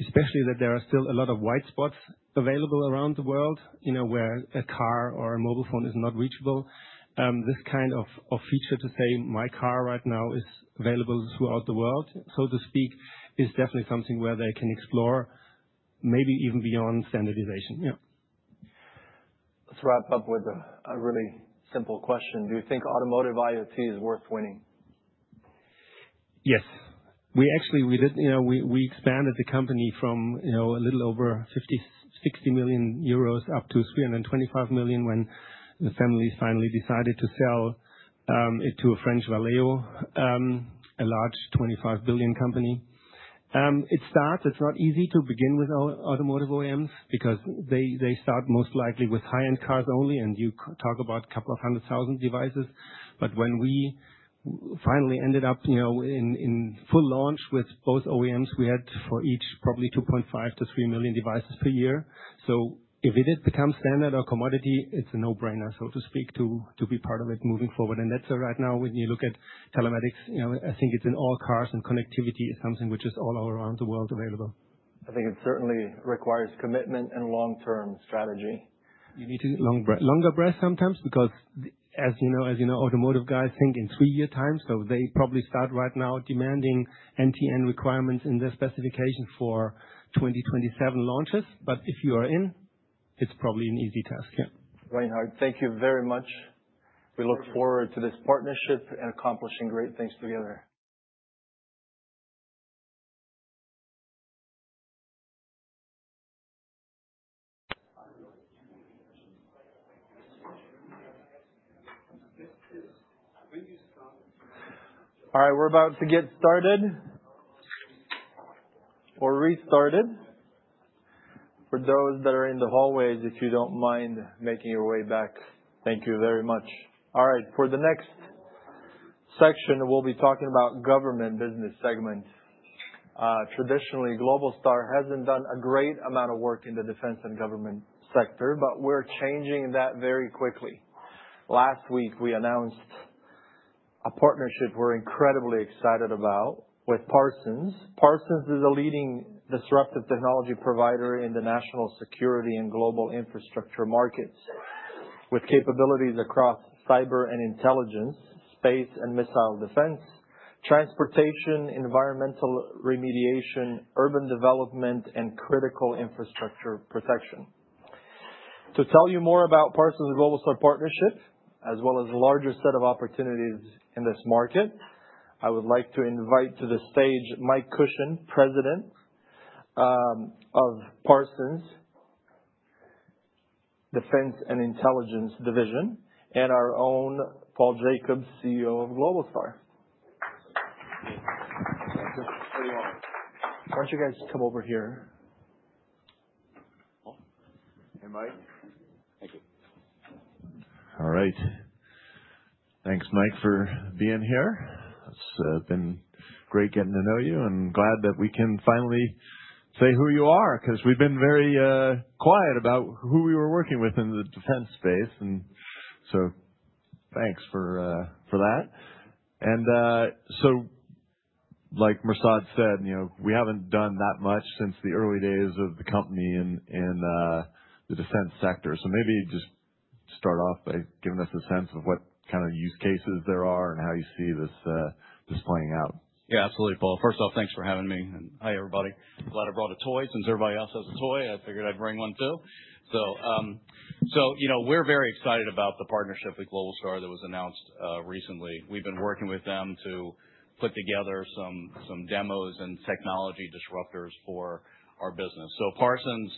especially that there are still a lot of white spots available around the world where a car or a mobile phone is not reachable. This kind of feature to say, "My car right now is available throughout the world," so to speak, is definitely something where they can explore maybe even beyond standardization. Yeah. Let's wrap up with a really simple question. Do you think automotive IoT is worth winning? Yes. We expanded the company from a little over 50-60 million euros up to 325 million when the family finally decided to sell it to a French Valeo, a large 25 billion company. It's not easy to begin with automotive OEMs because they start most likely with high-end cars only. And you talk about a couple of hundred thousand devices. But when we finally ended up in full launch with both OEMs, we had for each probably 2.5-3 million devices per year. So if it has become standard or commodity, it's a no-brainer, so to speak, to be part of it moving forward. And that's right now when you look at telematics. I think it's in all cars and connectivity is something which is all around the world available. I think it certainly requires commitment and long-term strategy. You need a longer breath sometimes because, as you know, automotive guys think in three-year time. So they probably start right now demanding end-to-end requirements in their specifications for 2027 launches. But if you are in, it's probably an easy task. Yeah. Reinhard, thank you very much. We look forward to this partnership and accomplishing great things together. All right. We're about to get started or restarted. For those that are in the hallways, if you don't mind making your way back, thank you very much. All right. For the next section, we'll be talking about government business segments. Traditionally, Globalstar hasn't done a great amount of work in the defense and government sector, but we're changing that very quickly. Last week, we announced a partnership we're incredibly excited about with Parsons. Parsons is a leading disruptive technology provider in the national security and global infrastructure markets with capabilities across cyber and intelligence, space and missile defense, transportation, environmental remediation, urban development, and critical infrastructure protection. To tell you more about Parsons Globalstar partnership, as well as the larger set of opportunities in this market, I would like to invite to the stage Mike Kushin, President of Parsons Defense and Intelligence Division, and our own Paul Jacobs, CEO of Globalstar. Thank you. Why don't you guys come over here? Hey, Mike. Thank you. All right. Thanks, Mike, for being here. It's been great getting to know you and glad that we can finally say who you are because we've been very quiet about who we were working with in the defense space. And so like Mirsad said, we haven't done that much since the early days of the company in the defense sector. So maybe just start off by giving us a sense of what kind of use cases there are and how you see this playing out. Yeah, absolutely, Paul. First off, thanks for having me. And hi, everybody. Glad I brought a toy since everybody else has a toy. I figured I'd bring one too. So we're very excited about the partnership with Globalstar that was announced recently. We've been working with them to put together some demos and technology disruptors for our business. So Parsons,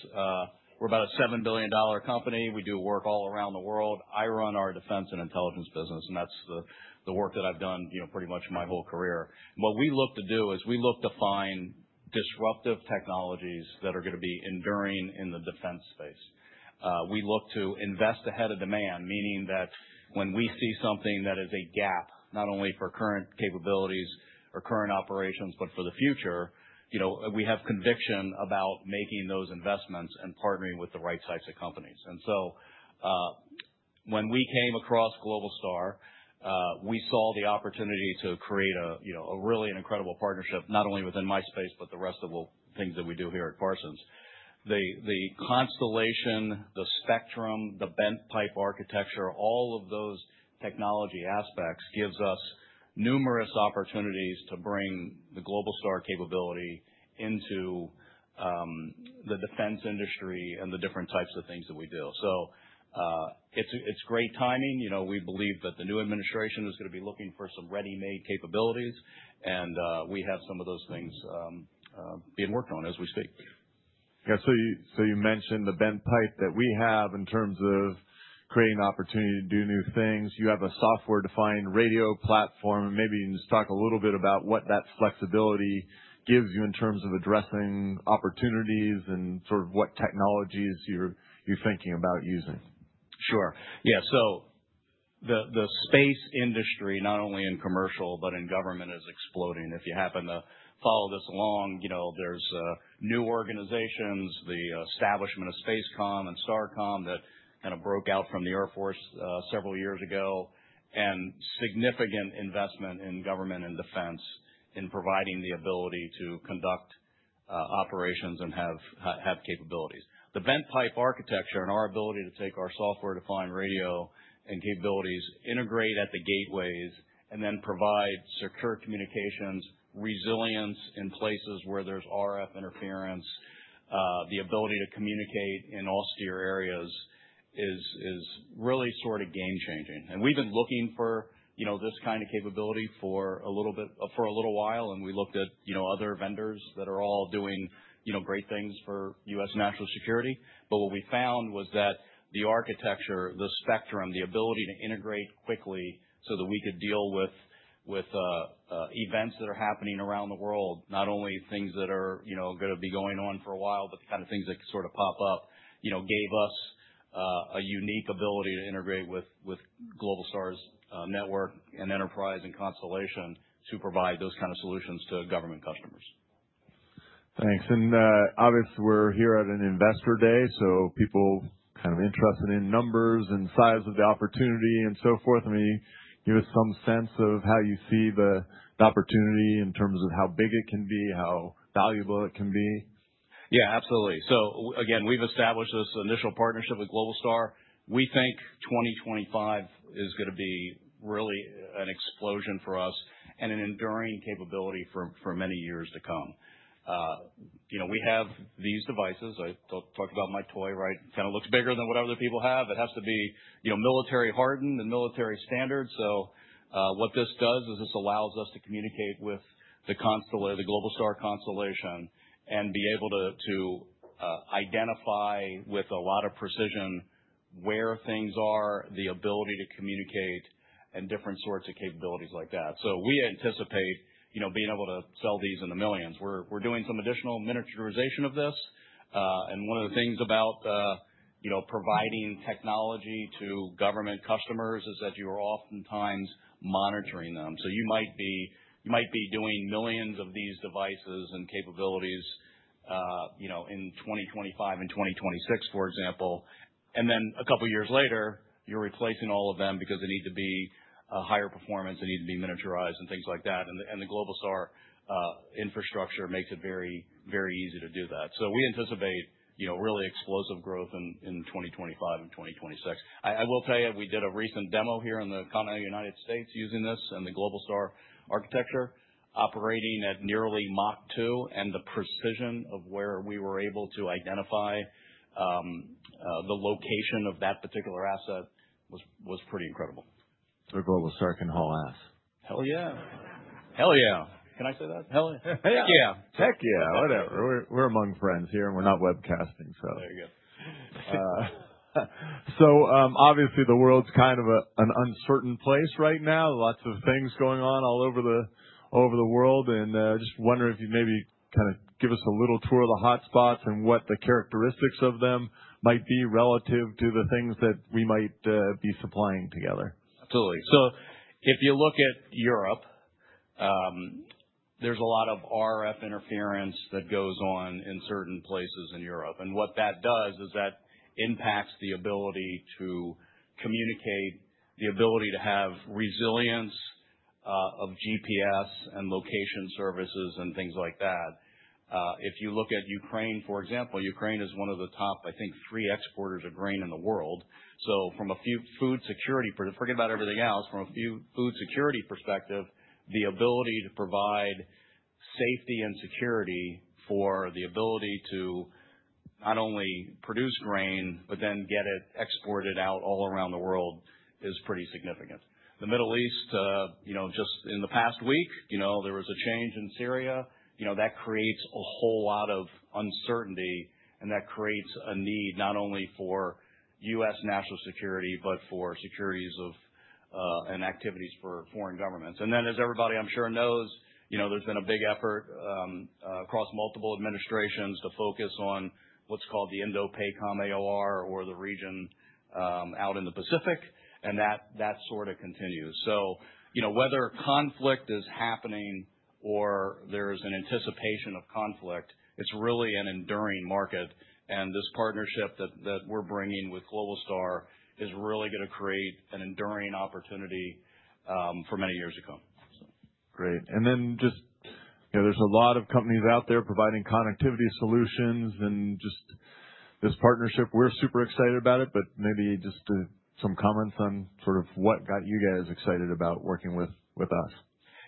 we're about a $7 billion company. We do work all around the world. I run our defense and intelligence business, and that's the work that I've done pretty much my whole career. What we look to do is we look to find disruptive technologies that are going to be enduring in the defense space. We look to invest ahead of demand, meaning that when we see something that is a gap, not only for current capabilities or current operations, but for the future, we have conviction about making those investments and partnering with the right types of companies. And so when we came across Globalstar, we saw the opportunity to create a really incredible partnership, not only within my space, but the rest of the things that we do here at Parsons. The constellation, the spectrum, the bent pipe architecture, all of those technology aspects gives us numerous opportunities to bring the Globalstar capability into the defense industry and the different types of things that we do. So it's great timing. We believe that the new administration is going to be looking for some ready-made capabilities. And we have some of those things being worked on as we speak. Yeah. So you mentioned the bent pipe that we have in terms of creating opportunity to do new things. You have a software-defined radio platform. Maybe you can just talk a little bit about what that flexibility gives you in terms of addressing opportunities and sort of what technologies you're thinking about using. Sure. Yeah. So the space industry, not only in commercial, but in government, is exploding. If you happen to follow this along, there's new organizations, the establishment of Spacecom and Starcom that kind of broke out from the Air Force several years ago, and significant investment in government and defense in providing the ability to conduct operations and have capabilities. The bent pipe architecture and our ability to take our software-defined radio and capabilities, integrate at the gateways, and then provide secure communications, resilience in places where there's RF interference, the ability to communicate in austere areas is really sort of game-changing, and we've been looking for this kind of capability for a little while, and we looked at other vendors that are all doing great things for U.S. national security. But what we found was that the architecture, the spectrum, the ability to integrate quickly so that we could deal with events that are happening around the world, not only things that are going to be going on for a while, but the kind of things that sort of pop up, gave us a unique ability to integrate with Globalstar's network and enterprise and constellation to provide those kinds of solutions to government customers. Thanks. And obviously, we're here at an investor day, so people kind of interested in numbers and size of the opportunity and so forth. I mean, give us some sense of how you see the opportunity in terms of how big it can be, how valuable it can be. Yeah, absolutely. So again, we've established this initial partnership with Globalstar. We think 2025 is going to be really an explosion for us and an enduring capability for many years to come. We have these devices. I talked about my toy, right? It kind of looks bigger than what other people have. It has to be military-hardened and military standard. So what this does is this allows us to communicate with the Globalstar constellation and be able to identify with a lot of precision where things are, the ability to communicate, and different sorts of capabilities like that. So we anticipate being able to sell these in the millions. We're doing some additional miniaturization of this. And one of the things about providing technology to government customers is that you are oftentimes monitoring them. So you might be doing millions of these devices and capabilities in 2025 and 2026, for example. Then a couple of years later, you're replacing all of them because they need to be higher performance, they need to be miniaturized, and things like that. The Globalstar infrastructure makes it very, very easy to do that. We anticipate really explosive growth in 2025 and 2026. I will tell you, we did a recent demo here in the United States using this and the Globalstar architecture operating at nearly Mach 2. The precision of where we were able to identify the location of that particular asset was pretty incredible. Globalstar can haul ass. Hell yeah. Hell yeah. Can I say that? Hell, hell yeah. Tech, yeah. Whatever. We're among friends here, and we're not webcasting, so. There you go. Obviously, the world's kind of an uncertain place right now. Lots of things going on all over the world. And just wondering if you'd maybe kind of give us a little tour of the hotspots and what the characteristics of them might be relative to the things that we might be supplying together. Absolutely. So if you look at Europe, there's a lot of RF interference that goes on in certain places in Europe. And what that does is that impacts the ability to communicate, the ability to have resilience of GPS and location services and things like that. If you look at Ukraine, for example, Ukraine is one of the top, I think, three exporters of grain in the world. So from a food security perspective, forget about everything else. From a food security perspective, the ability to provide safety and security for the ability to not only produce grain, but then get it exported out all around the world is pretty significant. The Middle East, just in the past week, there was a change in Syria. That creates a whole lot of uncertainty, and that creates a need not only for U.S. national security, but for securities and activities for foreign governments. And then, as everybody, I'm sure, knows, there's been a big effort across multiple administrations to focus on what's called the Indo-Pacom AOR or the region out in the Pacific. And that sort of continues. So whether conflict is happening or there's an anticipation of conflict, it's really an enduring market. And this partnership that we're bringing with Globalstar is really going to create an enduring opportunity for many years to come. Great. And then just there's a lot of companies out there providing connectivity solutions. And just this partnership, we're super excited about it, but maybe just some comments on sort of what got you guys excited about working with us.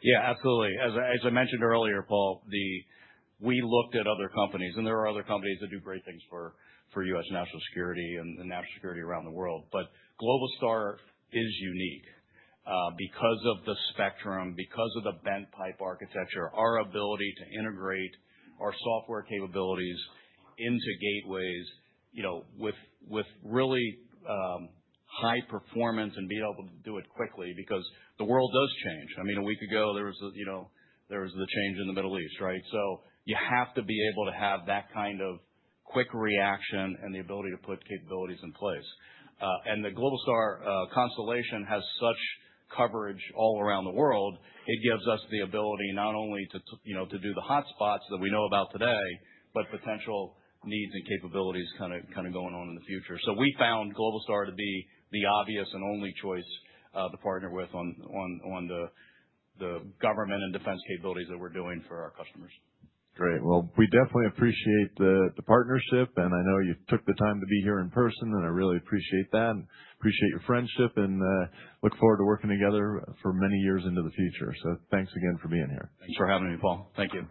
Yeah, absolutely. As I mentioned earlier, Paul, we looked at other companies, and there are other companies that do great things for U.S. national security and national security around the world. But Globalstar is unique because of the spectrum, because of the bent pipe architecture, our ability to integrate our software capabilities into gateways with really high performance and being able to do it quickly because the world does change. I mean, a week ago, there was the change in the Middle East, right? So you have to be able to have that kind of quick reaction and the ability to put capabilities in place. And the Globalstar constellation has such coverage all around the world. It gives us the ability not only to do the hotspots that we know about today, but potential needs and capabilities kind of going on in the future. So we found Globalstar to be the obvious and only choice to partner with on the government and defense capabilities that we're doing for our customers. Great. Well, we definitely appreciate the partnership. And I know you took the time to be here in person, and I really appreciate that. Appreciate your friendship and look forward to working together for many years into the future. So thanks again for being here. Thanks for having me, Paul. Thank you.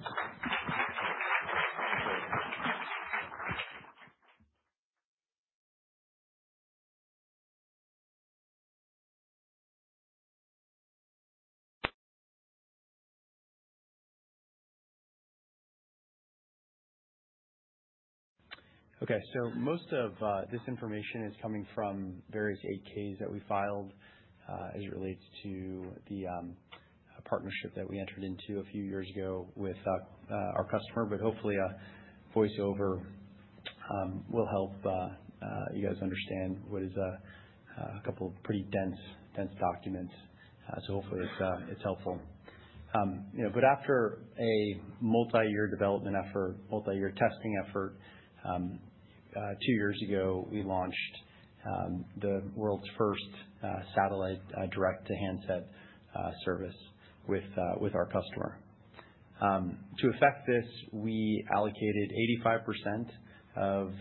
Okay. So most of this information is coming from various 8-Ks that we filed as it relates to the partnership that we entered into a few years ago with our customer. Hopefully, a voiceover will help you guys understand what is a couple of pretty dense documents. Hopefully, it's helpful. After a multi-year development effort, multi-year testing effort, two years ago, we launched the world's first satellite direct-to-handset service with our customer. To effect this, we allocated 85% of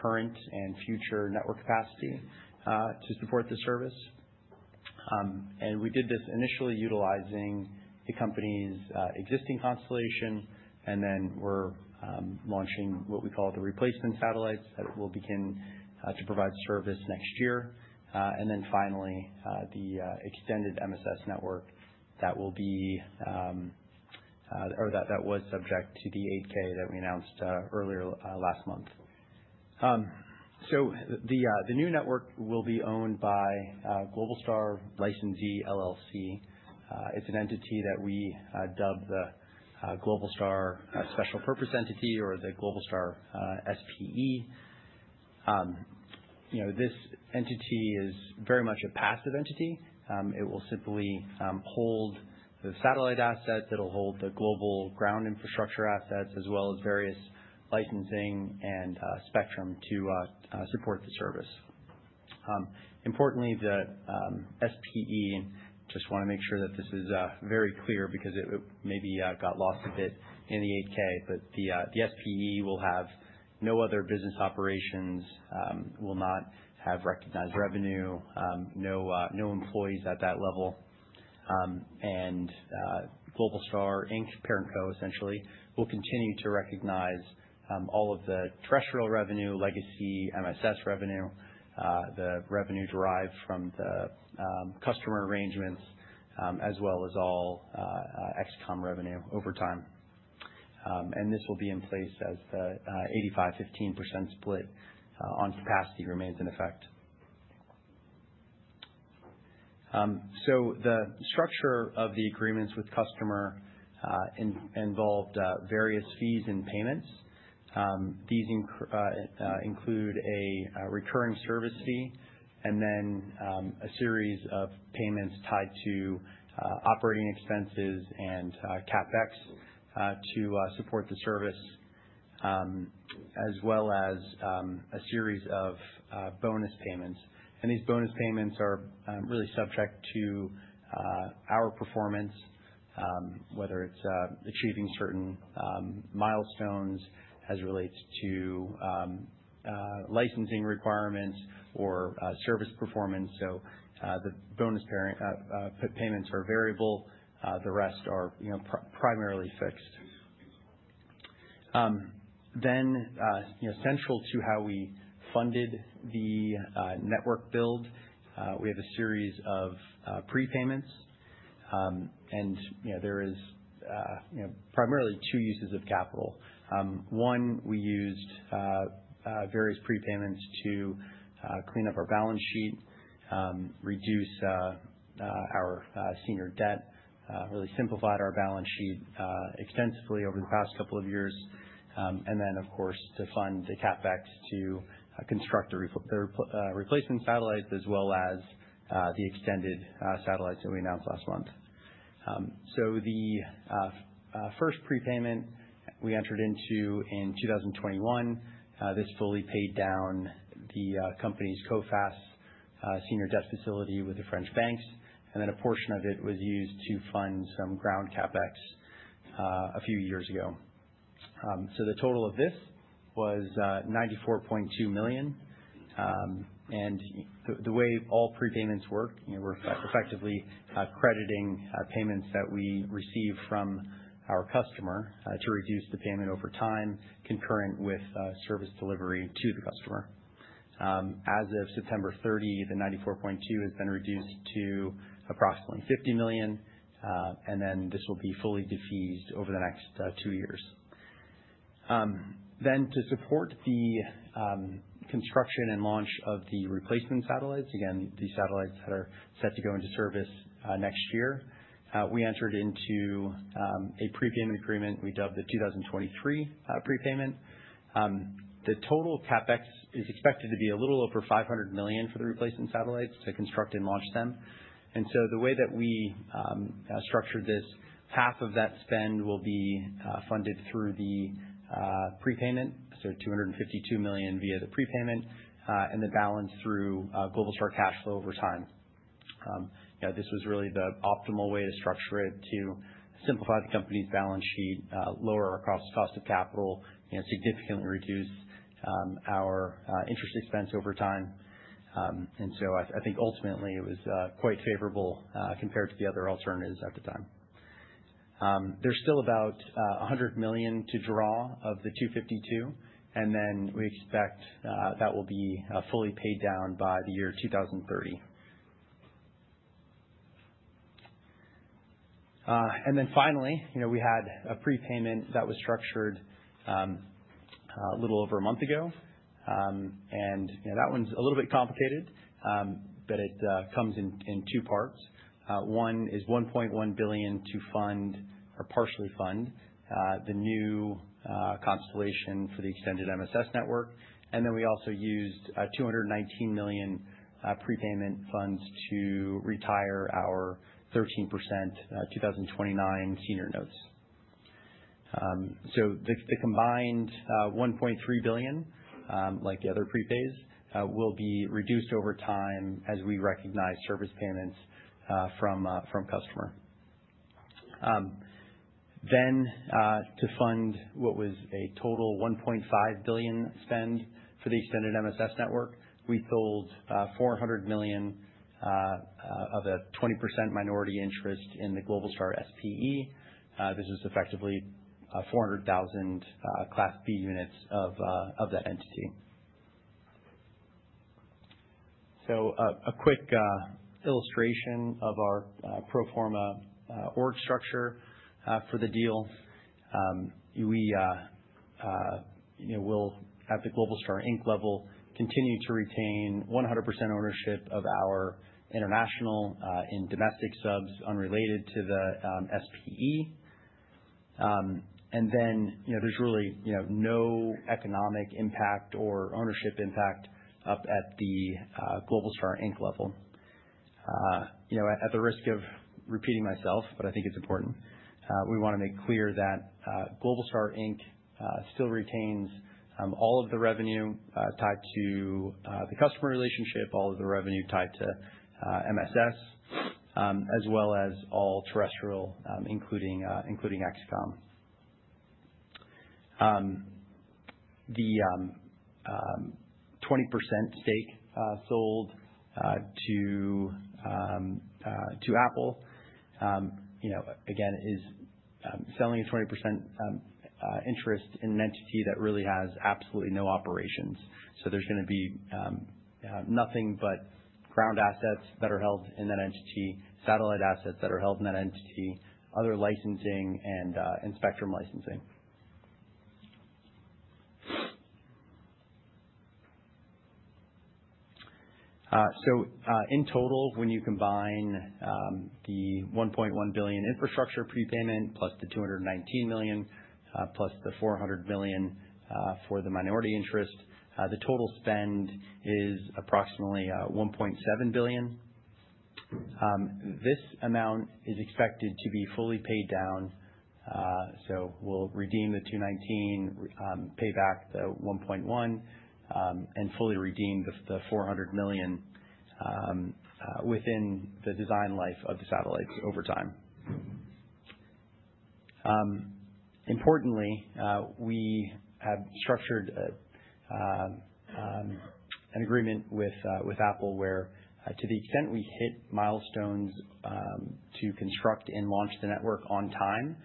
current and future network capacity to support the service. We did this initially utilizing the company's existing constellation. Then we're launching what we call the replacement satellites that will begin to provide service next year. Then finally, the extended MSS network that will be or that was subject to the 8-K that we announced earlier last month. The new network will be owned by Globalstar Licensee LLC. It's an entity that we dub the Globalstar Special Purpose Entity or the Globalstar SPE. This entity is very much a passive entity. It will simply hold the satellite assets. It'll hold the global ground infrastructure assets as well as various licensing and spectrum to support the service. Importantly, the SPE, just want to make sure that this is very clear because it maybe got lost a bit in the 8K, but the SPE will have no other business operations, will not have recognized revenue, no employees at that level, and Globalstar Inc., parent co, essentially, will continue to recognize all of the terrestrial revenue, legacy MSS revenue, the revenue derived from the customer arrangements, as well as all XCOM revenue over time, and this will be in place as the 85-15% split on capacity remains in effect, so the structure of the agreements with customer involved various fees and payments. These include a recurring service fee and then a series of payments tied to operating expenses and CapEx to support the service, as well as a series of bonus payments. These bonus payments are really subject to our performance, whether it's achieving certain milestones as it relates to licensing requirements or service performance. The bonus payments are variable. The rest are primarily fixed. Central to how we funded the network build, we have a series of prepayments. There is primarily two uses of capital. One, we used various prepayments to clean up our balance sheet, reduce our senior debt, really simplified our balance sheet extensively over the past couple of years. Of course, to fund the CapEx to construct the replacement satellites, as well as the extended satellites that we announced last month. The first prepayment we entered into in 2021 fully paid down the company's Coface senior debt facility with the French banks. A portion of it was used to fund some ground CapEx a few years ago. The total of this was $94.2 million. The way all prepayments work, we are effectively crediting payments that we receive from our customer to reduce the payment over time concurrent with service delivery to the customer. As of September 30, the $94.2 million has been reduced to approximately $50 million. This will be fully defeased over the next two years. To support the construction and launch of the replacement satellites, again, these satellites that are set to go into service next year, we entered into a prepayment agreement. We dubbed the 2023 prepayment. The total CapEx is expected to be a little over $500 million for the replacement satellites to construct and launch them. And so the way that we structured this, half of that spend will be funded through the prepayment, so $252 million via the prepayment, and the balance through Globalstar cash flow over time. This was really the optimal way to structure it to simplify the company's balance sheet, lower our cost of capital, significantly reduce our interest expense over time. And so I think ultimately it was quite favorable compared to the other alternatives at the time. There's still about $100 million to draw of the $252 million. And then we expect that will be fully paid down by the year 2030. And then finally, we had a prepayment that was structured a little over a month ago. That one's a little bit complicated, but it comes in two parts. One is $1.1 billion to fund or partially fund the new constellation for the extended MSS network. Then we also used $219 million prepayment funds to retire our 13% 2029 senior notes. The combined $1.3 billion, like the other prepays, will be reduced over time as we recognize service payments from customer. To fund what was a total $1.5 billion spend for the extended MSS network, we sold $400 million of a 20% minority interest in the Globalstar SPE. This was effectively 400,000 Class B units of that entity. A quick illustration of our pro forma org structure for the deal. We will, at the Globalstar Inc. level, continue to retain 100% ownership of our international and domestic subs unrelated to the SPE. Then there's really no economic impact or ownership impact up at the Globalstar, Inc. level. At the risk of repeating myself, but I think it's important, we want to make clear that Globalstar, Inc. still retains all of the revenue tied to the customer relationship, all of the revenue tied to MSS, as well as all terrestrial, including XCOM. The 20% stake sold to Apple, again, is selling a 20% interest in an entity that really has absolutely no operations. There's going to be nothing but ground assets that are held in that entity, satellite assets that are held in that entity, other licensing, and spectrum licensing. In total, when you combine the $1.1 billion infrastructure prepayment plus the $219 million plus the $400 million for the minority interest, the total spend is approximately $1.7 billion. This amount is expected to be fully paid down. We'll redeem the $219 million, pay back the $1.1 billion, and fully redeem the $400 million within the design life of the satellites over time. Importantly, we have structured an agreement with Apple where, to the extent we hit milestones to construct and launch the network on time,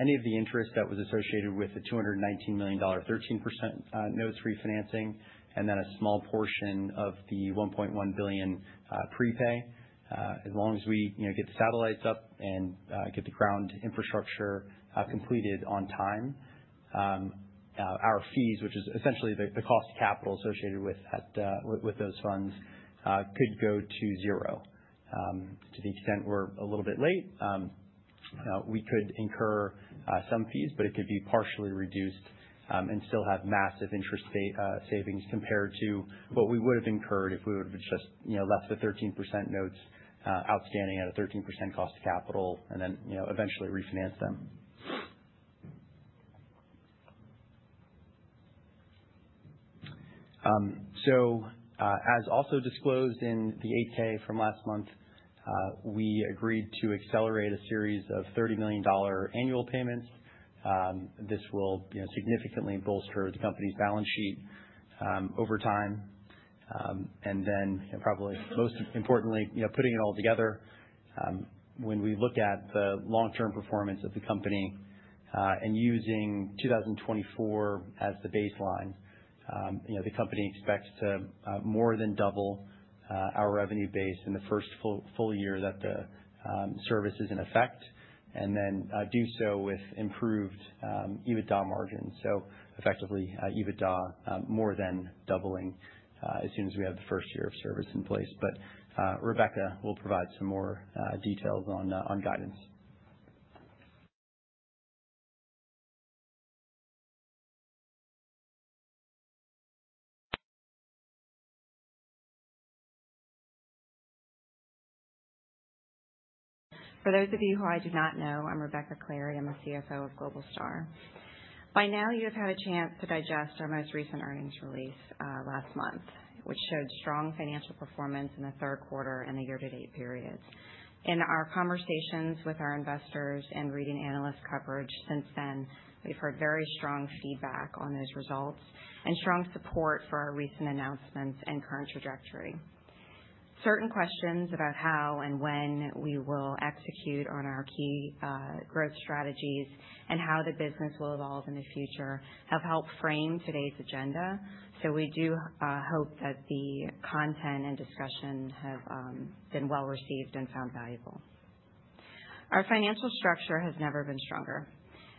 any of the interest that was associated with the $219 million 13% notes refinancing, and then a small portion of the $1.1 billion prepay, as long as we get the satellites up and get the ground infrastructure completed on time, our fees, which is essentially the cost of capital associated with those funds, could go to zero. To the extent we're a little bit late, we could incur some fees, but it could be partially reduced and still have massive interest savings compared to what we would have incurred if we would have just left the 13% notes outstanding at a 13% cost of capital and then eventually refinance them. So, as also disclosed in the 8K from last month, we agreed to accelerate a series of $30 million annual payments. This will significantly bolster the company's balance sheet over time. And then, probably most importantly, putting it all together, when we look at the long-term performance of the company and using 2024 as the baseline, the company expects to more than double our revenue base in the first full year that the service is in effect and then do so with improved EBITDA margins. So, effectively, EBITDA more than doubling as soon as we have the first year of service in place. But Rebecca will provide some more details on guidance. For those of you who I do not know, I'm Rebecca Clary. I'm the CFO of Globalstar. By now, you have had a chance to digest our most recent earnings release last month, which showed strong financial performance in the third quarter and the year-to-date period. In our conversations with our investors and reading analyst coverage since then, we've heard very strong feedback on those results and strong support for our recent announcements and current trajectory. Certain questions about how and when we will execute on our key growth strategies and how the business will evolve in the future have helped frame today's agenda. So we do hope that the content and discussion have been well received and found valuable. Our financial structure has never been stronger,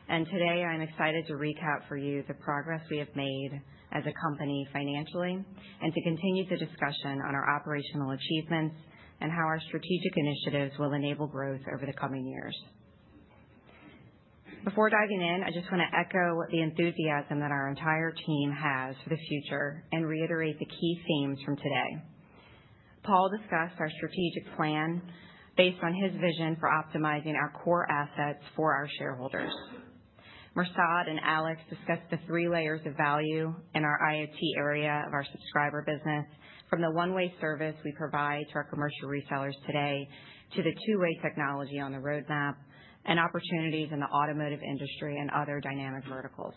and today, I'm excited to recap for you the progress we have made as a company financially and to continue the discussion on our operational achievements and how our strategic initiatives will enable growth over the coming years. Before diving in, I just want to echo the enthusiasm that our entire team has for the future and reiterate the key themes from today. Paul discussed our strategic plan based on his vision for optimizing our core assets for our shareholders. Mirsad and Alex discussed the three layers of value in our IoT area of our subscriber business, from the one-way service we provide to our commercial resellers today to the two-way technology on the roadmap and opportunities in the automotive industry and other dynamic verticals.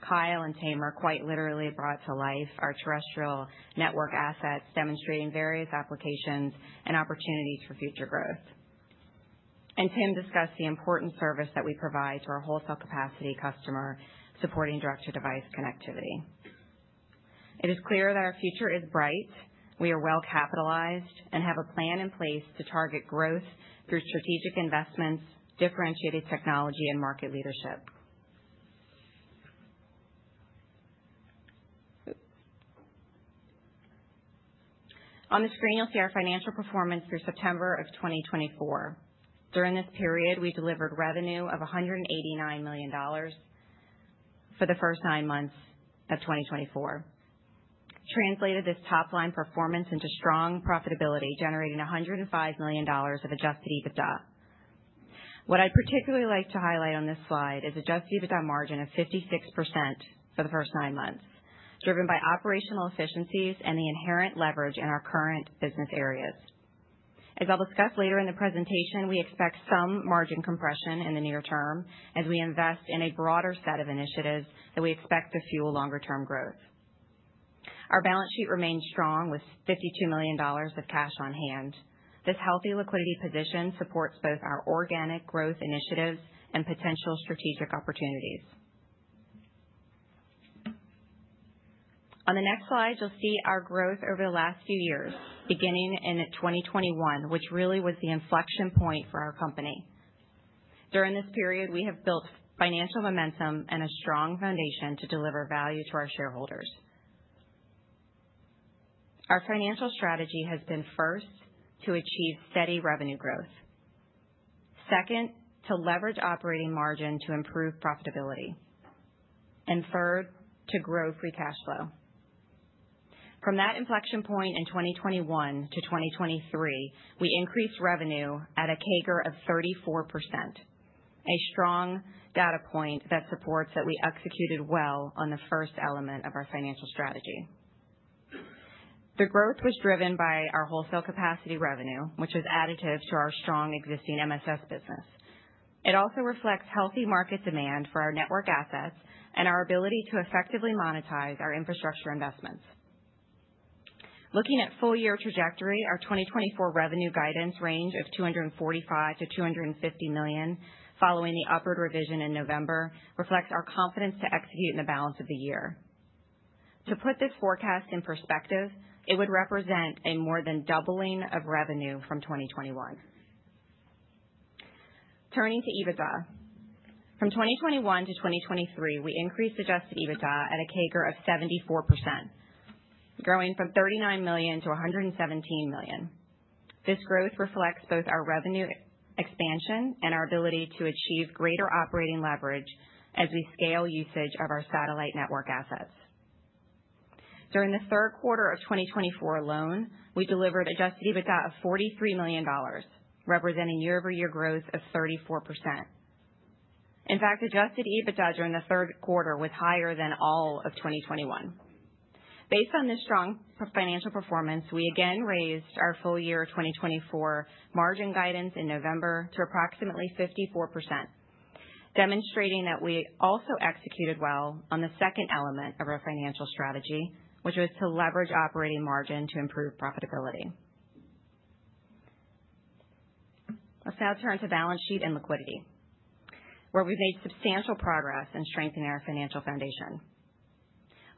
Kyle and Tamer quite literally brought to life our terrestrial network assets, demonstrating various applications and opportunities for future growth, and Tim discussed the important service that we provide to our wholesale capacity customer, supporting direct-to-device connectivity. It is clear that our future is bright. We are well capitalized and have a plan in place to target growth through strategic investments, differentiated technology, and market leadership. On the screen, you'll see our financial performance for September of 2024. During this period, we delivered revenue of $189 million for the first nine months of 2024. Translated this top-line performance into strong profitability, generating $105 million of Adjusted EBITDA. What I'd particularly like to highlight on this slide is Adjusted EBITDA margin of 56% for the first nine months, driven by operational efficiencies and the inherent leverage in our current business areas. As I'll discuss later in the presentation, we expect some margin compression in the near term as we invest in a broader set of initiatives that we expect to fuel longer-term growth. Our balance sheet remains strong with $52 million of cash on hand. This healthy liquidity position supports both our organic growth initiatives and potential strategic opportunities. On the next slide, you'll see our growth over the last few years, beginning in 2021, which really was the inflection point for our company. During this period, we have built financial momentum and a strong foundation to deliver value to our shareholders. Our financial strategy has been first to achieve steady revenue growth, second to leverage operating margin to improve profitability, and third to grow free cash flow. From that inflection point in 2021 to 2023, we increased revenue at a CAGR of 34%, a strong data point that supports that we executed well on the first element of our financial strategy. The growth was driven by our wholesale capacity revenue, which was additive to our strong existing MSS business. It also reflects healthy market demand for our network assets and our ability to effectively monetize our infrastructure investments. Looking at full-year trajectory, our 2024 revenue guidance range of $245 million-$250 million, following the upward revision in November, reflects our confidence to execute in the balance of the year. To put this forecast in perspective, it would represent a more than doubling of revenue from 2021. Turning to EBITDA, from 2021 to 2023, we increased adjusted EBITDA at a CAGR of 74%, growing from $39 million to $117 million. This growth reflects both our revenue expansion and our ability to achieve greater operating leverage as we scale usage of our satellite network assets. During the third quarter of 2024 alone, we delivered Adjusted EBITDA of $43 million, representing year-over-year growth of 34%. In fact, Adjusted EBITDA during the third quarter was higher than all of 2021. Based on this strong financial performance, we again raised our full-year 2024 margin guidance in November to approximately 54%, demonstrating that we also executed well on the second element of our financial strategy, which was to leverage operating margin to improve profitability. Let's now turn to balance sheet and liquidity, where we've made substantial progress in strengthening our financial foundation.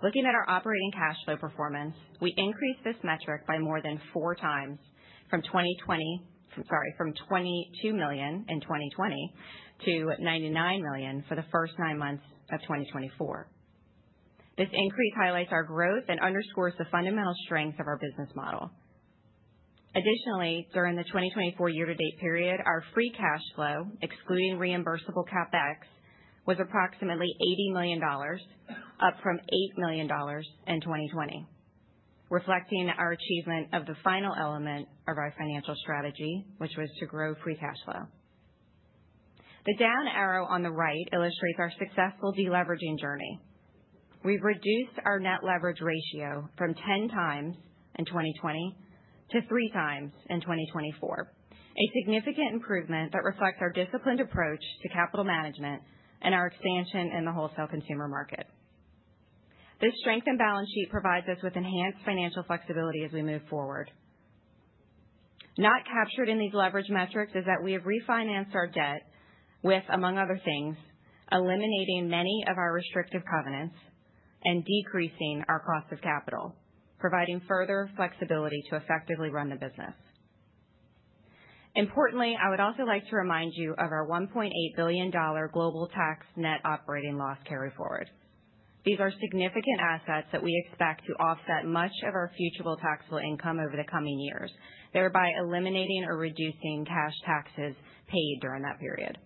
Looking at our operating cash flow performance, we increased this metric by more than four times from 2020, sorry, from $22 million in 2020 to $99 million for the first nine months of 2024. This increase highlights our growth and underscores the fundamental strengths of our business model. Additionally, during the 2024 year-to-date period, our free cash flow, excluding reimbursable CapEx, was approximately $80 million, up from $8 million in 2020, reflecting our achievement of the final element of our financial strategy, which was to grow free cash flow. The down arrow on the right illustrates our successful deleveraging journey. We've reduced our net leverage ratio from 10 times in 2020 to three times in 2024, a significant improvement that reflects our disciplined approach to capital management and our expansion in the wholesale consumer market. This strengthened balance sheet provides us with enhanced financial flexibility as we move forward. Not captured in these leverage metrics is that we have refinanced our debt with, among other things, eliminating many of our restrictive covenants and decreasing our cost of capital, providing further flexibility to effectively run the business. Importantly, I would also like to remind you of our $1.8 billion global tax net operating loss carry forward. These are significant assets that we expect to offset much of our future taxable income over the coming years, thereby eliminating or reducing cash taxes paid during that period.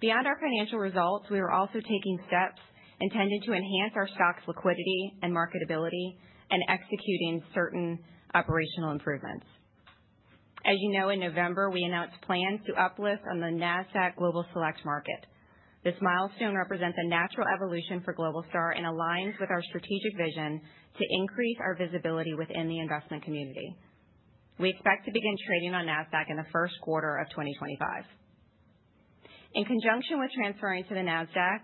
Beyond our financial results, we are also taking steps intended to enhance our stock's liquidity and marketability and executing certain operational improvements. As you know, in November, we announced plans to uplift on the NASDAQ Global Select market. This milestone represents a natural evolution for Globalstar and aligns with our strategic vision to increase our visibility within the investment community. We expect to begin trading on NASDAQ in the first quarter of 2025. In conjunction with transferring to the NASDAQ,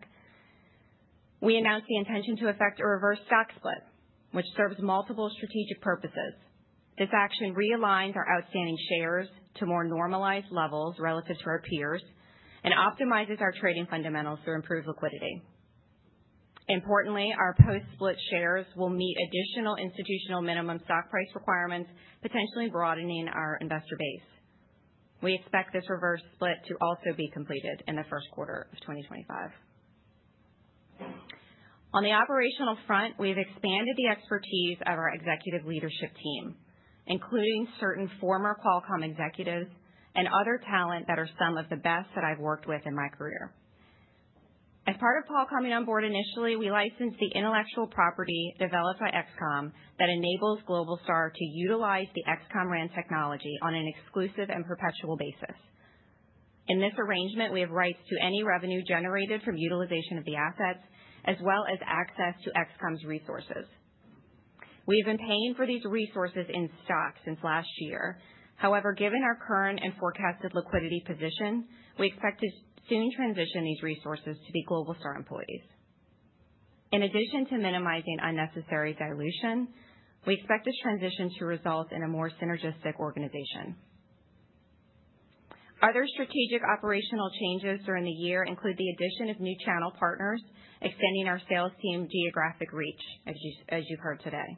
we announced the intention to effect a reverse stock split, which serves multiple strategic purposes. This action realigns our outstanding shares to more normalized levels relative to our peers and optimizes our trading fundamentals to improve liquidity. Importantly, our post-split shares will meet additional institutional minimum stock price requirements, potentially broadening our investor base. We expect this reverse split to also be completed in the first quarter of 2025. On the operational front, we have expanded the expertise of our executive leadership team, including certain former Qualcomm executives and other talent that are some of the best that I've worked with in my career. As part of Qualcomm and onboard initially, we licensed the intellectual property developed by XCOM that enables Globalstar to utilize the XCOM RAN technology on an exclusive and perpetual basis. In this arrangement, we have rights to any revenue generated from utilization of the assets, as well as access to XCOM's resources. We have been paying for these resources in stock since last year. However, given our current and forecasted liquidity position, we expect to soon transition these resources to the Globalstar employees. In addition to minimizing unnecessary dilution, we expect this transition to result in a more synergistic organization. Other strategic operational changes during the year include the addition of new channel partners, extending our sales team geographic reach, as you've heard today,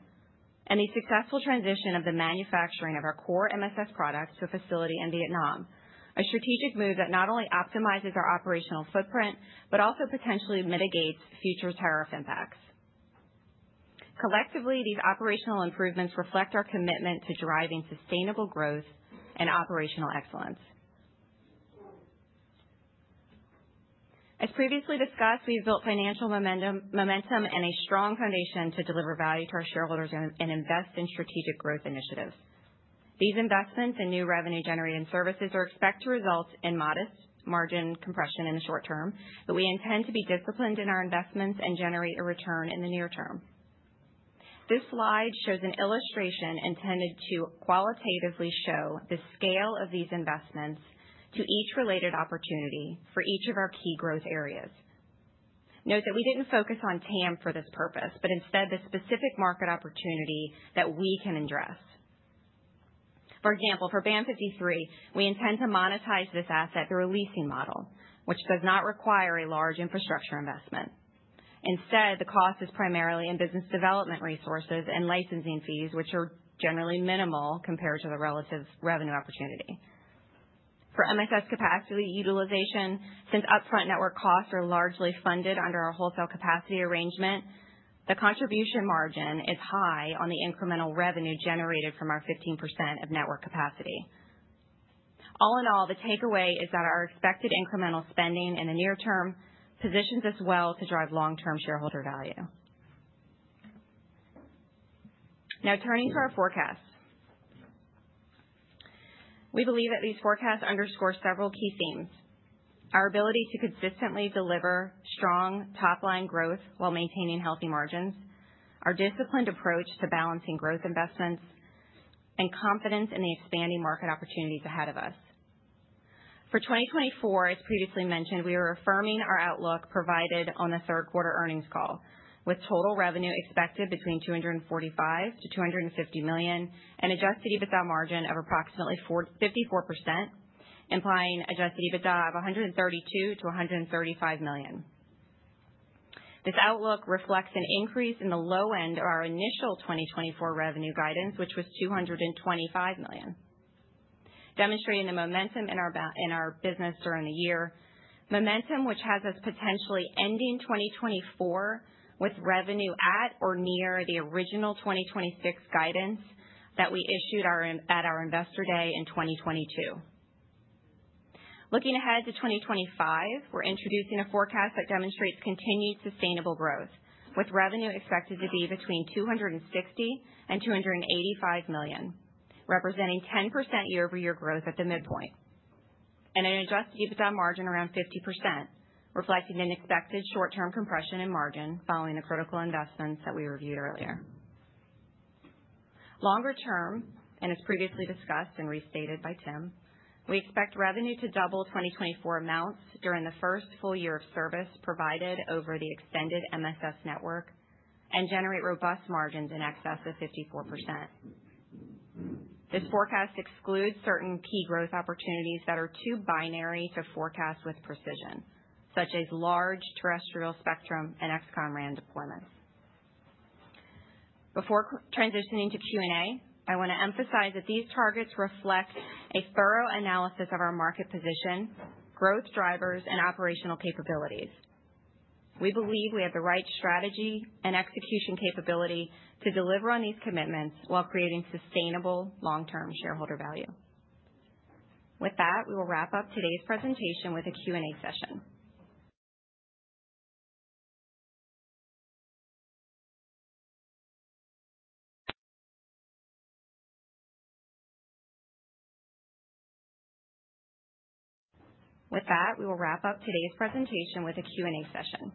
and the successful transition of the manufacturing of our core MSS products to a facility in Vietnam, a strategic move that not only optimizes our operational footprint but also potentially mitigates future tariff impacts. Collectively, these operational improvements reflect our commitment to driving sustainable growth and operational excellence. As previously discussed, we've built financial momentum and a strong foundation to deliver value to our shareholders and invest in strategic growth initiatives. These investments in new revenue-generating services are expected to result in modest margin compression in the short term, but we intend to be disciplined in our investments and generate a return in the near term. This slide shows an illustration intended to qualitatively show the scale of these investments to each related opportunity for each of our key growth areas. Note that we didn't focus on TAM for this purpose, but instead the specific market opportunity that we can address. For example, for Band 53, we intend to monetize this asset through a leasing model, which does not require a large infrastructure investment. Instead, the cost is primarily in business development resources and licensing fees, which are generally minimal compared to the relative revenue opportunity. For MSS capacity utilization, since upfront network costs are largely funded under our wholesale capacity arrangement, the contribution margin is high on the incremental revenue generated from our 15% of network capacity. All in all, the takeaway is that our expected incremental spending in the near term positions us well to drive long-term shareholder value. Now, turning to our forecasts, we believe that these forecasts underscore several key themes: our ability to consistently deliver strong top-line growth while maintaining healthy margins, our disciplined approach to balancing growth investments, and confidence in the expanding market opportunities ahead of us. For 2024, as previously mentioned, we are affirming our outlook provided on the third quarter earnings call, with total revenue expected between $245 million-$250 million and Adjusted EBITDA margin of approximately 54%, implying Adjusted EBITDA of $132 million-$135 million. This outlook reflects an increase in the low end of our initial 2024 revenue guidance, which was $225 million, demonstrating the momentum in our business during the year, momentum which has us potentially ending 2024 with revenue at or near the original 2026 guidance that we issued at our investor day in 2022. Looking ahead to 2025, we're introducing a forecast that demonstrates continued sustainable growth, with revenue expected to be between $260 million and $285 million, representing 10% year-over-year growth at the midpoint, and an Adjusted EBITDA margin around 50%, reflecting an expected short-term compression in margin following the critical investments that we reviewed earlier. Longer term, and as previously discussed and restated by Tim, we expect revenue to double 2024 amounts during the first full year of service provided over the extended MSS network and generate robust margins in excess of 54%. This forecast excludes certain key growth opportunities that are too binary to forecast with precision, such as large terrestrial spectrum and XCOM RAN deployments. Before transitioning to Q&A, I want to emphasize that these targets reflect a thorough analysis of our market position, growth drivers, and operational capabilities. We believe we have the right strategy and execution capability to deliver on these commitments while creating sustainable long-term shareholder value. With that, we will wrap up today's presentation with a Q&A session.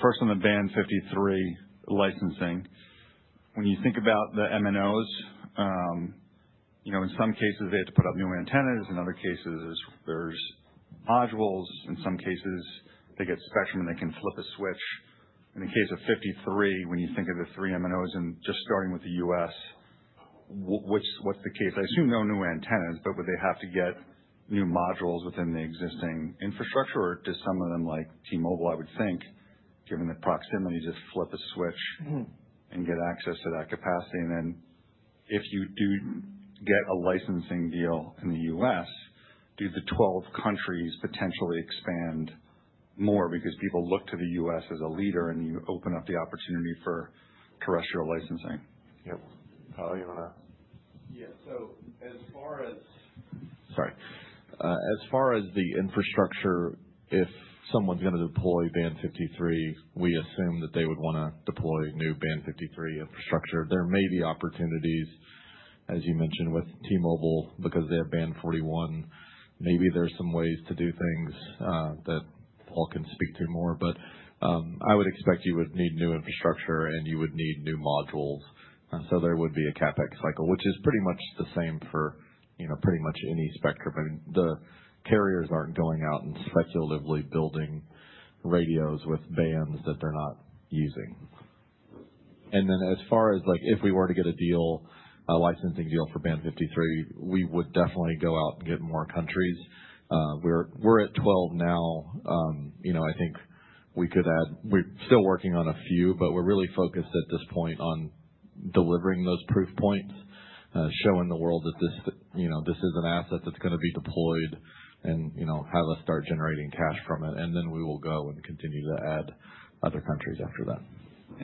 First, on the Band 53 licensing, when you think about the MNOs, in some cases, they have to put up new antennas. In other cases, there's modules. In some cases, they get spectrum and they can flip a switch. In the case of 53, when you think of the three MNOs and just starting with the US, what's the case? I assume no new antennas, but would they have to get new modules within the existing infrastructure, or do some of them, like T-Mobile, I would think, given the proximity, just flip a switch and get access to that capacity? And then if you do get a licensing deal in the U.S., do the 12 countries potentially expand more because people look to the U.S. as a leader and you open up the opportunity for terrestrial licensing? Yep. Paul, you want to? Yeah. So as far as, sorry. As far as the infrastructure, if someone's going to deploy Band 53, we assume that they would want to deploy new Band 53 infrastructure. There may be opportunities, as you mentioned, with T-Mobile because they have Band 41. Maybe there are some ways to do things that Paul can speak to more. But I would expect you would need new infrastructure and you would need new modules. So there would be a CapEx cycle, which is pretty much the same for pretty much any spectrum. I mean, the carriers aren't going out and speculatively building radios with bands that they're not using. And then as far as if we were to get a licensing deal for Band 53, we would definitely go out and get more countries. We're at 12 now. I think we could add, we're still working on a few, but we're really focused at this point on delivering those proof points, showing the world that this is an asset that's going to be deployed and have us start generating cash from it. And then we will go and continue to add other countries after that.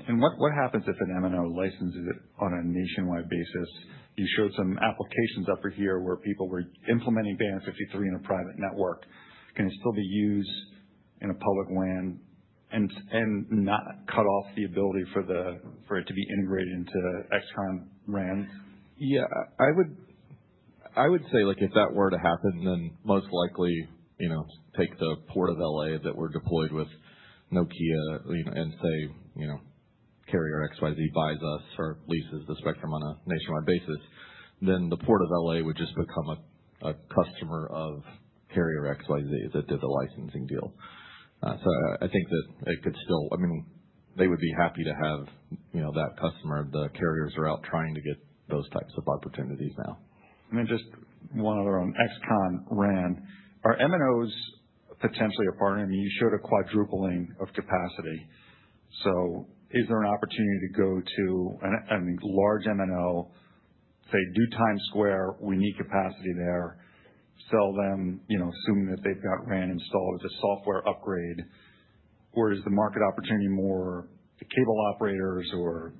And what happens if an MNO licenses it on a nationwide basis? You showed some applications up here where people were implementing Band 53 in a private network. Can it still be used in a public WAN and not cut off the ability for it to be integrated into XCOM RAN? Yeah. I would say if that were to happen, then most likely take the Port of Los Angeles that we're deployed with Nokia and say, "Carrier XYZ buys us or leases the spectrum on a nationwide basis." Then the Port of Los Angeles would just become a customer of Carrier XYZ that did the licensing deal. So I think that it could still—I mean, they would be happy to have that customer. The carriers are out trying to get those types of opportunities now. And then just one other on XCOM RAN. Are MNOs potentially a partner? I mean, you showed a quadrupling of capacity. So is there an opportunity to go to a large MNO, say, do Times Square? We need capacity there. Sell them, assuming that they've got RAN installed with a software upgrade. Where is the market opportunity more? The cable operators or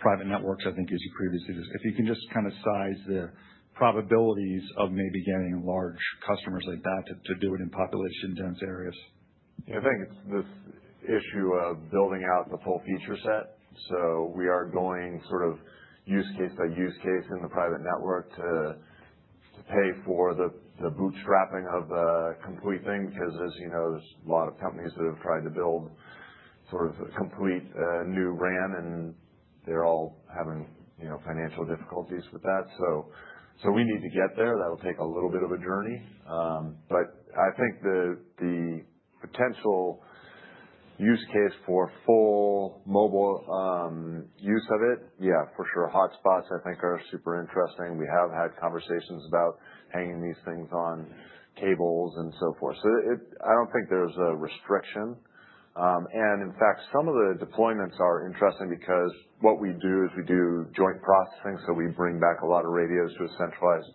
private networks, I think, as you previously just—if you can just kind of size the probabilities of maybe getting large customers like that to do it in population-dense areas. Yeah. I think it's this issue of building out the full feature set. So we are going sort of use case by use case in the private network to pay for the bootstrapping of the complete thing because, as you know, there's a lot of companies that have tried to build sort of a complete new RAN, and they're all having financial difficulties with that. So we need to get there. That'll take a little bit of a journey. But I think the potential use case for full mobile use of it, yeah, for sure. Hotspots, I think, are super interesting. We have had conversations about hanging these things on cables and so forth. I don't think there's a restriction. In fact, some of the deployments are interesting because what we do is we do joint processing. We bring back a lot of radios to a centralized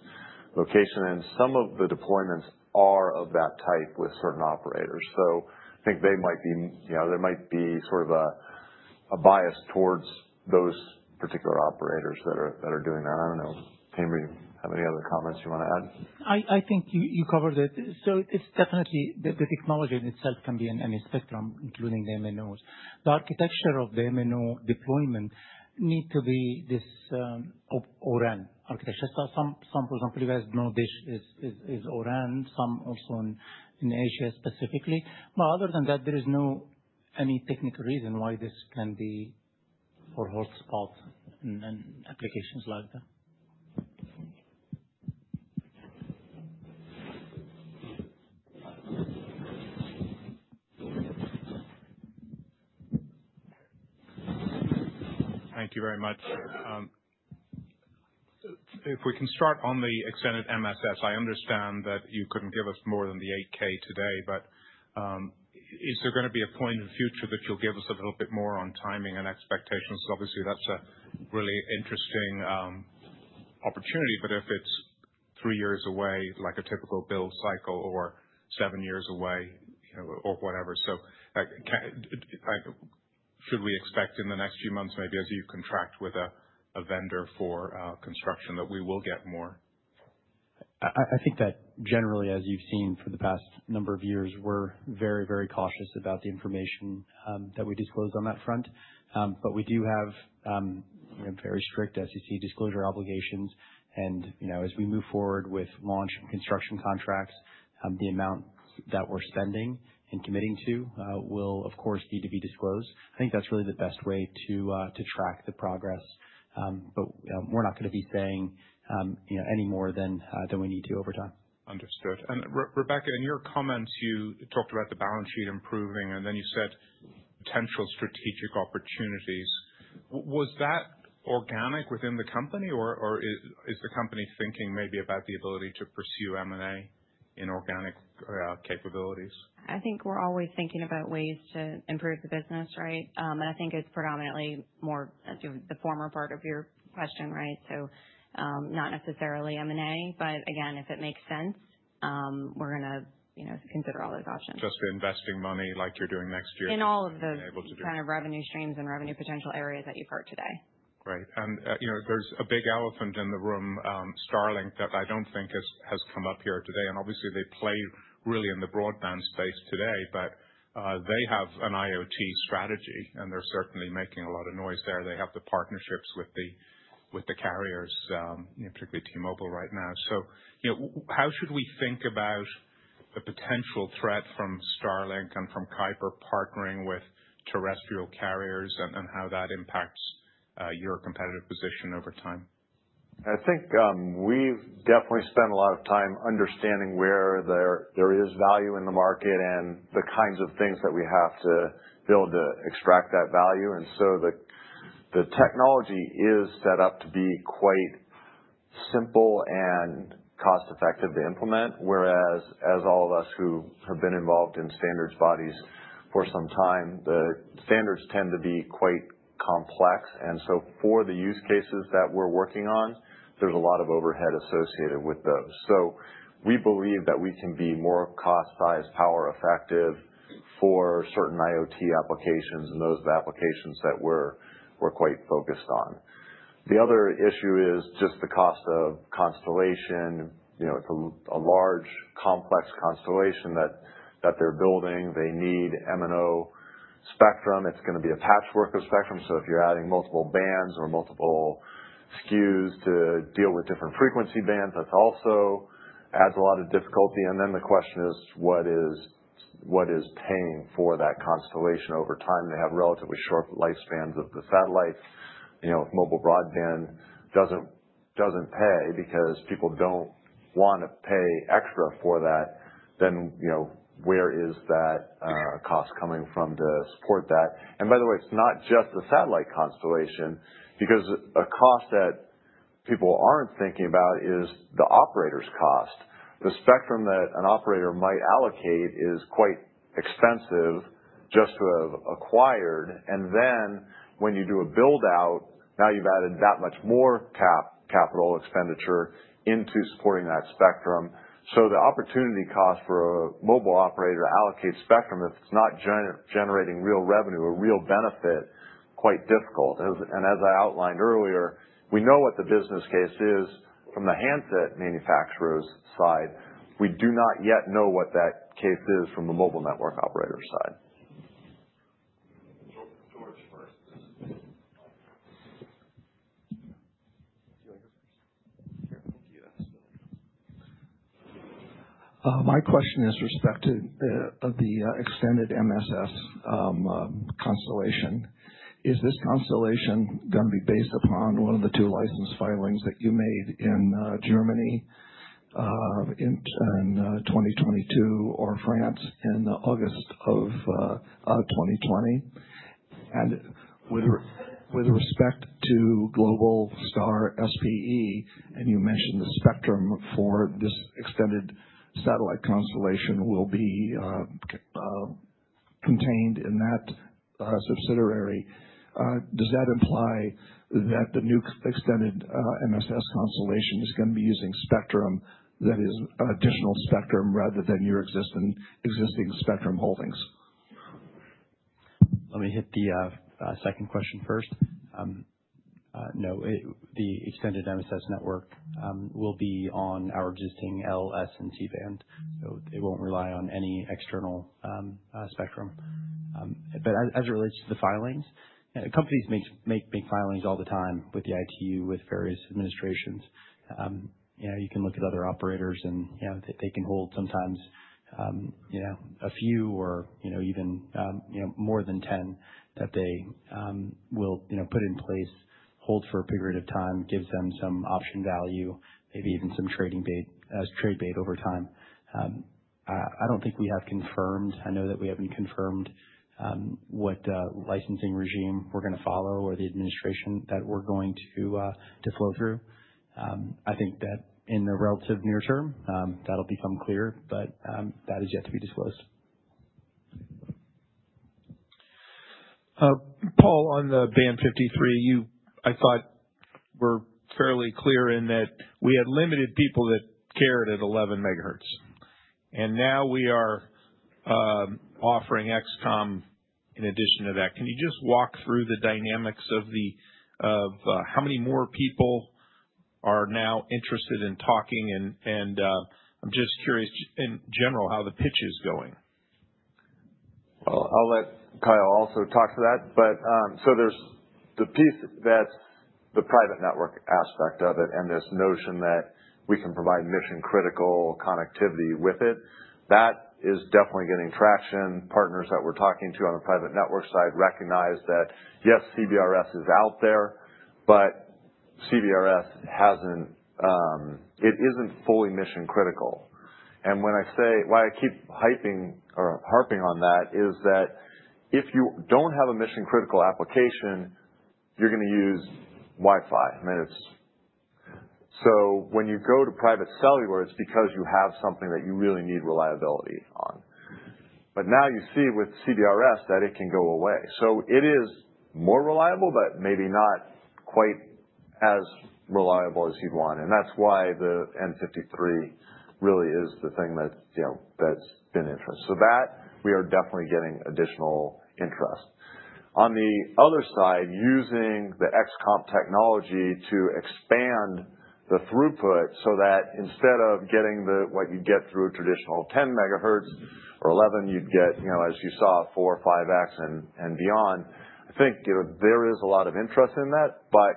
location. Some of the deployments are of that type with certain operators. I think there might be sort of a bias towards those particular operators that are doing that. I don't know. Tamer, do you have any other comments you want to add? I think you covered it. It's definitely the technology in itself can be in any spectrum, including the MNOs. The architecture of the MNO deployment needs to be this O-RAN architecture. Some, for example, you guys know this is O-RAN, some also in Asia specifically. But other than that, there is no any technical reason why this can be for hotspots and applications like that. Thank you very much. If we can start on the extended MSS, I understand that you couldn't give us more than the 8-K today. But is there going to be a point in the future that you'll give us a little bit more on timing and expectations? Obviously, that's a really interesting opportunity. But if it's three years away, like a typical build cycle or seven years away or whatever, should we expect in the next few months, maybe as you contract with a vendor for construction, that we will get more? I think that generally, as you've seen for the past number of years, we're very, very cautious about the information that we disclose on that front. But we do have very strict SEC disclosure obligations. And as we move forward with launch and construction contracts, the amount that we're spending and committing to will, of course, need to be disclosed. I think that's really the best way to track the progress. But we're not going to be saying any more than we need to over time. Understood. And Rebecca, in your comments, you talked about the balance sheet improving, and then you said potential strategic opportunities. Was that organic within the company, or is the company thinking maybe about the ability to pursue M&A in organic capabilities? I think we're always thinking about ways to improve the business, right? And I think it's predominantly more the former part of your question, right? So not necessarily M&A. But again, if it makes sense, we're going to consider all those options. Just investing money like you're doing next year? In all of the kind of revenue streams and revenue potential areas that you've heard today. Right. And there's a big elephant in the room, Starlink, that I don't think has come up here today. And obviously, they play really in the broadband space today. But they have an IoT strategy, and they're certainly making a lot of noise there. They have the partnerships with the carriers, particularly T-Mobile right now. So how should we think about the potential threat from Starlink and from Kuiper partnering with terrestrial carriers and how that impacts your competitive position over time? I think we've definitely spent a lot of time understanding where there is value in the market and the kinds of things that we have to build to extract that value. And so the technology is set up to be quite simple and cost-effective to implement. Whereas, as all of us who have been involved in standards bodies for some time, the standards tend to be quite complex. And so for the use cases that we're working on, there's a lot of overhead associated with those. So we believe that we can be more cost-effective, power-efficient for certain IoT applications and those applications that we're quite focused on. The other issue is just the cost of constellation. It's a large, complex constellation that they're building. They need MNO spectrum. It's going to be a patchwork of spectrum. So if you're adding multiple bands or multiple SKUs to deal with different frequency bands, that also adds a lot of difficulty. And then the question is, what is paying for that constellation over time? They have relatively short lifespans of the satellites. If mobile broadband doesn't pay because people don't want to pay extra for that, then where is that cost coming from to support that? And by the way, it's not just the satellite constellation because a cost that people aren't thinking about is the operator's cost. The spectrum that an operator might allocate is quite expensive just to have acquired. And then when you do a build-out, now you've added that much more capital expenditure into supporting that spectrum. So the opportunity cost for a mobile operator to allocate spectrum, if it's not generating real revenue or real benefit, is quite difficult. And as I outlined earlier, we know what the business case is from the handset manufacturer's side. We do not yet know what that case is from the mobile network operator's side. George first. My question is with respect to the extended MSS constellation. Is this constellation going to be based upon one of the two license filings that you made in Germany in 2022 or France in August of 2020? And with respect to Globalstar SPE, and you mentioned the spectrum for this extended satellite constellation will be contained in that subsidiary. Does that imply that the new extended MSS constellation is going to be using spectrum that is additional spectrum rather than your existing spectrum holdings? Let me hit the second question first. No, the extended MSS network will be on our existing L-band and C-band. So it won't rely on any external spectrum. But as it relates to the filings, companies make filings all the time with the ITU, with various administrations. You can look at other operators, and they can hold sometimes a few or even more than 10 that they will put in place, hold for a period of time, gives them some option value, maybe even some trade bait over time. I don't think we have confirmed. I know that we haven't confirmed what licensing regime we're going to follow or the administration that we're going to flow through. I think that in the relative near term, that'll become clear. But that is yet to be disclosed. Paul, on the Band 53, I thought we're fairly clear in that we had limited people that carried at 11 megahertz. And now we are offering XCOM in addition to that. Can you just walk through the dynamics of how many more people are now interested in talking? And I'm just curious, in general, how the pitch is going. I'll let Kyle also talk to that. There's the piece that's the private network aspect of it and this notion that we can provide mission-critical connectivity with it. That is definitely getting traction. Partners that we're talking to on the private network side recognize that, yes, CBRS is out there, but CBRS hasn't. It isn't fully mission-critical. And when I say why I keep harping on that is that if you don't have a mission-critical application, you're going to use Wi-Fi. When you go to private cellular, it's because you have something that you really need reliability on. But now you see with CBRS that it can go away. It is more reliable, but maybe not quite as reliable as you'd want. And that's why the n53 really is the thing that's been interesting. That, we are definitely getting additional interest. On the other side, using the XCOM technology to expand the throughput so that instead of getting what you'd get through a traditional 10 megahertz or 11, you'd get, as you saw, 4, 5X and beyond. I think there is a lot of interest in that. But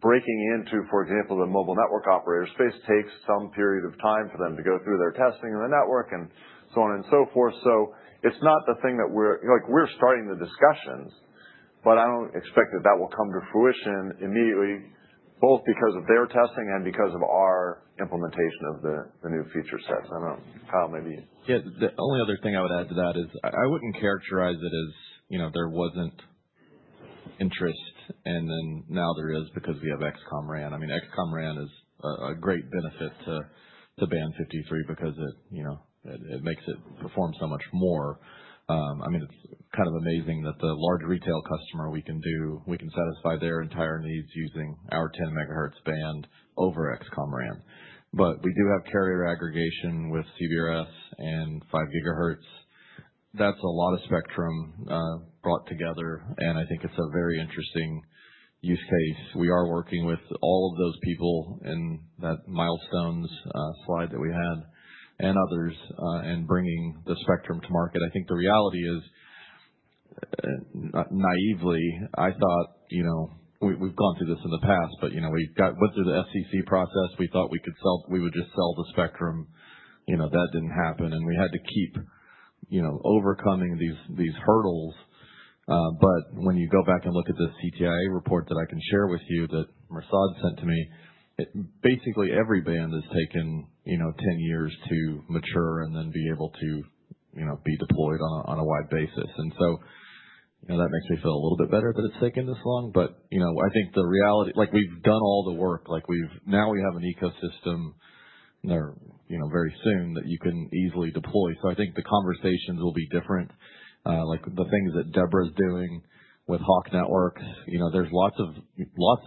breaking into, for example, the mobile network operator space takes some period of time for them to go through their testing of the network and so on and so forth. So it's not the thing that we're starting the discussions, but I don't expect that that will come to fruition immediately, both because of their testing and because of our implementation of the new feature sets. I don't know. Kyle, maybe you— Yeah. The only other thing I would add to that is I wouldn't characterize it as there wasn't interest, and then now there is because we have XCOM RAN. I mean, XCOM RAN is a great benefit to Band 53 because it makes it perform so much more. I mean, it's kind of amazing that the large retail customer, we can satisfy their entire needs using our 10 megahertz band over XCOM RAN. But we do have carrier aggregation with CBRS and five gigahertz. That's a lot of spectrum brought together. And I think it's a very interesting use case. We are working with all of those people in that milestones slide that we had and others and bringing the spectrum to market. I think the reality is, naively, I thought we've gone through this in the past, but we went through the SEC process. We thought we would just sell the spectrum. That didn't happen. And we had to keep overcoming these hurdles. But when you go back and look at the CTIA report that I can share with you that Mirsad sent to me, basically every band is taken 10 years to mature and then be able to be deployed on a wide basis. That makes me feel a little bit better that it's taken this long. I think the reality is we've done all the work. Now we have an ecosystem very soon that you can easily deploy. The conversations will be different. The things that Deborah's doing with Hawk Networks, there's lots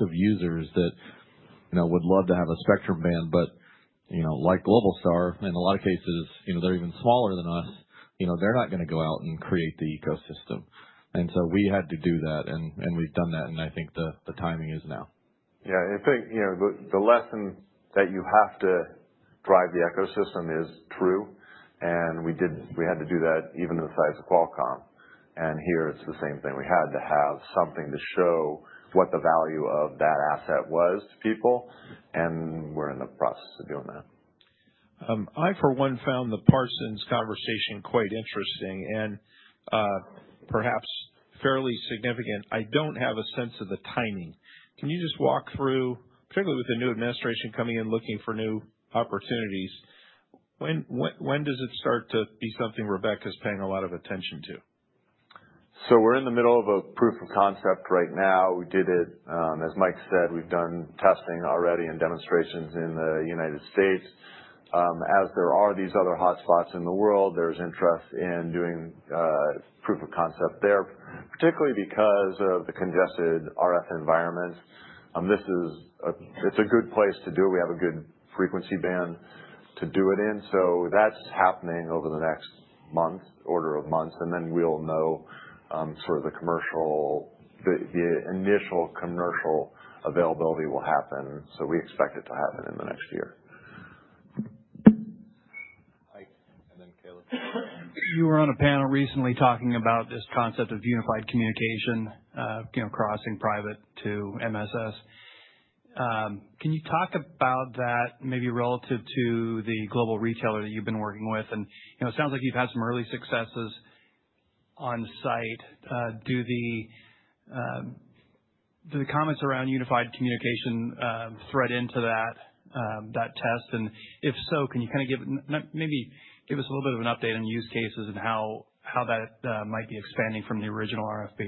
of users that would love to have a spectrum band. Like Globalstar, in a lot of cases, they're even smaller than us. They're not going to go out and create the ecosystem. We had to do that. We've done that. The timing is now. Yeah. I think the lesson that you have to drive the ecosystem is true. And we had to do that even in the size of Qualcomm. And here, it's the same thing. We had to have something to show what the value of that asset was to people. And we're in the process of doing that. I, for one, found the Parsons conversation quite interesting and perhaps fairly significant. I don't have a sense of the timing. Can you just walk through, particularly with the new administration coming in looking for new opportunities? When does it start to be something Rebecca's paying a lot of attention to? So we're in the middle of a proof of concept right now. We did it. As Mike said, we've done testing already and demonstrations in the United States. As there are these other hotspots in the world, there's interest in doing proof of concept there, particularly because of the congested RF environments. It's a good place to do it. We have a good frequency band to do it in. So that's happening over the next order of months. And then we'll know sort of the initial commercial availability will happen. So we expect it to happen in the next year. Mike, and then Caleb. You were on a panel recently talking about this concept of unified communication, crossing private to MSS. Can you talk about that maybe relative to the global retailer that you've been working with? And it sounds like you've had some early successes on site. Do the comments around unified communication thread into that test? And if so, can you kind of maybe give us a little bit of an update on use cases and how that might be expanding from the original RFP?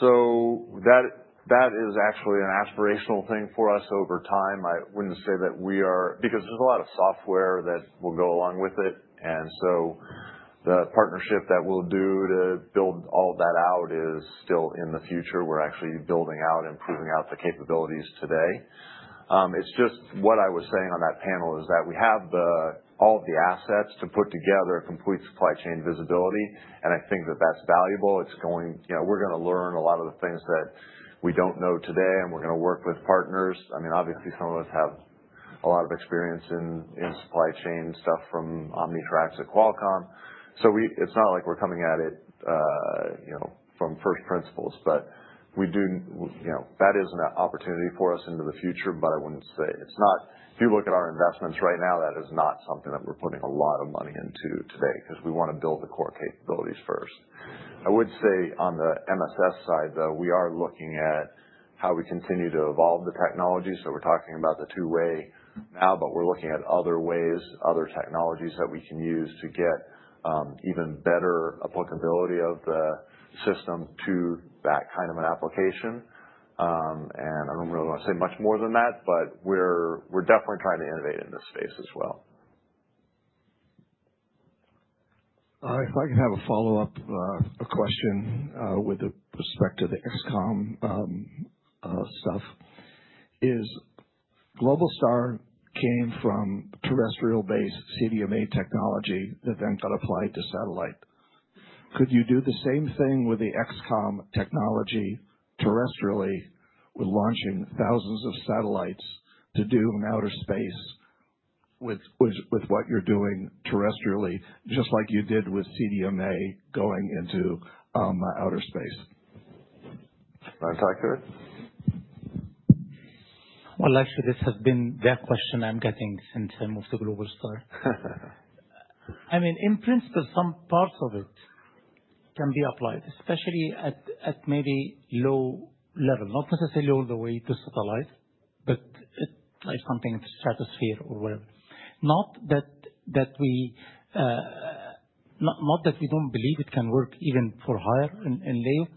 So that is actually an aspirational thing for us over time. I wouldn't say that we are because there's a lot of software that will go along with it. And so the partnership that we'll do to build all of that out is still in the future. We're actually building out and proving out the capabilities today. It's just what I was saying on that panel is that we have all of the assets to put together a complete supply chain visibility. And I think that that's valuable. We're going to learn a lot of the things that we don't know today. And we're going to work with partners. I mean, obviously, some of us have a lot of experience in supply chain stuff from Omnitracs at Qualcomm. So it's not like we're coming at it from first principles. But that is an opportunity for us into the future. But I wouldn't say it's not if you look at our investments right now, that is not something that we're putting a lot of money into today because we want to build the core capabilities first. I would say on the MSS side, though, we are looking at how we continue to evolve the technology. So we're talking about the two-way now, but we're looking at other ways, other technologies that we can use to get even better applicability of the system to that kind of an application. And I don't really want to say much more than that, but we're definitely trying to innovate in this space as well. If I can have a follow-up question with respect to the XCOM stuff: is Globalstar came from terrestrial-based CDMA technology that then got applied to satellite? Could you do the same thing with the XCOM technology terrestrially with launching thousands of satellites to do in outer space with what you're doing terrestrially, just like you did with CDMA going into outer space? I'll talk to it. Well, actually, this has been that question I'm getting since I moved to Globalstar. I mean, in principle, some parts of it can be applied, especially at maybe low level, not necessarily all the way to satellite, but something to stratosphere or whatever. Not that we don't believe it can work even for higher in layer,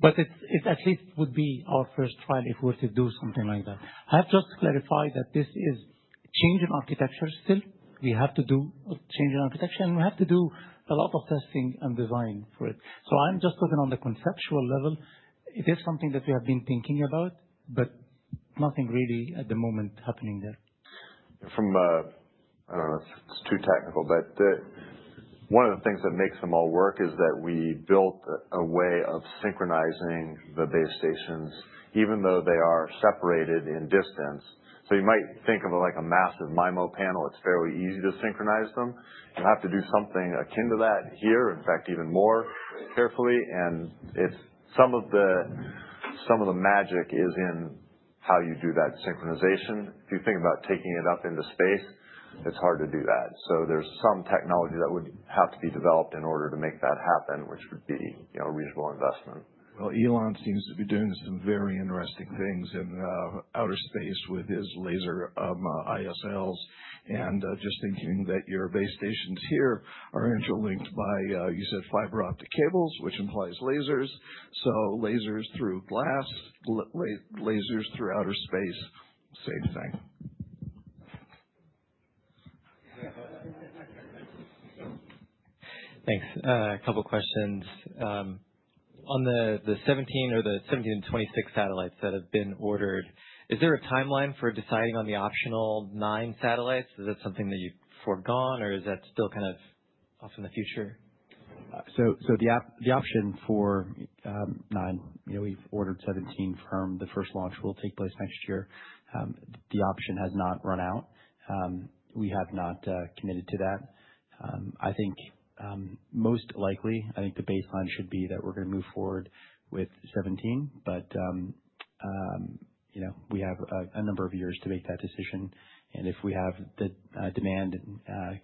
but it at least would be our first trial if we were to do something like that. I have just clarified that this is a change in architecture still. We have to do a change in architecture, and we have to do a lot of testing and design for it, so I'm just talking on the conceptual level. It is something that we have been thinking about, but nothing really at the moment happening there. From a, I don't know. It's too technical, but one of the things that makes them all work is that we built a way of synchronizing the base stations, even though they are separated in distance, so you might think of it like a massive MIMO panel. It's fairly easy to synchronize them. You have to do something akin to that here, in fact, even more carefully, and some of the magic is in how you do that synchronization. If you think about taking it up into space, it's hard to do that. So there's some technology that would have to be developed in order to make that happen, which would be a reasonable investment. Well, Elon seems to be doing some very interesting things in outer space with his laser ISLs. And just thinking that your base stations here are interlinked by, you said, fiber optic cables, which implies lasers. So lasers through glass, lasers through outer space, same thing. Thanks. A couple of questions. On the 17 or the 17 and 26 satellites that have been ordered, is there a timeline for deciding on the optional nine satellites? Is that something that you've foregone, or is that still kind of off in the future? So the option for nine, we've ordered 17. From the first launch will take place next year. The option has not run out. We have not committed to that. I think most likely, I think the baseline should be that we're going to move forward with 17, but we have a number of years to make that decision. And if we have the demand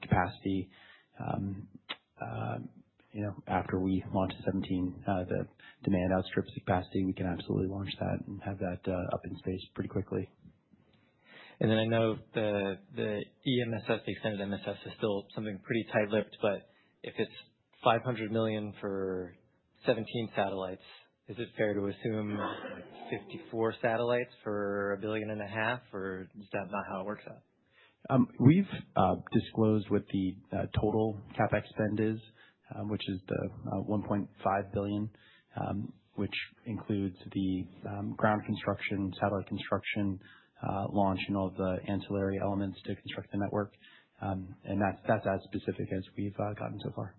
capacity after we launch 17, the demand outstrips the capacity, we can absolutely launch that and have that up in space pretty quickly, and then I know the EMSS, the extended MSS, is still something pretty tight-lipped, but if it's $500 million for 17 satellites, is it fair to assume 54 satellites for $1.5 billion, or is that not how it works out? We've disclosed what the total CapEx spend is, which is the $1.5 billion, which includes the ground construction, satellite construction, launch, and all of the ancillary elements to construct the network, and that's as specific as we've gotten so far.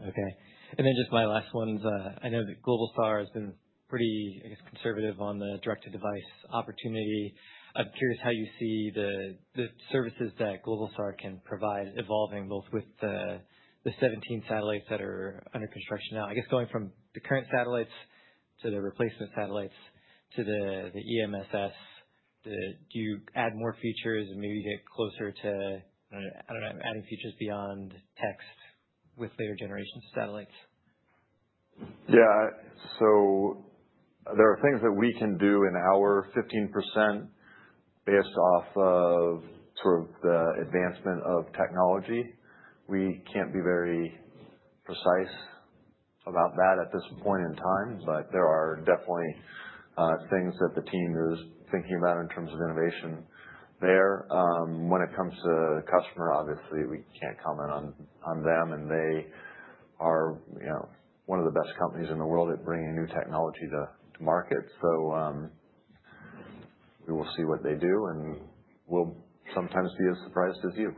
Okay. Then just my last one is I know that Globalstar has been pretty, I guess, conservative on the direct-to-device opportunity. I'm curious how you see the services that Globalstar can provide evolving both with the 17 satellites that are under construction now. I guess going from the current satellites to the replacement satellites to the EMSS. Do you add more features and maybe get closer to, I don't know, adding features beyond text with later generations of satellites? Yeah. So there are things that we can do in our L-band based off of sort of the advancement of technology. We can't be very precise about that at this point in time. But there are definitely things that the team is thinking about in terms of innovation there. When it comes to the customer, obviously, we can't comment on them. And they are one of the best companies in the world at bringing new technology to market. So we will see what they do. And we'll sometimes be as surprised as you.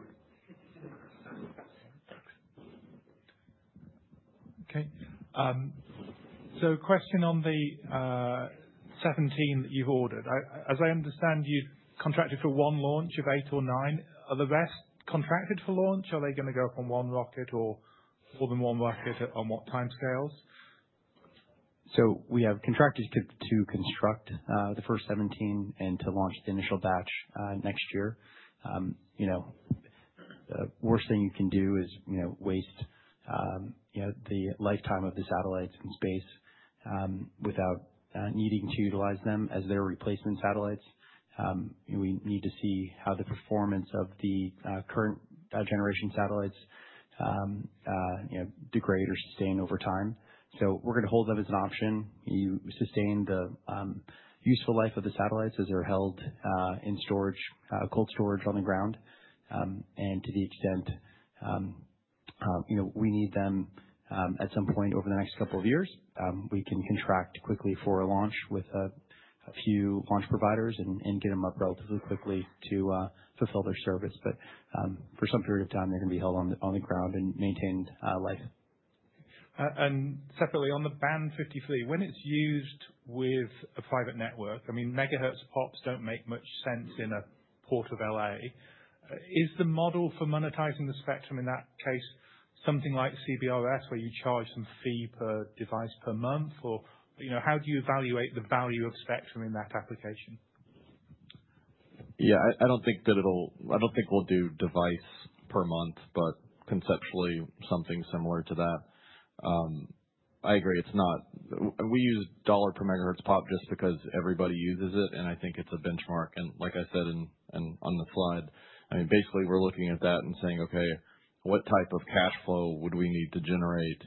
Okay. So question on the 17 that you've ordered. As I understand, you've contracted for one launch of eight or nine. Are the rest contracted for launch? Are they going to go from one rocket or more than one rocket on what timescales? So we have contracted to construct the first 17 and to launch the initial batch next year. The worst thing you can do is waste the lifetime of the satellites in space without needing to utilize them as their replacement satellites. We need to see how the performance of the current generation satellites degrade or sustain over time. So we're going to hold them as an option. You sustain the useful life of the satellites as they're held in cold storage on the ground. And to the extent we need them at some point over the next couple of years, we can contract quickly for a launch with a few launch providers and get them up relatively quickly to fulfill their service. But for some period of time, they're going to be held on the ground and maintained life. And separately, on the Band 53, when it's used with a private network, I mean, megahertz pops don't make much sense in a Port of Los Angeles. Is the model for monetizing the spectrum in that case something like CBRS, where you charge some fee per device per month? Or how do you evaluate the value of spectrum in that application? Yeah. I don't think we'll do device per month, but conceptually, something similar to that. I agree. We use $ per megahertz pop just because everybody uses it. And I think it's a benchmark. And like I said on the slide, I mean, basically, we're looking at that and saying, "Okay. What type of cash flow would we need to generate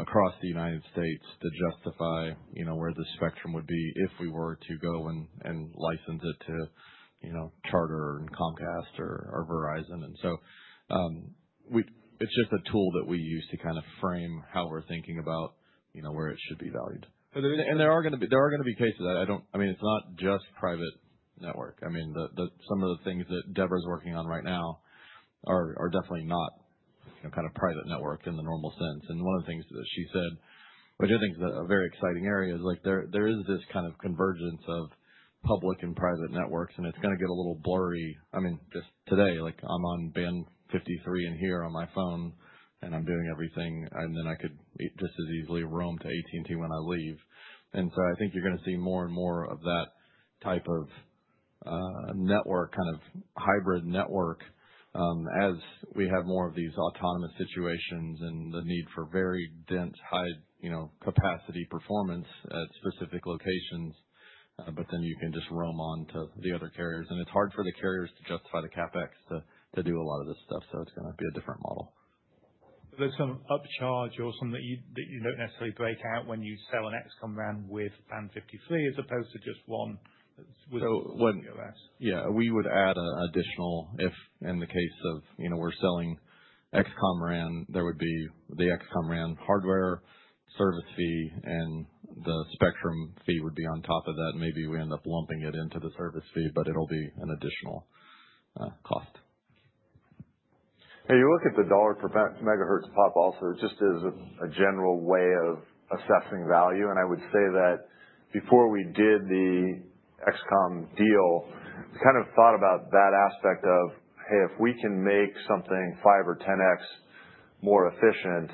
across the United States to justify where the spectrum would be if we were to go and license it to Charter and Comcast or Verizon?" And so it's just a tool that we use to kind of frame how we're thinking about where it should be valued. And there are going to be cases. I mean, it's not just private network. I mean, some of the things that Deborah's working on right now are definitely not kind of private network in the normal sense. And one of the things that she said, which I think is a very exciting area, is there is this kind of convergence of public and private networks. And it's going to get a little blurry. I mean, just today, I'm on Band 53 in here on my phone, and I'm doing everything. And then I could just as easily roam to AT&T when I leave. And so I think you're going to see more and more of that type of network, kind of hybrid network, as we have more of these autonomous situations and the need for very dense high-capacity performance at specific locations. But then you can just roam on to the other carriers. And it's hard for the carriers to justify the CapEx to do a lot of this stuff. So it's going to be a different model. So there's some upcharge or some that you don't necessarily break out when you sell an XCOM RAN with Band 53 as opposed to just one with CBRS? Yeah. We would add an additional—if in the case of we're selling XCOM RAN, there would be the XCOM RAN hardware service fee, and the spectrum fee would be on top of that. And maybe we end up lumping it into the service fee, but it'll be an additional cost. And you look at the $ per megahertz pop also just as a general way of assessing value. I would say that before we did the XCOM deal, we kind of thought about that aspect of, "Hey, if we can make something 5 or 10x more efficient,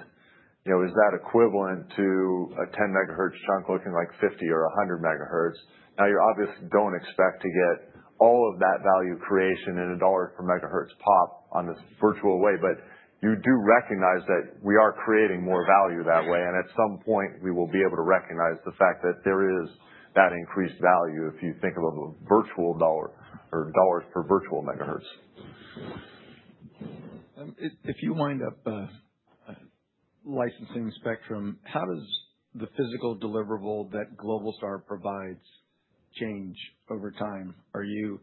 is that equivalent to a 10-megahertz chunk looking like 50 or 100 megahertz?" Now, you obviously don't expect to get all of that value creation in a dollar per megahertz pop on this virtual way. But you do recognize that we are creating more value that way. And at some point, we will be able to recognize the fact that there is that increased value if you think of a virtual dollar or dollars per virtual megahertz. If you wind up licensing spectrum, how does the physical deliverable that Globalstar provides change over time? Are you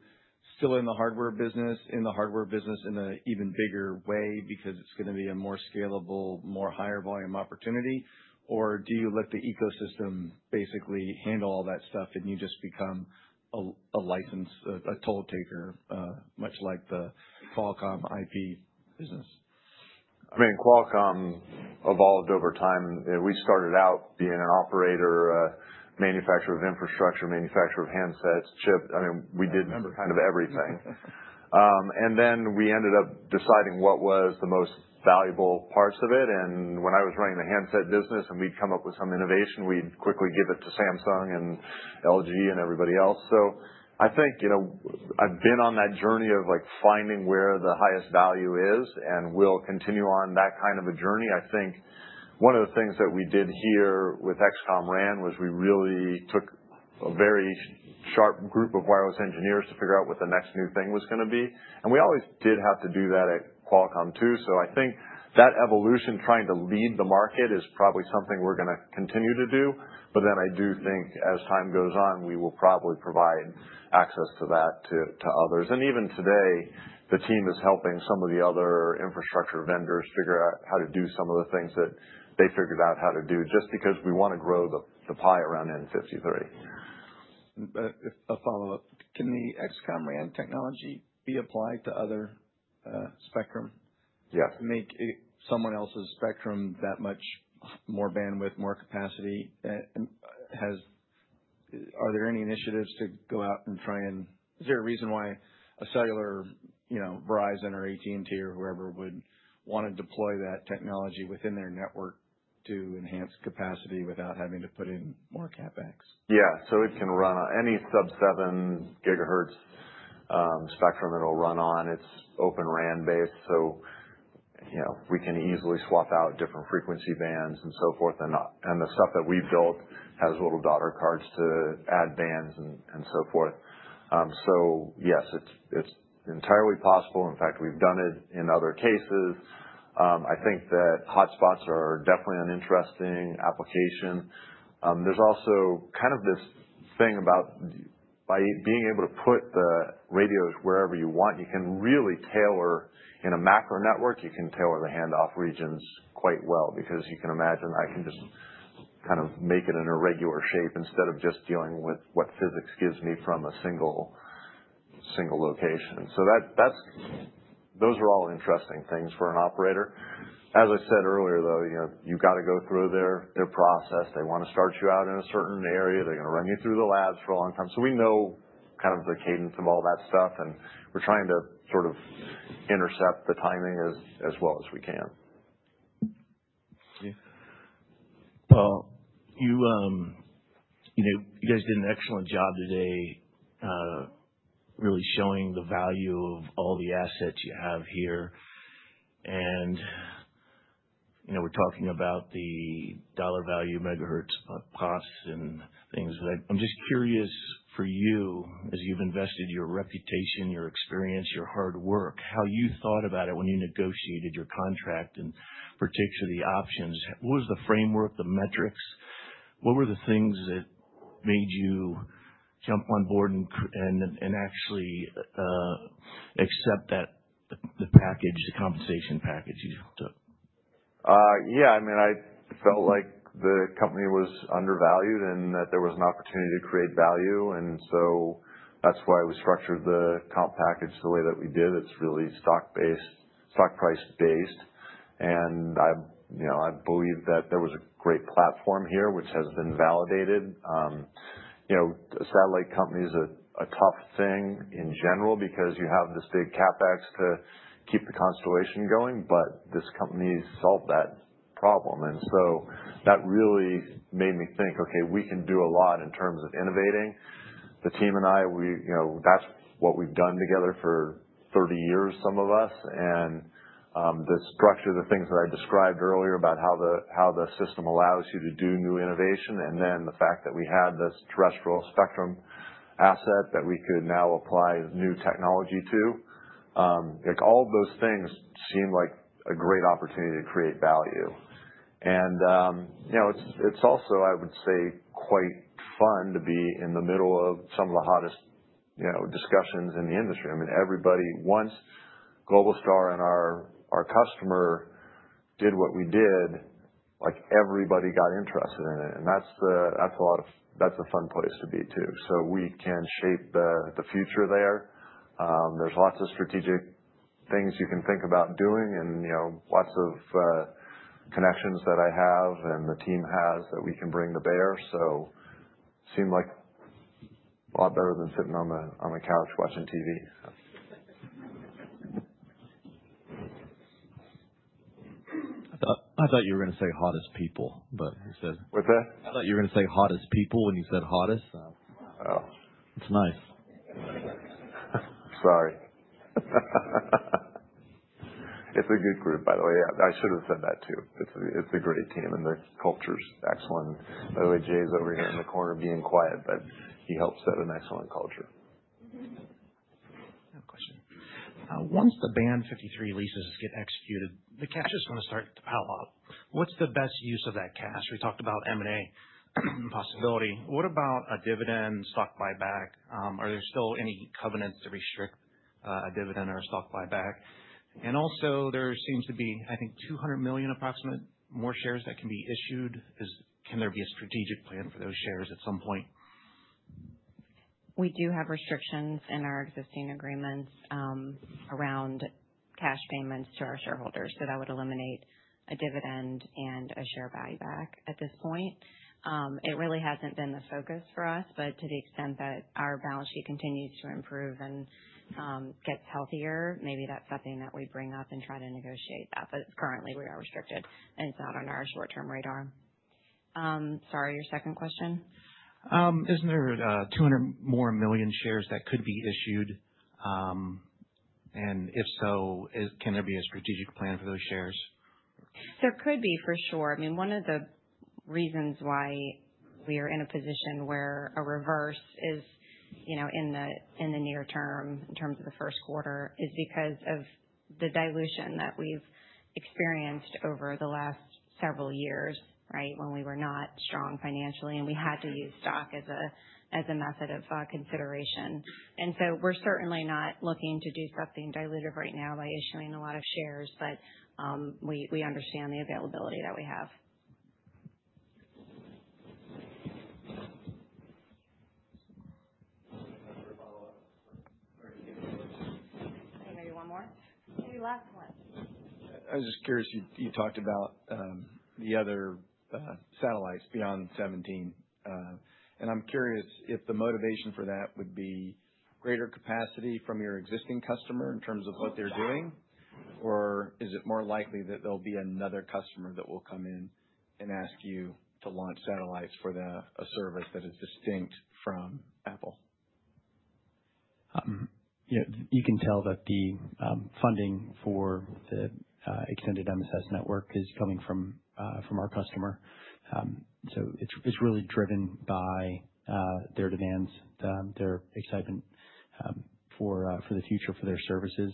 still in the hardware business, in the hardware business in an even bigger way because it's going to be a more scalable, more higher volume opportunity? Or do you let the ecosystem basically handle all that stuff, and you just become a license, a toll-taker, much like the Qualcomm IP business? I mean, Qualcomm evolved over time. We started out being an operator, a manufacturer of infrastructure, a manufacturer of handsets, chip. I mean, we did kind of everything. Then we ended up deciding what was the most valuable parts of it. When I was running the handset business and we'd come up with some innovation, we'd quickly give it to Samsung and LG and everybody else. So I think I've been on that journey of finding where the highest value is and will continue on that kind of a journey. I think one of the things that we did here with XCOM RAN was we really took a very sharp group of wireless engineers to figure out what the next new thing was going to be. And we always did have to do that at Qualcomm too. So I think that evolution, trying to lead the market, is probably something we're going to continue to do. But then I do think as time goes on, we will probably provide access to that to others. And even today, the team is helping some of the other infrastructure vendors figure out how to do some of the things that they figured out how to do just because we want to grow the pie around n53. A follow-up. Can the XCOM RAN technology be applied to other spectrum? Yeah. To make someone else's spectrum that much more bandwidth, more capacity? Are there any initiatives to go out and try and, is there a reason why a cellular Verizon or AT&T or whoever would want to deploy that technology within their network to enhance capacity without having to put in more CapEx? Yeah, so it can run on any sub-7 gigahertz spectrum it'll run on. It's O-RAN-based, so we can easily swap out different frequency bands and so forth, and the stuff that we've built has little daughter cards to add bands and so forth, so yes, it's entirely possible. In fact, we've done it in other cases. I think that hotspots are definitely an interesting application. There's also kind of this thing about by being able to put the radios wherever you want. You can really tailor in a macro network. You can tailor the handoff regions quite well because you can imagine I can just kind of make it in a regular shape instead of just dealing with what physics gives me from a single location. So those are all interesting things for an operator. As I said earlier, though, you've got to go through their process. They want to start you out in a certain area. They're going to run you through the labs for a long time. So we know kind of the cadence of all that stuff. And we're trying to sort of intercept the timing as well as we can. You guys did an excellent job today, really showing the value of all the assets you have here. And we're talking about the dollar value, megahertz pops, and things. But I'm just curious for you, as you've invested your reputation, your experience, your hard work, how you thought about it when you negotiated your contract and particularly the options. What was the framework, the metrics? What were the things that made you jump on board and actually accept the package, the compensation package you took? Yeah. I mean, I felt like the company was undervalued and that there was an opportunity to create value. And so that's why we structured the comp package the way that we did. It's really stock-price based. And I believe that there was a great platform here, which has been validated. Satellite companies are a tough thing in general because you have this big CapEx to keep the constellation going. But this company solved that problem. And so that really made me think, "Okay. We can do a lot in terms of innovating." The team and I, that's what we've done together for 30 years, some of us. And the structure of the things that I described earlier about how the system allows you to do new innovation and then the fact that we had this terrestrial spectrum asset that we could now apply new technology to, all of those things seem like a great opportunity to create value. And it's also, I would say, quite fun to be in the middle of some of the hottest discussions in the industry. I mean, everybody, once Globalstar and our customer did what we did, everybody got interested in it. And that's a lot of, that's a fun place to be too. So we can shape the future there. There's lots of strategic things you can think about doing and lots of connections that I have and the team has that we can bring to bear. So it seemed like a lot better than sitting on the couch watching TV. I thought you were going to say hottest people, but instead—What's that? I thought you were going to say hottest people when you said hottest. It's nice. Sorry. It's a good group, by the way. I should have said that too. It's a great team, and the culture's excellent. By the way, Jay's over here in the corner being quiet, but he helps set an excellent culture. Question. Once the Band 53 leases get executed, the cash is going to start to pile up. What's the best use of that cash? We talked about M&A possibility. What about a dividend, stock buyback? Are there still any covenants to restrict a dividend or a stock buyback? And also, there seems to be, I think, approximately 200 million more shares that can be issued. Can there be a strategic plan for those shares at some point? We do have restrictions in our existing agreements around cash payments to our shareholders. So that would eliminate a dividend and a share buyback at this point. It really hasn't been the focus for us. But to the extent that our balance sheet continues to improve and gets healthier, maybe that's something that we bring up and try to negotiate that. But currently, we are restricted, and it's not on our short-term radar. Sorry, your second question? Isn't there 200 million more shares that could be issued? And if so, can there be a strategic plan for those shares? There could be, for sure. I mean, one of the reasons why we are in a position where a reverse is in the near term in terms of the first quarter is because of the dilution that we've experienced over the last several years, right, when we were not strong financially, and we had to use stock as a method of consideration. And so we're certainly not looking to do something dilutive right now by issuing a lot of shares, but we understand the availability that we have. Maybe one more? Maybe last one. I was just curious. You talked about the other satellites beyond 17. I'm curious if the motivation for that would be greater capacity from your existing customer in terms of what they're doing, or is it more likely that there'll be another customer that will come in and ask you to launch satellites for a service that is distinct from Apple? You can tell that the funding for the extended MSS network is coming from our customer. So it's really driven by their demands, their excitement for the future for their services.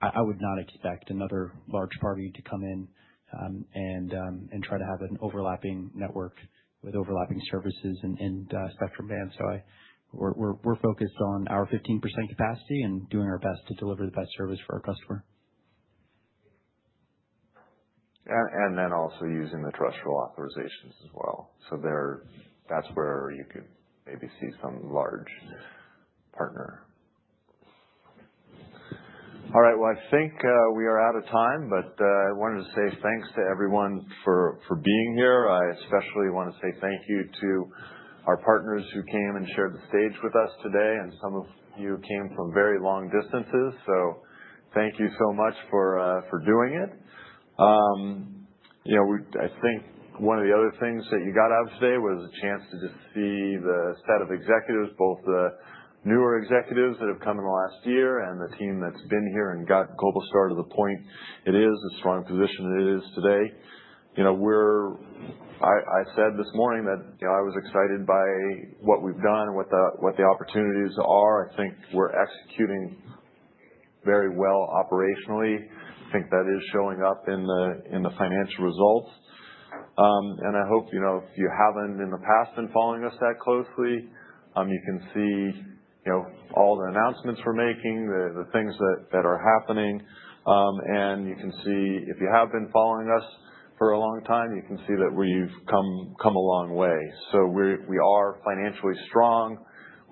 I would not expect another large party to come in and try to have an overlapping network with overlapping services and spectrum bands. So we're focused on our 15% capacity and doing our best to deliver the best service for our customer. And then also using the terrestrial authorizations as well. So that's where you could maybe see some large partner. All right. I think we are out of time, but I wanted to say thanks to everyone for being here. I especially want to say thank you to our partners who came and shared the stage with us today. Some of you came from very long distances. Thank you so much for doing it. I think one of the other things that you got out of today was a chance to just see the set of executives, both the newer executives that have come in the last year and the team that's been here and got Globalstar to the point it is, the strong position it is today. I said this morning that I was excited by what we've done and what the opportunities are. I think we're executing very well operationally. I think that is showing up in the financial results. I hope if you haven't in the past been following us that closely, you can see all the announcements we're making, the things that are happening. You can see if you have been following us for a long time, you can see that we've come a long way. We are financially strong.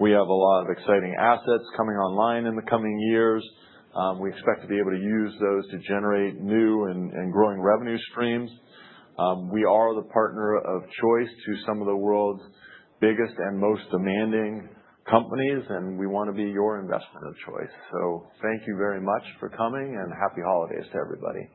We have a lot of exciting assets coming online in the coming years. We expect to be able to use those to generate new and growing revenue streams. We are the partner of choice to some of the world's biggest and most demanding companies, and we want to be your investment of choice. Thank you very much for coming, and happy holidays to everybody.